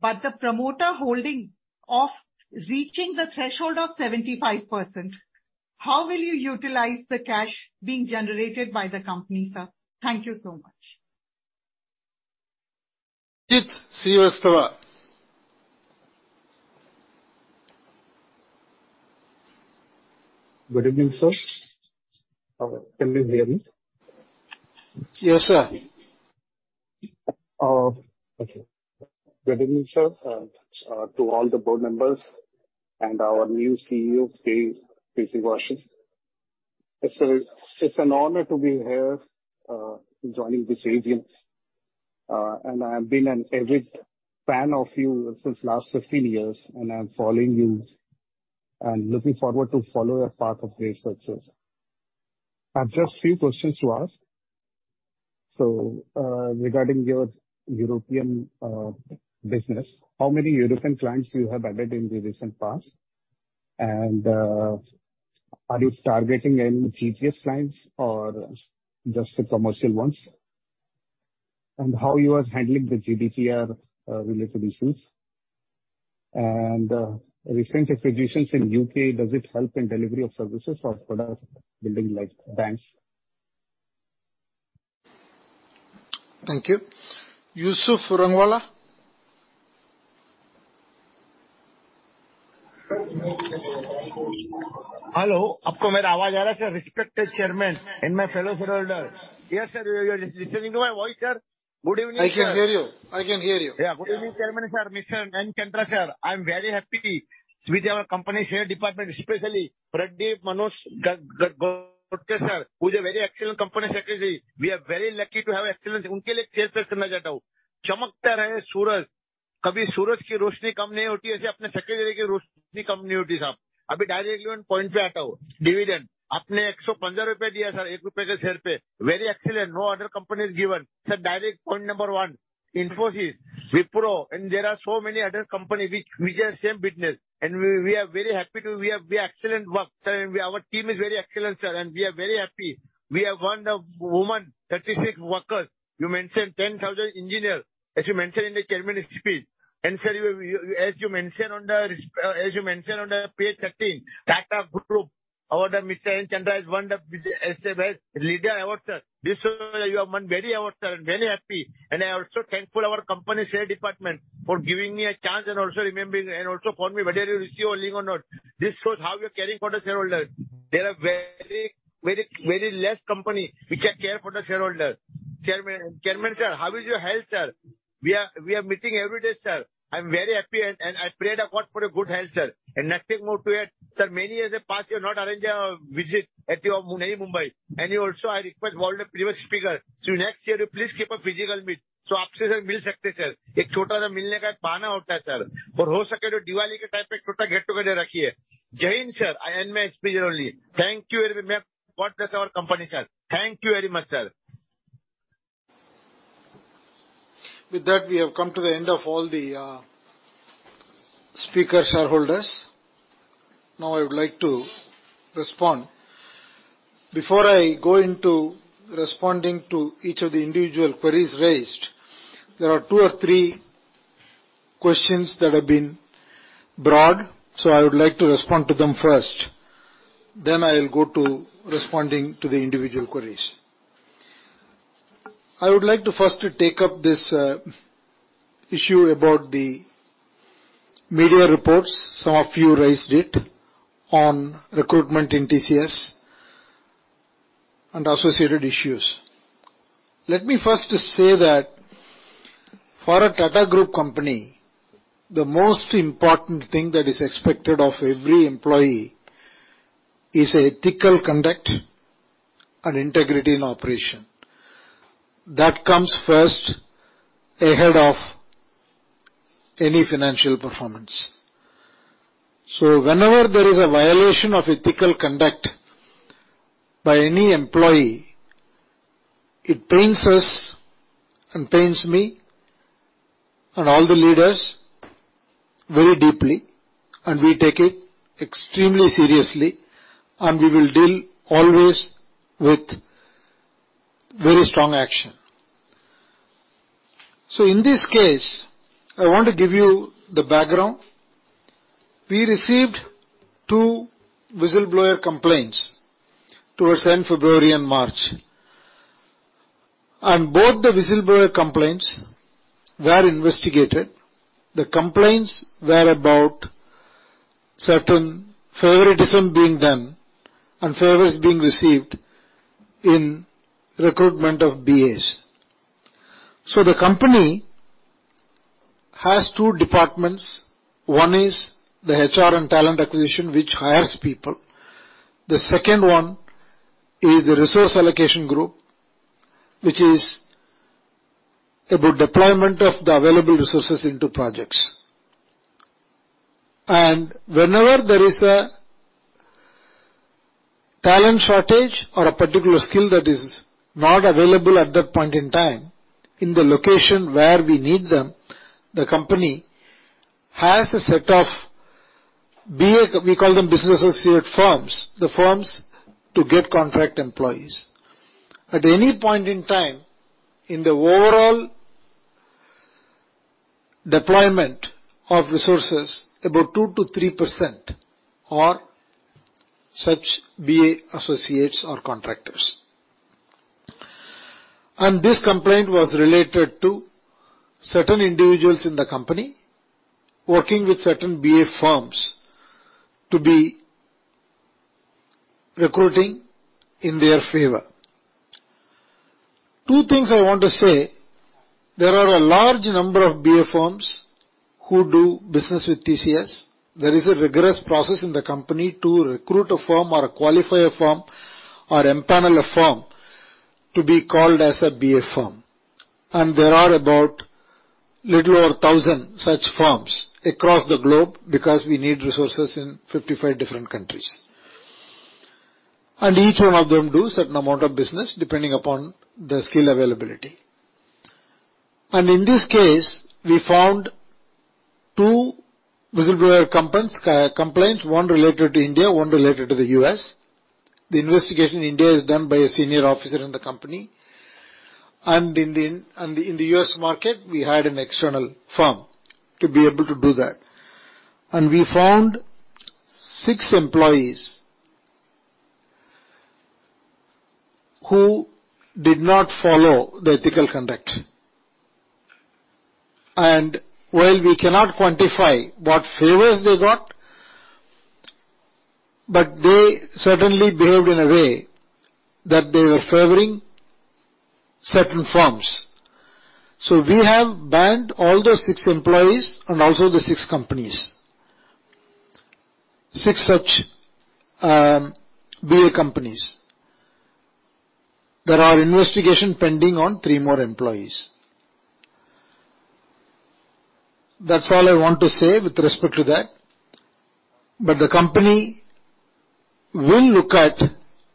but the promoter holding of reaching the threshold of 75%, how will you utilize the cash being generated by the company, sir? Thank you so much. Abhijeet Srivastava. Good evening, sir. Can you hear me? Yes, sir. Good evening, sir, to all the board members and our new CEO, K. Krithivasan. It's an honor to be here, joining this audience. I have been an avid fan of you since last 15 years, and I'm following you and looking forward to follow your path of great success. I have just few questions to ask. Regarding your European business, how many European clients you have added in the recent past? Are you targeting any GPS clients or just the commercial ones? How you are handling the GDPR related issues? Recent acquisitions in U.K., does it help in delivery of services or product building like banks? Thank you. Yusuf Rangwala? Hello, Apko mera awaaz aa raha hai, sir? Respected Chairman and my fellow shareholders. Yes, sir, you are listening to my voice, sir. Good evening, sir. I can hear you. I can hear you. Yeah. Good evening, Chairman, sir, Mr. Chandra, sir. I'm very happy with our company share department, especially Pradeep Manohar Gaitonde sir, who is a very excellent Company Secretary. We are very lucky to have excellent unke liye ek chair person najar au. Chamakta rahe suraj, कभी सूरज की रोशनी कम नहीं होती, ऐसे अपने secondary की रोशनी कम नहीं होती, साहब। अभी डाइरैक्टली वन पॉइंट पे आता हूँ, डिविडेंड। आपने INR 115 दिया सर, INR 1 के शेयर पे। Very excellent! No other company is given. Sir, direct point number one, Infosys, Wipro and there are so many other company which, which are same business and we, we are very happy to we have be excellent work, sir, and our team is very excellent, sir, and we are very happy. We have one of woman thirty six workers, you mentioned ten thousand engineer, as you mentioned in the chairman speech, and sir, as you mention on the, as you mention on the page thirteen, Tata group, our mister N Chandra is one of Asia's best leader award, sir. This you have one very award, sir, and very happy. And I also thankful our company share department for giving me a chance and also remembering and also for me whether you receive or not. This shows how you are caring for the shareholder. There are very, very, very less company which care for the shareholder. Chairman, chairman sir, how is your health, sir? We are meeting everyday, sir. I am very happy and I pray और प्रार्थना for your good health, sir. Nothing more to add, sir, many years past you are not arrange a visit at your Mumbai. You also I request all the previous speaker, next year you please keep a physical meet, आपसे sir मिल सकते हैं, sir. एक छोटा सा मिलने का पाना होता है, सर। हो सके तो दिवाली के टाइप एक छोटा गेट टुगेदर रखिए। Jain sir, I end my speech only. Thank you very much, God bless our company, sir. Thank you very much, sir. With that, we have come to the end of all the speakers, shareholders. I would like to respond. Before I go into responding to each of the individual queries raised, there are two or three questions that have been broad, so I would like to respond to them first. I will go to responding to the individual queries. I would like to first take up this issue about the media reports. Some of you raised it on recruitment in TCS and associated issues. Let me first say that for a Tata Group company, the most important thing that is expected of every employee is ethical conduct and integrity in operation. That comes first ahead of any financial performance. Whenever there is a violation of ethical conduct by any employee, it pains us and pains me and all the leaders very deeply, and we take it extremely seriously, and we will deal always with very strong action. In this case, I want to give you the background. We received two whistleblower complaints towards end of February and March, and both the whistleblower complaints were investigated. The complaints were about certain favoritism being done and favors being received in recruitment of BAs. The company has two departments. One is the HR and talent acquisition, which hires people. The second one is the resource allocation group, which is about deployment of the available resources into projects. Whenever there is a talent shortage or a particular skill that is not available at that point in time in the location where we need them, the company has a set of BA, we call them business associate firms, the firms to get contract employees. At any point in time in the overall deployment of resources, about 2%-3% are such BA associates or contractors. This complaint was related to certain individuals in the company working with certain BA firms to be recruiting in their favor. Two things I want to say: There are a large number of BA firms who do business with TCS. There is a rigorous process in the company to recruit a firm or qualify a firm or empanel a firm to be called as a BA firm. There are about little over 1,000 such firms across the globe, because we need resources in 55 different countries, and each one of them do certain amount of business depending upon the skill availability. In this case, we found two whistleblower complaints, one related to India, one related to the U.S. The investigation in India is done by a senior officer in the company, and in the U.S. market, we had an external firm to be able to do that. We found six employees who did not follow the ethical conduct. While we cannot quantify what favors they got, but they certainly behaved in a way that they were favoring certain firms. We have banned all those six employees and also the six companies—six such BA companies. There are investigation pending on three more employees. That's all I want to say with respect to that. The company will look at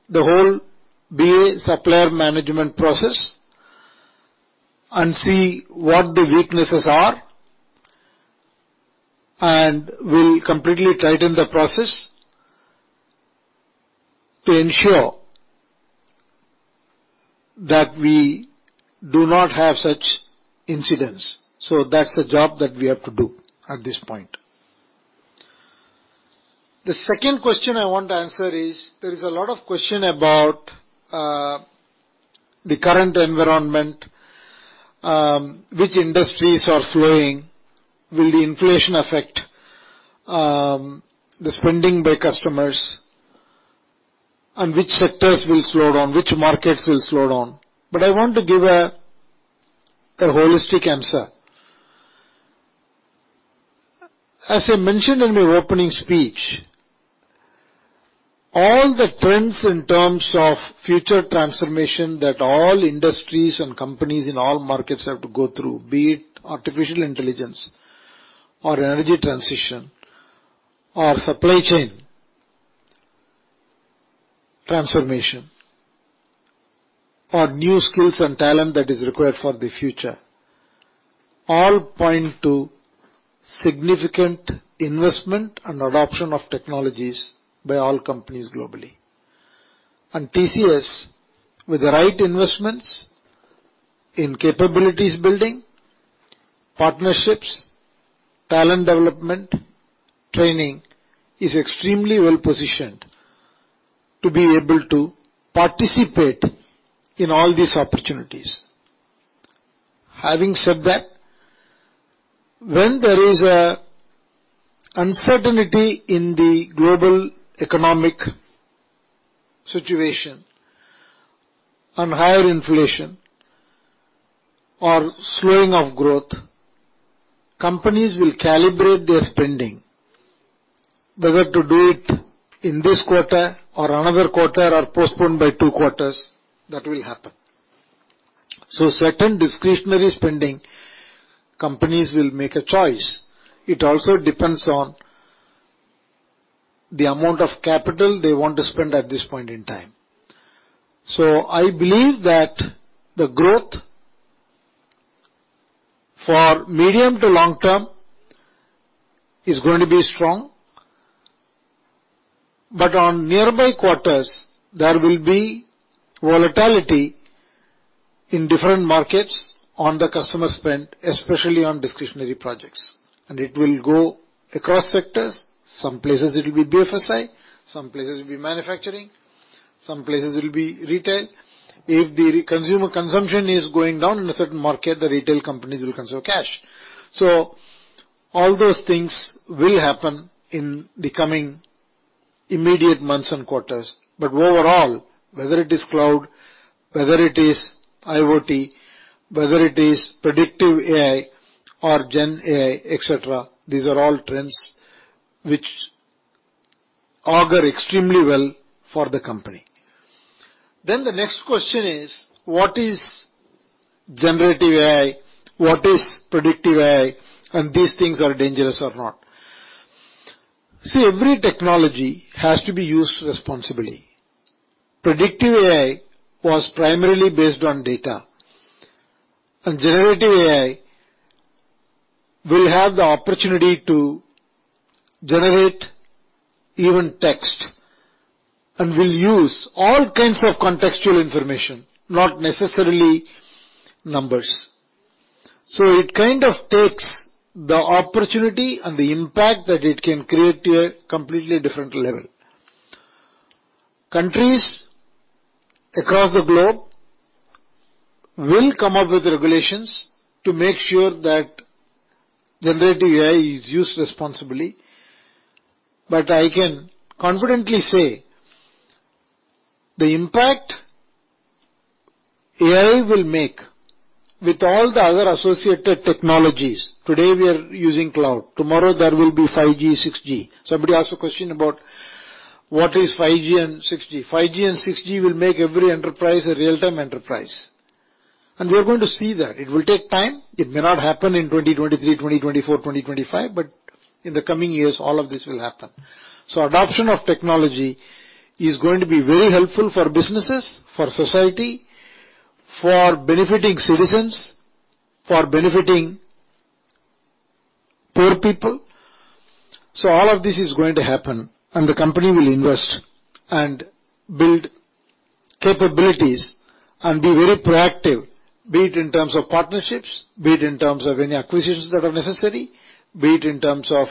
the whole BA supplier management process and see what the weaknesses are, and we'll completely tighten the process to ensure that we do not have such incidents. That's the job that we have to do at this point. The second question I want to answer is, there is a lot of question about the current environment, which industries are slowing? Will the inflation affect the spending by customers? Which sectors will slow down? Which markets will slow down? I want to give a holistic answer. As I mentioned in my opening speech, all the trends in terms of future transformation that all industries and companies in all markets have to go through, be it artificial intelligence or energy transition or supply chain transformation or new skills and talent that is required for the future, all point to significant investment and adoption of technologies by all companies globally. TCS, with the right investments in capabilities building, partnerships, talent development, training, is extremely well positioned to be able to participate in all these opportunities. Having said that, when there is an uncertainty in the global economic situation and higher inflation or slowing of growth, companies will calibrate their spending, whether to do it in this quarter or another quarter, or postpone by two quarters, that will happen. Certain discretionary spending companies will make a choice. It also depends on the amount of capital they want to spend at this point in time. I believe that the growth for medium to long term is going to be strong. On nearby quarters, there will be volatility in different markets on the customer spend, especially on discretionary projects. It will go across sectors. Some places it will be BFSI, some places it will be Manufacturing, some places it will be Retail. If the consumer consumption is going down in a certain market, the retail companies will conserve cash. All those things will happen in the coming immediate months and quarters. Overall, whether it is cloud, whether it is IoT, whether it is predictive AI or GenAI, et cetera, these are all trends which augur extremely well for the company. The next question is: What is generative AI? What is predictive AI? These things are dangerous or not. See, every technology has to be used responsibly. Predictive AI was primarily based on data, and generative AI will have the opportunity to generate even text and will use all kinds of contextual information, not necessarily numbers. It kind of takes the opportunity and the impact that it can create to a completely different level. Countries across the globe will come up with regulations to make sure that generative AI is used responsibly. I can confidently say the impact AI will make with all the other associated technologies. Today, we are using cloud. Tomorrow, there will be 5G, 6G. Somebody asked a question about what is 5G and 6G, 5G and 6G will make every enterprise a real-time enterprise, and we're going to see that. It will take time. It may not happen in 2023, 2024, 2025, but in the coming years, all of this will happen. Adoption of technology is going to be very helpful for businesses, for society, for benefiting citizens, for benefiting poor people. All of this is going to happen, and the company will invest and build capabilities and be very proactive, be it in terms of partnerships, be it in terms of any acquisitions that are necessary, be it in terms of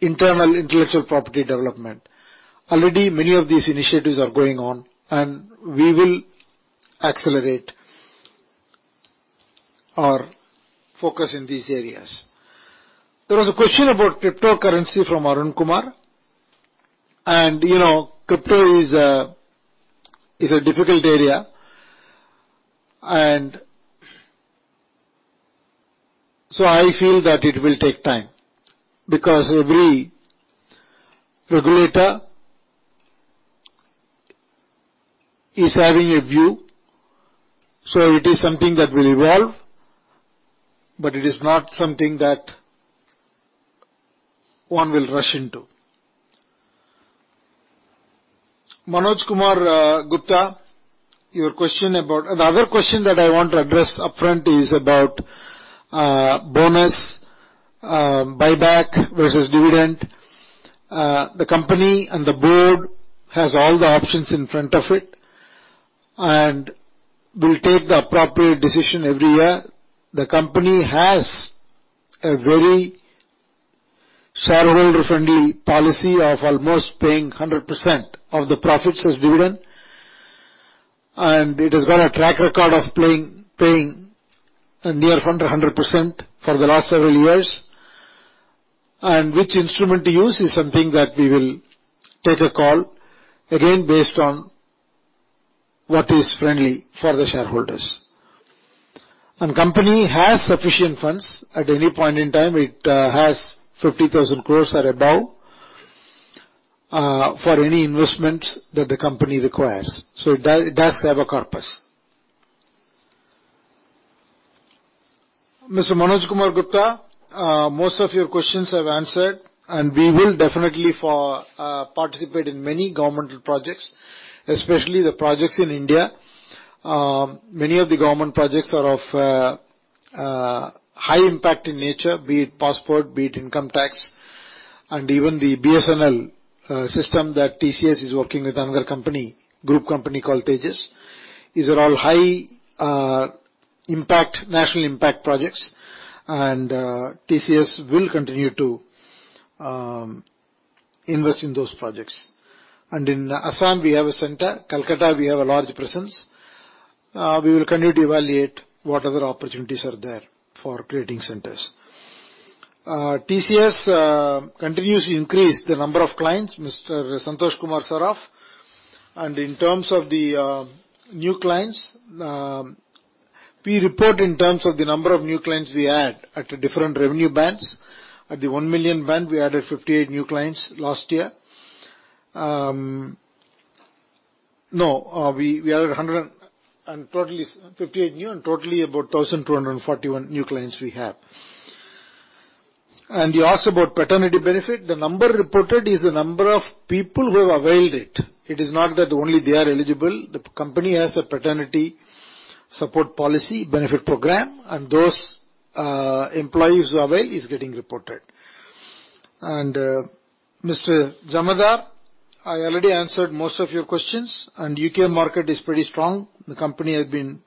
internal intellectual property development. Already, many of these initiatives are going on, and we will accelerate our focus in these areas. There was a question about cryptocurrency from Arun Kumar. You know, crypto is a, is a difficult area. I feel that it will take time, because every regulator is having a view, so it is something that will evolve, but it is not something that one will rush into. Manoj Kumar Gupta, your question about the other question that I want to address upfront is about bonus, buyback versus dividend. The company and the Board has all the options in front of it, and we'll take the appropriate decision every year. The company has a very shareholder-friendly policy of almost paying 100% of the profits as dividend, and it has got a track record of paying near 100% for the last several years. Which instrument to use is something that we will take a call, again, based on what is friendly for the shareholders. Company has sufficient funds. At any point in time, it has 50,000 crore or above for any investments that the company requires. It does have a corpus. Mr. Manoj Kumar Gupta, most of your questions I've answered, and we will definitely participate in many governmental projects, especially the projects in India. Many of the government projects are of high impact in nature, be it passport, be it income tax, and even the BSNL system, that TCS is working with another company, group company called Tejas Networks. These are all high impact, national impact projects, and TCS will continue to invest in those projects. In Assam, we have a center. Kolkata, we have a large presence. We will continue to evaluate what other opportunities are there for creating centers. TCS continues to increase the number of clients, Mr. Santosh Kumar Saraf, and in terms of the new clients, we report in terms of the number of new clients we add at different revenue bands. At the 1 million band, we added 58 new clients last year. Totally about 1,241 new clients we have. You asked about paternity benefit. The number reported is the number of people who have availed it. It is not that only they are eligible. The company has a paternity support policy benefit program, and those employees who avail is getting reported. Mr. Jamadar, I already answered most of your questions, and U.K. market is pretty strong. The company has been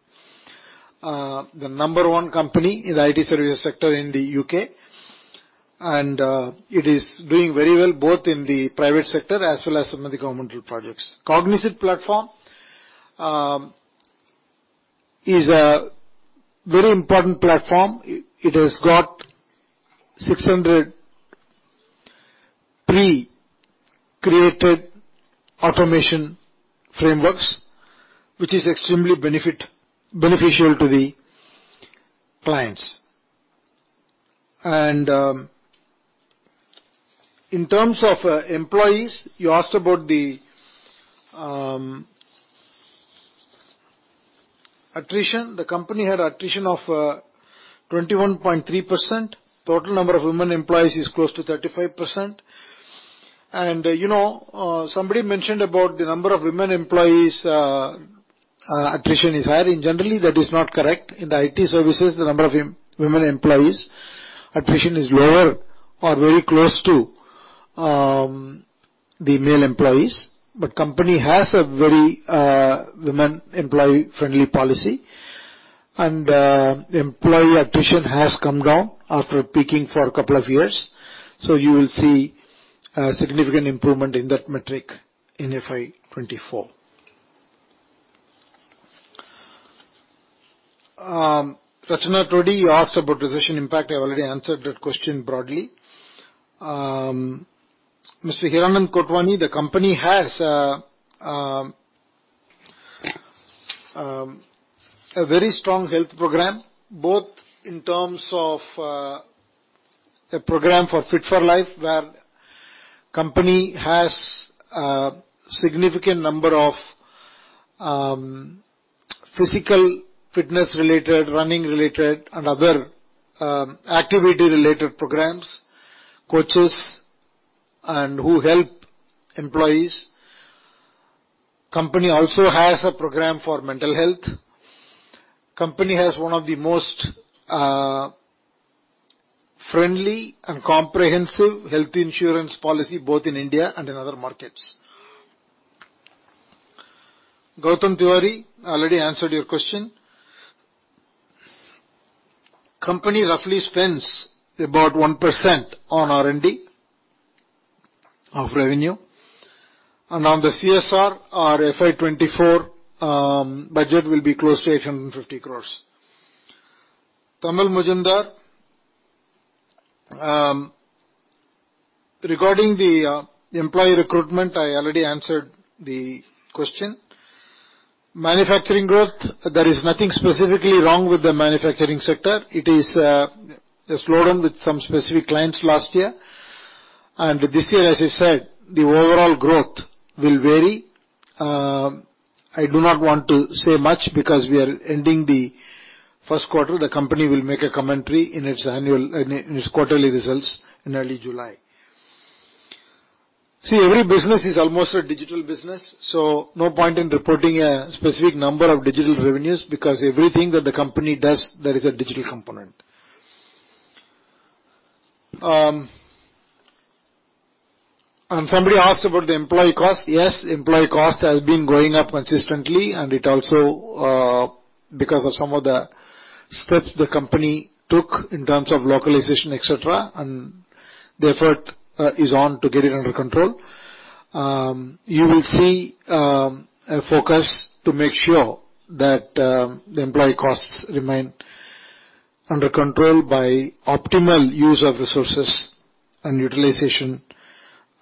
the number one company in the IT service sector in the U.K. It is doing very well, both in the private sector as well as some of the governmental projects. Cognizant Platform is a very important platform. It has got 600 pre-created automation frameworks, which is extremely beneficial to the clients. In terms of employees, you asked about the attrition. The company had attrition of 21.3%. Total number of women employees is close to 35%. You know, somebody mentioned about the number of women employees, attrition is higher. Generally, that is not correct. In the IT services, the number of women employees, attrition is lower or very close to the male employees. Company has a very women employee-friendly policy, employee attrition has come down after peaking for a couple of years, you will see a significant improvement in that metric in FY 2024. Rachana Todi, you asked about decision impact. I already answered that question broadly. Mr. Hiranand Kotwani, the company has a very strong health program, both in terms of a program for Fit4Life, where company has a significant number of physical fitness-related, running-related, and other activity-related programs, coaches, and who help employees. Company also has a program for mental health. Company has one of the most friendly and comprehensive health insurance policy, both in India and in other markets. Gautam Tiwari, I already answered your question. Company roughly spends about 1% on R&D of revenue. On the CSR, our FY 2024 budget will be close to 850 crores. Tamal Majumder. Regarding the employee recruitment, I already answered the question. Manufacturing growth, there is nothing specifically wrong with the manufacturing sector. It is a slowdown with some specific clients last year. This year, as I said, the overall growth will vary. I do not want to say much because we are ending the first quarter. The company will make a commentary in its annual in its quarterly results in early July. See, every business is almost a digital business, so no point in reporting a specific number of digital revenues, because everything that the company does, there is a digital component. Somebody asked about the employee cost. Yes, employee cost has been going up consistently, and it also, because of some of the steps the company took in terms of localization, et cetera, and the effort, is on to get it under control. You will see a focus to make sure that the employee costs remain under control by optimal use of resources and utilization,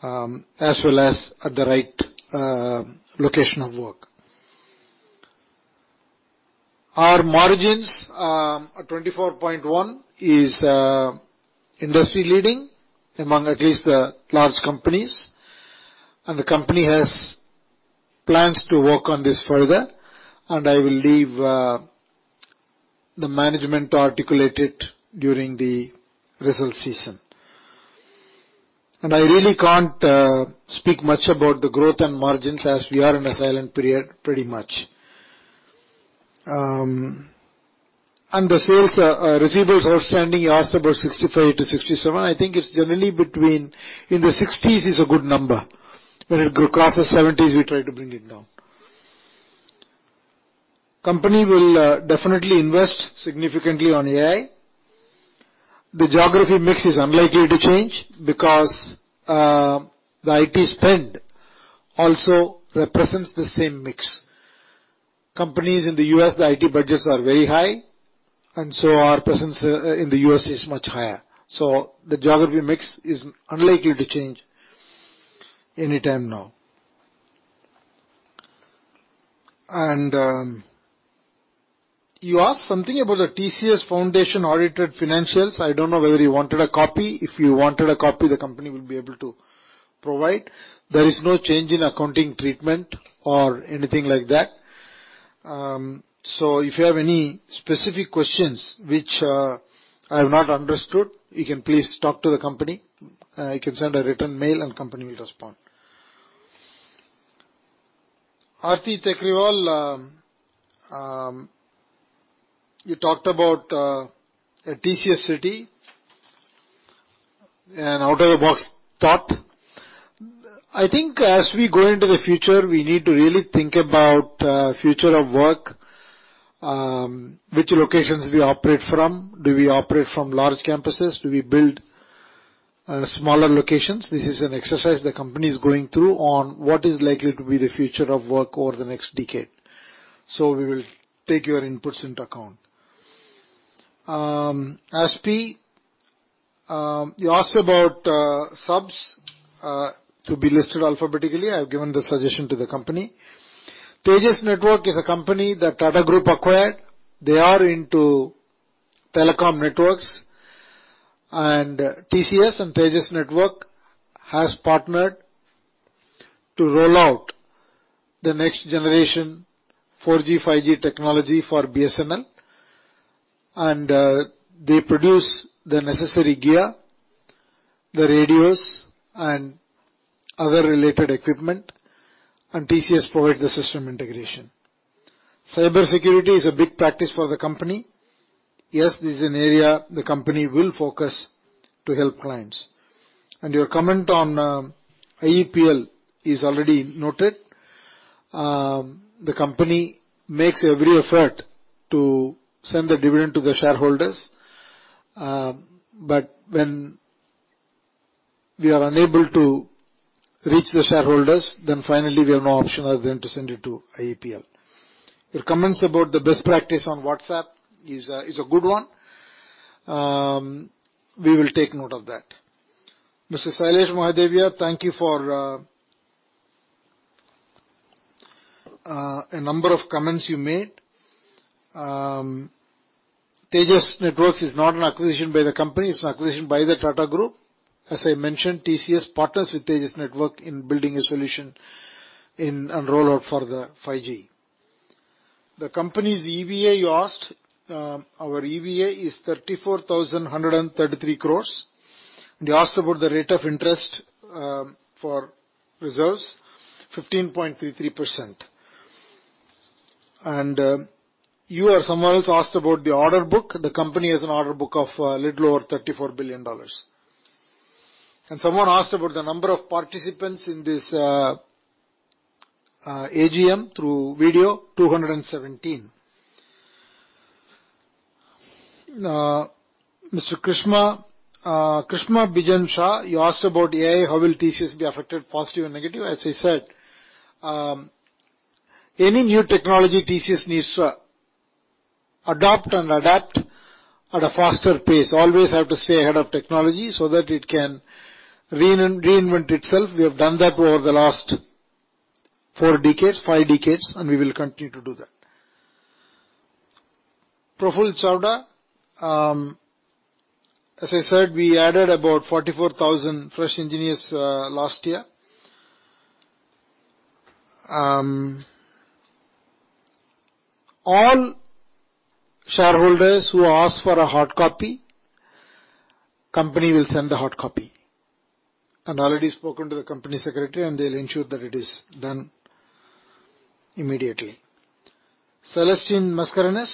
as well as at the right location of work. Our margins, at 24.1%, is industry leading among at least the large companies, and the company has plans to work on this further, and I will leave the management to articulate it during the result season. I really can't speak much about the growth and margins as we are in a silent period, pretty much. The sales receivables outstanding, you asked about 65-67. I think it's generally in the 60s is a good number. When it crosses 70s, we try to bring it down. Company will definitely invest significantly on AI. The geography mix is unlikely to change because the IT spend also represents the same mix. Companies in the U.S., the IT budgets are very high, and so our presence in the U.S. is much higher. The geography mix is unlikely to change any time now. You asked something about the TCS Foundation-audited financials. I don't know whether you wanted a copy. If you wanted a copy, the company will be able to provide. There is no change in accounting treatment or anything like that. If you have any specific questions which I have not understood, you can please talk to the company. You can send a written mail, company will respond. Arti Tekriwal, you talked about a TCS city, an out-of-the-box thought. I think as we go into the future, we need to really think about future of work, which locations we operate from. Do we operate from large campuses? Do we build smaller locations? This is an exercise the company is going through on what is likely to be the future of work over the next decade. We will take your inputs into account. Aspi, you asked about subs to be listed alphabetically. I have given the suggestion to the company. Tejas Networks is a company that Tata Group acquired. They are into telecom networks. TCS and Tejas Networks has partnered to roll out the next generation 4G, 5G technology for BSNL. They produce the necessary gear, the radios and other related equipment. TCS provides the system integration. Cybersecurity is a big practice for the company. Yes, this is an area the company will focus to help clients. Your comment on IEPF is already noted. The company makes every effort to send the dividend to the shareholders, but when we are unable to reach the shareholders, then finally we have no option other than to send it to IEPF. Your comments about the best practice on WhatsApp is a good one. We will take note of that. Mr. Shailesh Mahadevia, thank you for a number of comments you made. Tejas Networks is not an acquisition by the company, it's an acquisition by the Tata Group. As I mentioned, TCS partners with Tejas Network in building a solution in and rollout for the 5G. The company's EVA, you asked, our EVA is 34,133 crores. You asked about the rate of interest, for reserves, 15.33%. You or someone else asked about the order book. The company has an order book of a little over $34 billion. Someone asked about the number of participants in this AGM through video, 217. Mr. Krishma Bijen Shah, you asked about AI, how will TCS be affected, positive or negative? As I said, any new technology TCS needs to adopt and adapt at a faster pace. Always have to stay ahead of technology so that it can reinvent itself. We have done that over the last four decades, five decades, and we will continue to do that. Praful Chavda, as I said, we added about 44,000 fresh engineers last year. All shareholders who ask for a hard copy, company will send the hard copy. I've already spoken to the company secretary, they'll ensure that it is done immediately. Celestine Mascarenhas,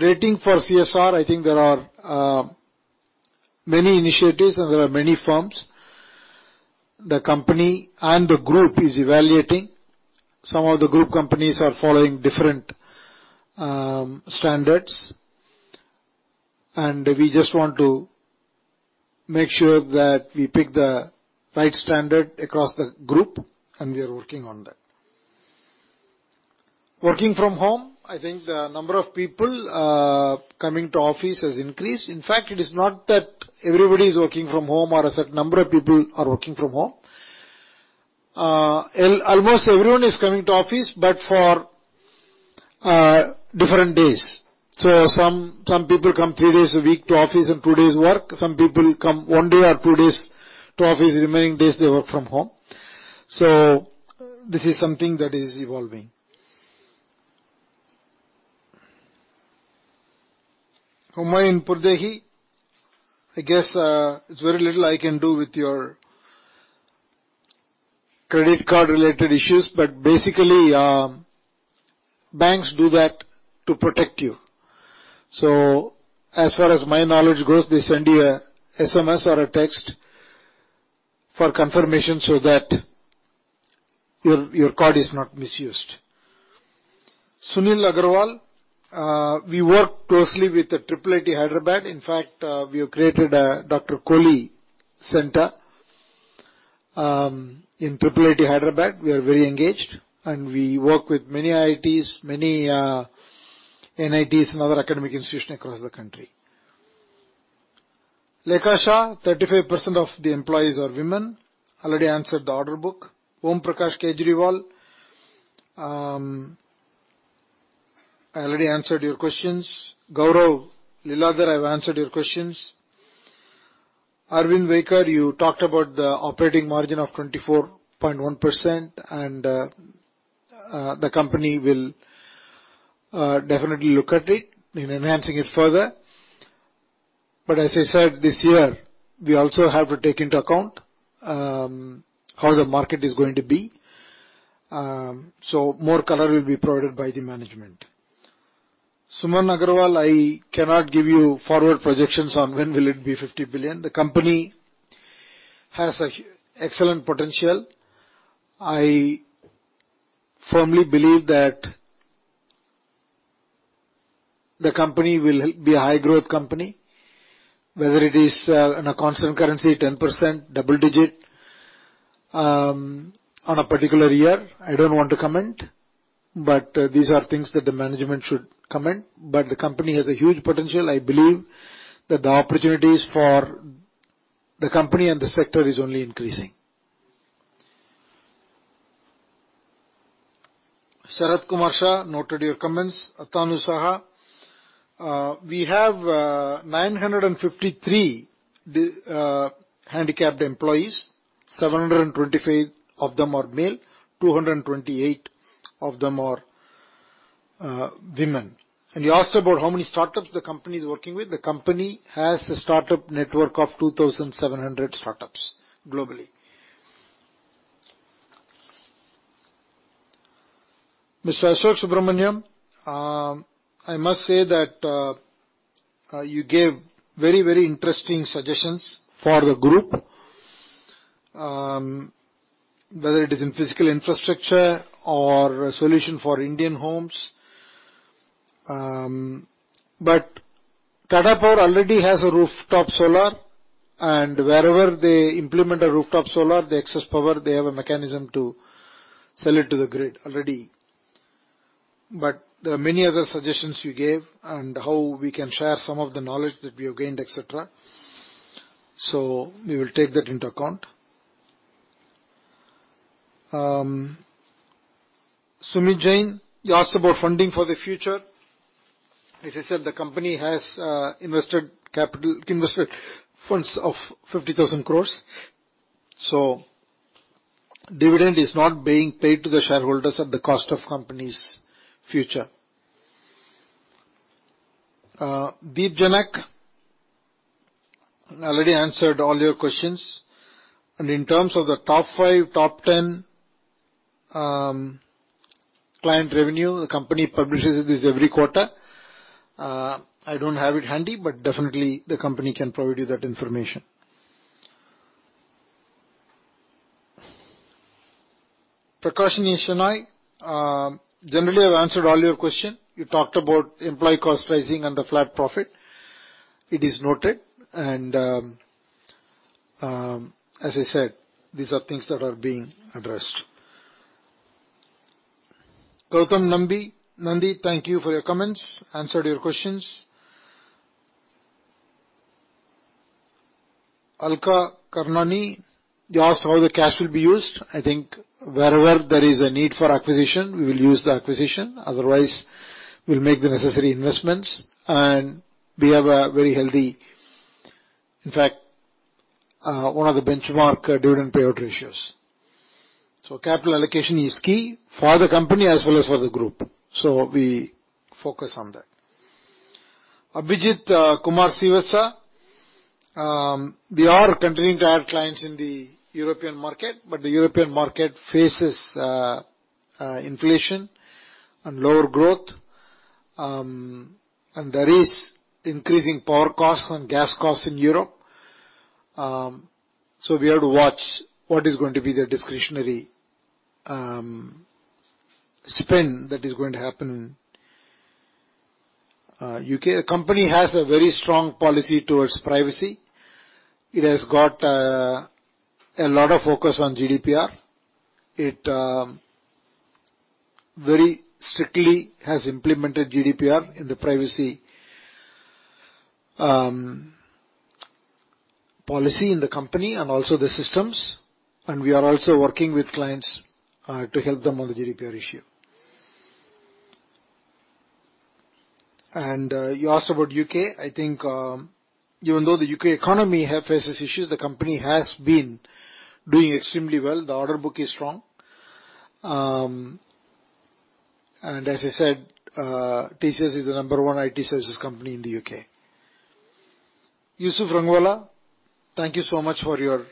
rating for CSR, I think there are many initiatives, there are many firms. The company and the group is evaluating. Some of the group companies are following different standards, we just want to make sure that we pick the right standard across the group, we are working on that. Working from home, I think the number of people coming to office has increased. In fact, it is not that everybody is working from home or a certain number of people are working from home. almost everyone is coming to office, but for different days. Some people come three days a week to office and two days work. Some people come one day or two days to office, the remaining days they work from home. This is something that is evolving. Homayun Pouredehi, I guess, there's very little I can do with your credit card-related issues, but basically, banks do that to protect you. As far as my knowledge goes, they send you a SMS or a text for confirmation so that your card is not misused. Sunil Agarwal, we work closely with the IIIT Hyderabad. In fact, we have created a Dr. Kohli Center in IIIT Hyderabad. We are very engaged, we work with many IITs, many NITs, and other academic institutions across the country. Lekha Shah, 35% of the employees are women. Already answered the order book. Om Prakash Kejriwal, I already answered your questions. Gaurav Liladhar, I've answered your questions. Arvind Waikar, you talked about the operating margin of 24.1%, the company will definitely look at it in enhancing it further. As I said, this year, we also have to take into account how the market is going to be. More color will be provided by the management. Suman Agarwal, I cannot give you forward projections on when will it be $50 billion. The company has excellent potential. I firmly believe that the company will be a high-growth company, whether it is in a constant currency, 10%, double-digit on a particular year, I don't want to comment. These are things that the management should comment. The company has a huge potential. I believe that the opportunities for the company and the sector is only increasing. Sharat Kumar Shah, noted your comments. Atanu Saha, we have 953 handicapped employees: 725 of them are male, 228 of them are women. You asked about how many startups the company is working with. The company has a startup network of 2,700 startups globally. Mr. Asok Subrahmanyam, I must say that you gave very, very interesting suggestions for the group. Whether it is in physical infrastructure or a solution for Indian homes. Tata Power already has a rooftop solar, and wherever they implement a rooftop solar, the excess power, they have a mechanism to sell it to the grid already. There are many other suggestions you gave and how we can share some of the knowledge that we have gained, et cetera. We will take that into account. Sumit Jain, you asked about funding for the future. As I said, the company has invested funds of 50,000 crores, so dividend is not being paid to the shareholders at the cost of company's future. Deep Janak, I already answered all your questions. In terms of the top 5, top 10, client revenue, the company publishes this every quarter. I don't have it handy, but definitely, the company can provide you that information. Prakashini Shenoy, generally, I've answered all your question. You talked about employee cost rising and the flat profit. It is noted, and as I said, these are things that are being addressed. Goutam Nandy, thank you for your comments. Answered your questions. Alka Karnani, you asked how the cash will be used. I think wherever there is a need for acquisition, we will use the acquisition, otherwise, we'll make the necessary investments. We have a very healthy, in fact, one of the benchmark dividend payout ratios. Capital allocation is key for the company as well as for the group, so we focus on that. Abhijeet Kumar Srivastava, we are continuing to add clients in the European market, the European market faces inflation and lower growth. There is increasing power costs and gas costs in Europe. We have to watch what is going to be the discretionary spend that is going to happen. U.K., the company has a very strong policy towards privacy. It has got a lot of focus on GDPR. It very strictly has implemented GDPR in the privacy policy in the company and also the systems, we are also working with clients to help them on the GDPR issue. You asked about U.K. I think, even though the U.K. economy have faces issues, the company has been doing extremely well. The order book is strong. As I said, TCS is the number one IT services company in the U.K. Yusuf Rangwala, thank you so much for your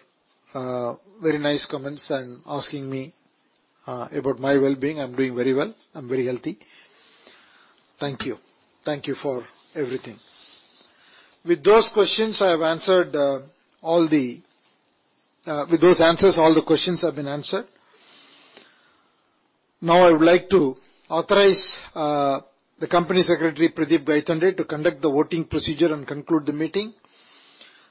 very nice comments and asking me about my well-being. I'm doing very well. I'm very healthy. Thank you. Thank you for everything. With those answers, all the questions have been answered. Now, I would like to authorize the company secretary, Pradeep Gaitonde, to conduct the voting procedure and conclude the meeting.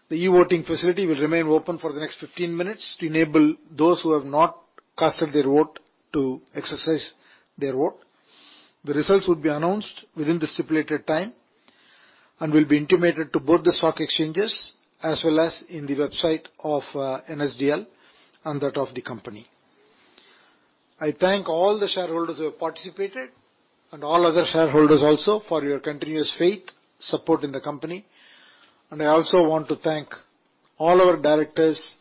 The e-voting facility will remain open for the next 15 minutes to enable those who have not casted their vote to exercise their vote. The results will be announced within the stipulated time and will be intimated to both the stock exchanges, as well as in the website of NSDL and that of the company. I thank all the shareholders who have participated and all other shareholders also for your continuous faith, support in the company. I also want to thank all our directors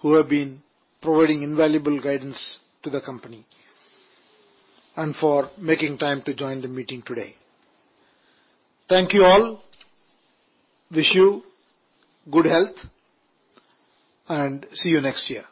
who have been providing invaluable guidance to the company and for making time to join the meeting today. Thank you all. Wish you good health, and see you next year.